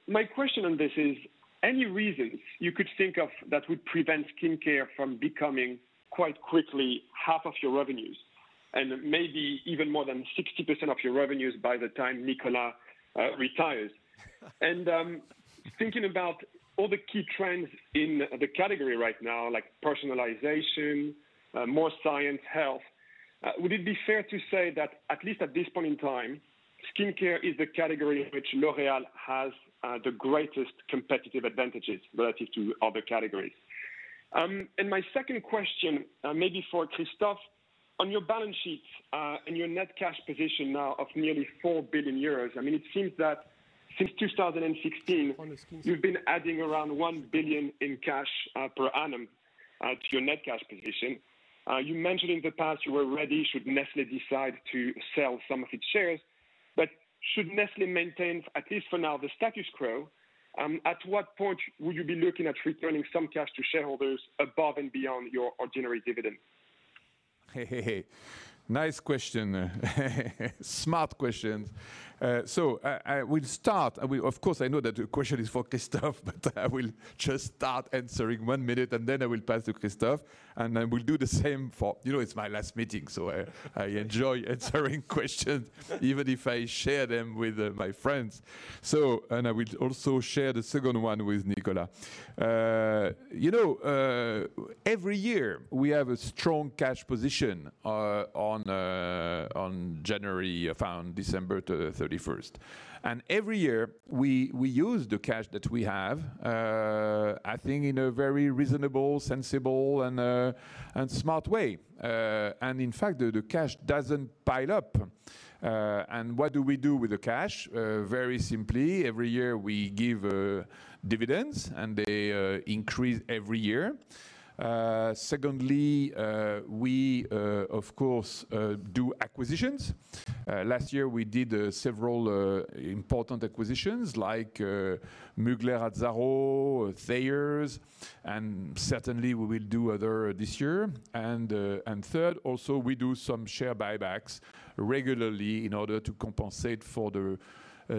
My question on this is, any reasons you could think of that would prevent skincare from becoming quite quickly half of your revenues, and maybe even more than 60% of your revenues by the time Nicolas retires? Thinking about all the key trends in the category right now, like personalization, more science, health, would it be fair to say that at least at this point in time, skincare is the category in which L'Oréal has the greatest competitive advantages relative to other categories? My second question, maybe for Christophe, on your balance sheets and your net cash position now of nearly 4 billion euros, it seems that since 2016. On the skincare. You've been adding around 1 billion in cash per annum to your net cash position. You mentioned in the past you were ready should Nestlé decide to sell some of its shares. Should Nestlé maintain, at least for now, the status quo at what point would you be looking at returning some cash to shareholders above and beyond your ordinary dividend? Nice question. Smart questions. I will start, of course, I know that the question is for Christophe, but I will just start answering one minute, and then I will pass to Christophe. You know, it's my last meeting, so I enjoy answering questions, even if I share them with my friends. I will also share the second one with Nicolas. Every year we have a strong cash position on January 1st and December 31st. Every year, we use the cash that we have, I think in a very reasonable, sensible, and smart way. In fact, the cash doesn't pile up. What do we do with the cash? Very simply, every year we give dividends, and they increase every year. Secondly, we, of course, do acquisitions. Last year we did several important acquisitions like Mugler, Azzaro, Thayers, and certainly, we will do other this year. Third, also, we do some share buybacks regularly in order to compensate for the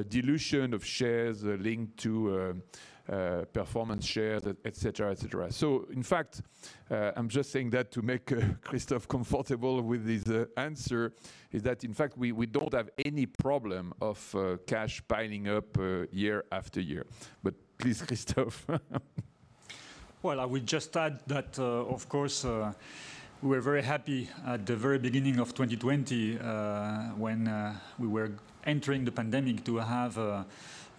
dilution of shares linked to performance shares, et cetera, et cetera. In fact, I'm just saying that to make Christophe comfortable with his answer is that, in fact, we don't have any problem of cash piling up year after year. Please, Christophe. Well, I would just add that, of course, we're very happy at the very beginning of 2020, when we were entering the pandemic, to have a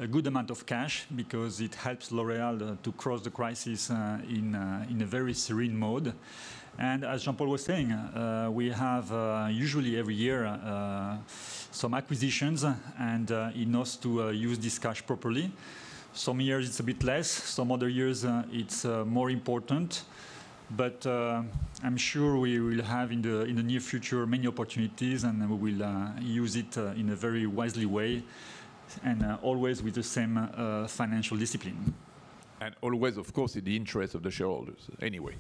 good amount of cash because it helps L'Oréal to cross the crisis in a very serene mode. As Jean-Paul was saying, we have, usually every year, some acquisitions and enough to use this cash properly. Some years it's a bit less, some other years it's more important. I'm sure we will have in the near future many opportunities, and we will use it in a very wisely way and always with the same financial discipline. Always, of course, in the interest of the shareholders. Anyway.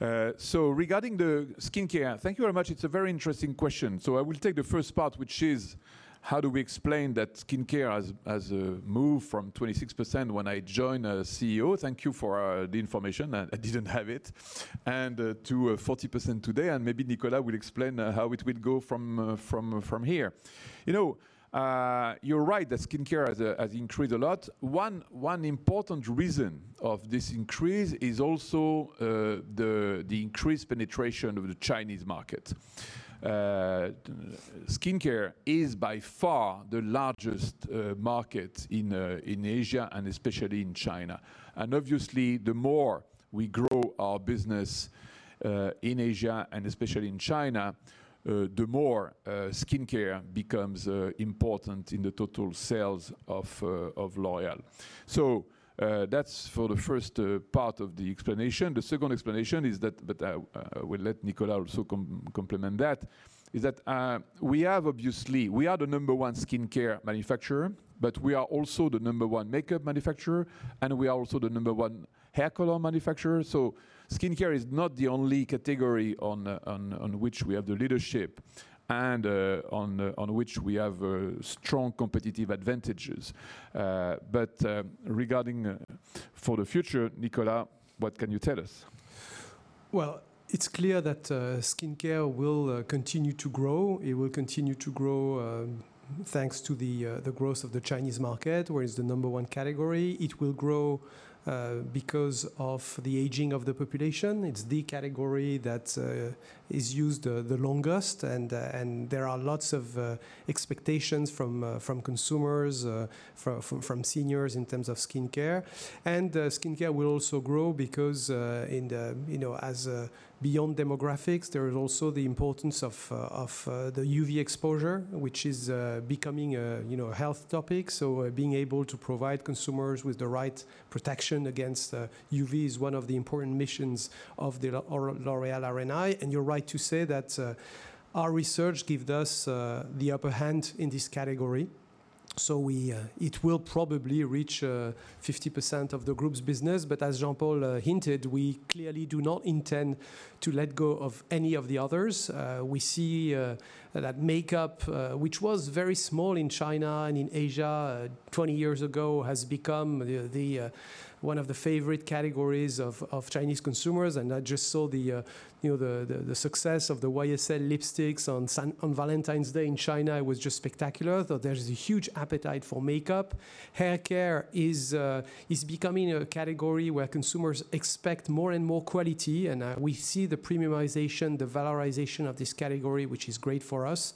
Regarding the skincare, thank you very much. It's a very interesting question. I will take the first part, which is how do we explain that skincare has moved from 26% when I joined as CEO, thank you for the information, I didn't have it, and to 40% today, and maybe Nicolas will explain how it will go from here. You're right that skincare has increased a lot. One important reason for this increase is also the increased penetration of the Chinese market. Skincare is by far the largest market in Asia and especially in China. Obviously the more we grow our business in Asia, and especially in China, the more skincare becomes important in the total sales of L'Oréal. That's for the first part of the explanation. The second explanation is that, but I will let Nicolas also complement that, is that we are the number one skincare manufacturer, but we are also the number one makeup manufacturer, and we are also the number one hair color manufacturer. Skincare is not the only category on which we have the leadership and on which we have strong competitive advantages. Regarding for the future, Nicolas, what can you tell us? Well, it's clear that skincare will continue to grow. It will continue to grow thanks to the growth of the Chinese market, where it's the number one category. It will grow because of the aging of the population. It's the category that is used the longest, and there are lots of expectations from consumers, from seniors in terms of skincare. Skincare will also grow because beyond demographics, there is also the importance of the UV exposure, which is becoming a health topic. Being able to provide consumers with the right protection against UV is one of the important missions of the L'Oréal R&I. You're right to say that our research gives us the upper hand in this category. It will probably reach 50% of the group's business. As Jean-Paul hinted, we clearly do not intend to let go of any of the others. We see that makeup, which was very small in China and in Asia 20 years ago, has become one of the favorite categories of Chinese consumers. I just saw the success of the YSL lipsticks on Valentine's Day in China was just spectacular. There's a huge appetite for makeup. Hair care is becoming a category where consumers expect more and more quality, and we see the premiumization, the valorization of this category, which is great for us.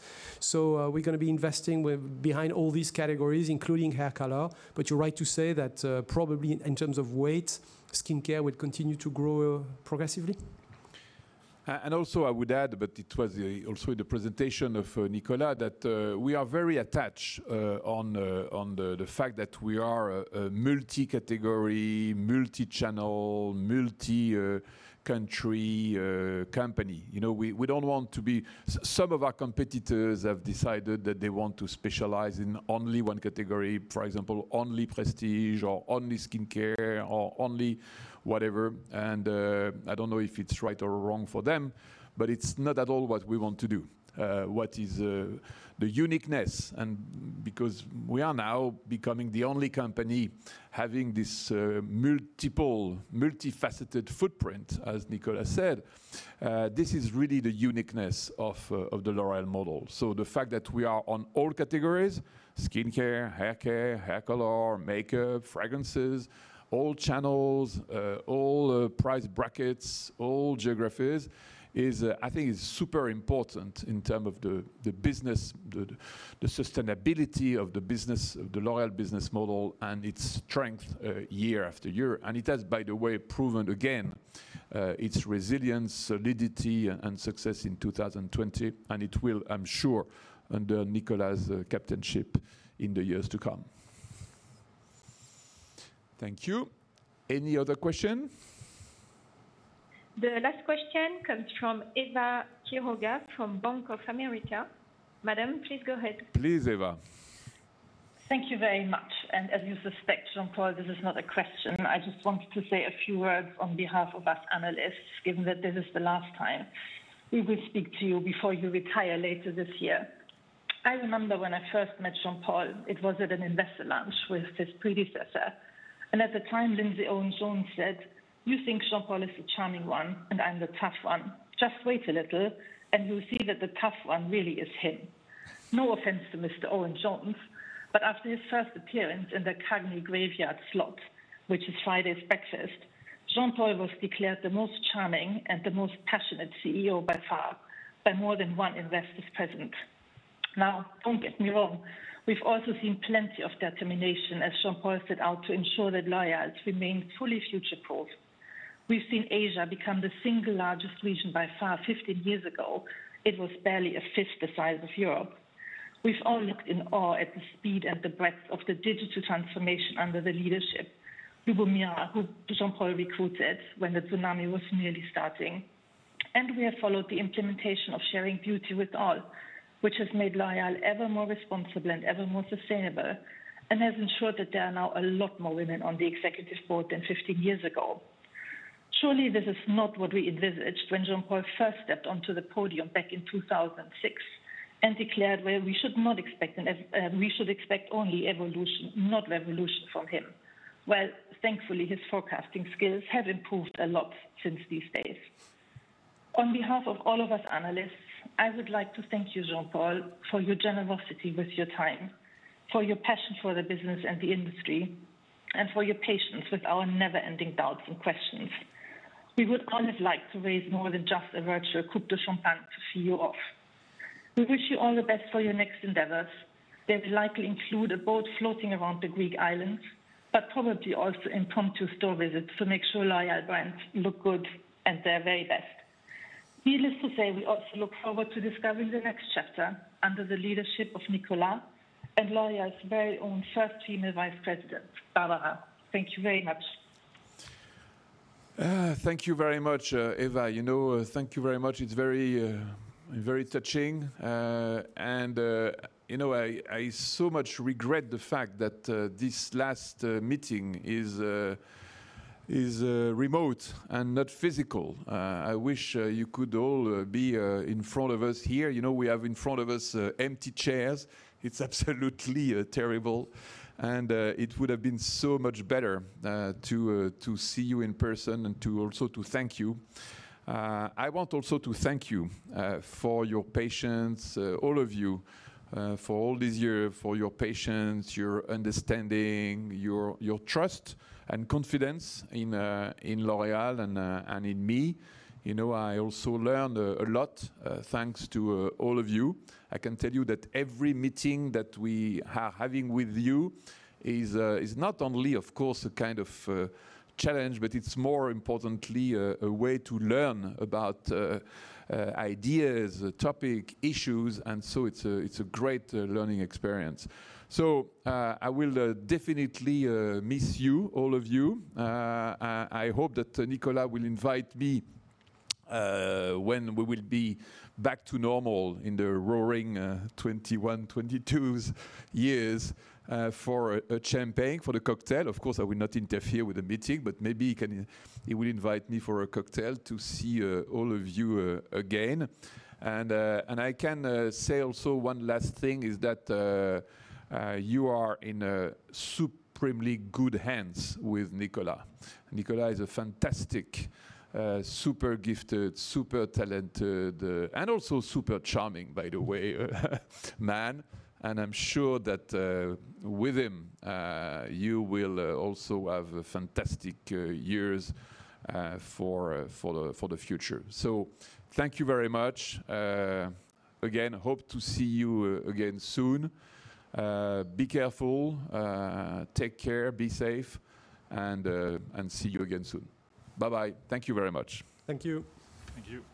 We're going to be investing behind all these categories, including hair color. You're right to say that probably in terms of weight, skincare will continue to grow progressively. Also I would add, but it was also the presentation of Nicolas, that we are very attached on the fact that we are a multi-category, multi-channel, multi-country company. Some of our competitors have decided that they want to specialize in only one category, for example, only prestige or only skincare or only whatever. I don't know if it's right or wrong for them, but it's not at all what we want to do. What is the uniqueness? Because we are now becoming the only company having this multiple, multifaceted footprint, as Nicolas said, this is really the uniqueness of the L'Oréal model. The fact that we are on all categories, skincare, hair care, hair color, makeup, fragrances, all channels, all price brackets, all geographies, I think is super important in terms of the business, the sustainability of the business, of the L'Oréal business model and its strength year after year. It has, by the way, proven again its resilience, solidity, and success in 2020, and it will, I'm sure, under Nicolas' captainship in the years to come. Thank you. Any other question? The last question comes from Eva Quiroga from Bank of America. Madam, please go ahead. Please, Eva. Thank you very much. As you suspect, Jean-Paul, this is not a question. I just wanted to say a few words on behalf of us analysts, given that this is the last time we will speak to you before you retire later this year. I remember when I first met Jean-Paul, it was at an investor lunch with his predecessor. At the time, Lindsay Owen-Jones said, "You think Jean-Paul is the charming one and I'm the tough one. Just wait a little, and you'll see that the tough one really is him." No offense to Mr. Owen-Jones, after his first appearance in the CAGNY graveyard slot, which is Friday breakfast, Jean-Paul was declared the most charming and the most passionate CEO by far, by more than one investor present. Don't get me wrong, we've also seen plenty of determination as Jean-Paul set out to ensure that L'Oréal remained fully future-proof. We've seen Asia become the single largest region by far. 15 years ago, it was barely a fifth the size of Europe. We've all looked in awe at the speed and the breadth of the digital transformation under the leadership, Lubomira, who Jean-Paul recruited when the tsunami was merely starting. We have followed the implementation of Sharing Beauty with All, which has made L'Oréal ever more responsible and ever more sustainable, and has ensured that there are now a lot more women on the executive board than 15 years ago. Surely, this is not what we envisaged when Jean-Paul first stepped onto the podium back in 2006 and declared, Well, we should expect only evolution, not revolution from him. Well, thankfully, his forecasting skills have improved a lot since these days. On behalf of all of us analysts, I would like to thank you, Jean-Paul, for your generosity with your time, for your passion for the business and the industry, and for your patience with our never-ending doubts and questions. We would all have liked to raise more than just a virtual coupe de champagne to see you off. We wish you all the best for your next endeavors. They'll likely include a boat floating around the Greek islands, but probably also impromptu store visits to make sure L'Oréal brands look good at their very best. Needless to say, we also look forward to discovering the next chapter under the leadership of Nicolas and L'Oréal's very own first female Vice President, Barbara. Thank you very much. Thank you very much, Eva. Thank you very much. It's very touching. I so much regret the fact that this last meeting is remote and not physical. I wish you could all be in front of us here. We have in front of us empty chairs. It's absolutely terrible. It would have been so much better to see you in person and also to thank you. I want also to thank you for your patience, all of you, for all these years, for your patience, your understanding, your trust and confidence in L'Oréal and in me. I also learned a lot thanks to all of you. I can tell you that every meeting that we are having with you is not only, of course, a kind of challenge, but it's more importantly a way to learn about ideas, topic, issues. It's a great learning experience. I will definitely miss you, all of you. I hope that Nicolas will invite me when we will be back to normal in the Roaring 2021, 2022 years, for a champagne, for the cocktail. Of course, I will not interfere with the meeting. Maybe he will invite me for a cocktail to see all of you again. I can say also one last thing is that you are in supremely good hands with Nicolas. Nicolas is a fantastic, super gifted, super talented, also super charming, by the way, man. I'm sure that with him, you will also have fantastic years for the future. Thank you very much. Again, hope to see you again soon. Be careful, take care, be safe, and see you again soon. Bye-bye. Thank you very much. Thank you. Thank you.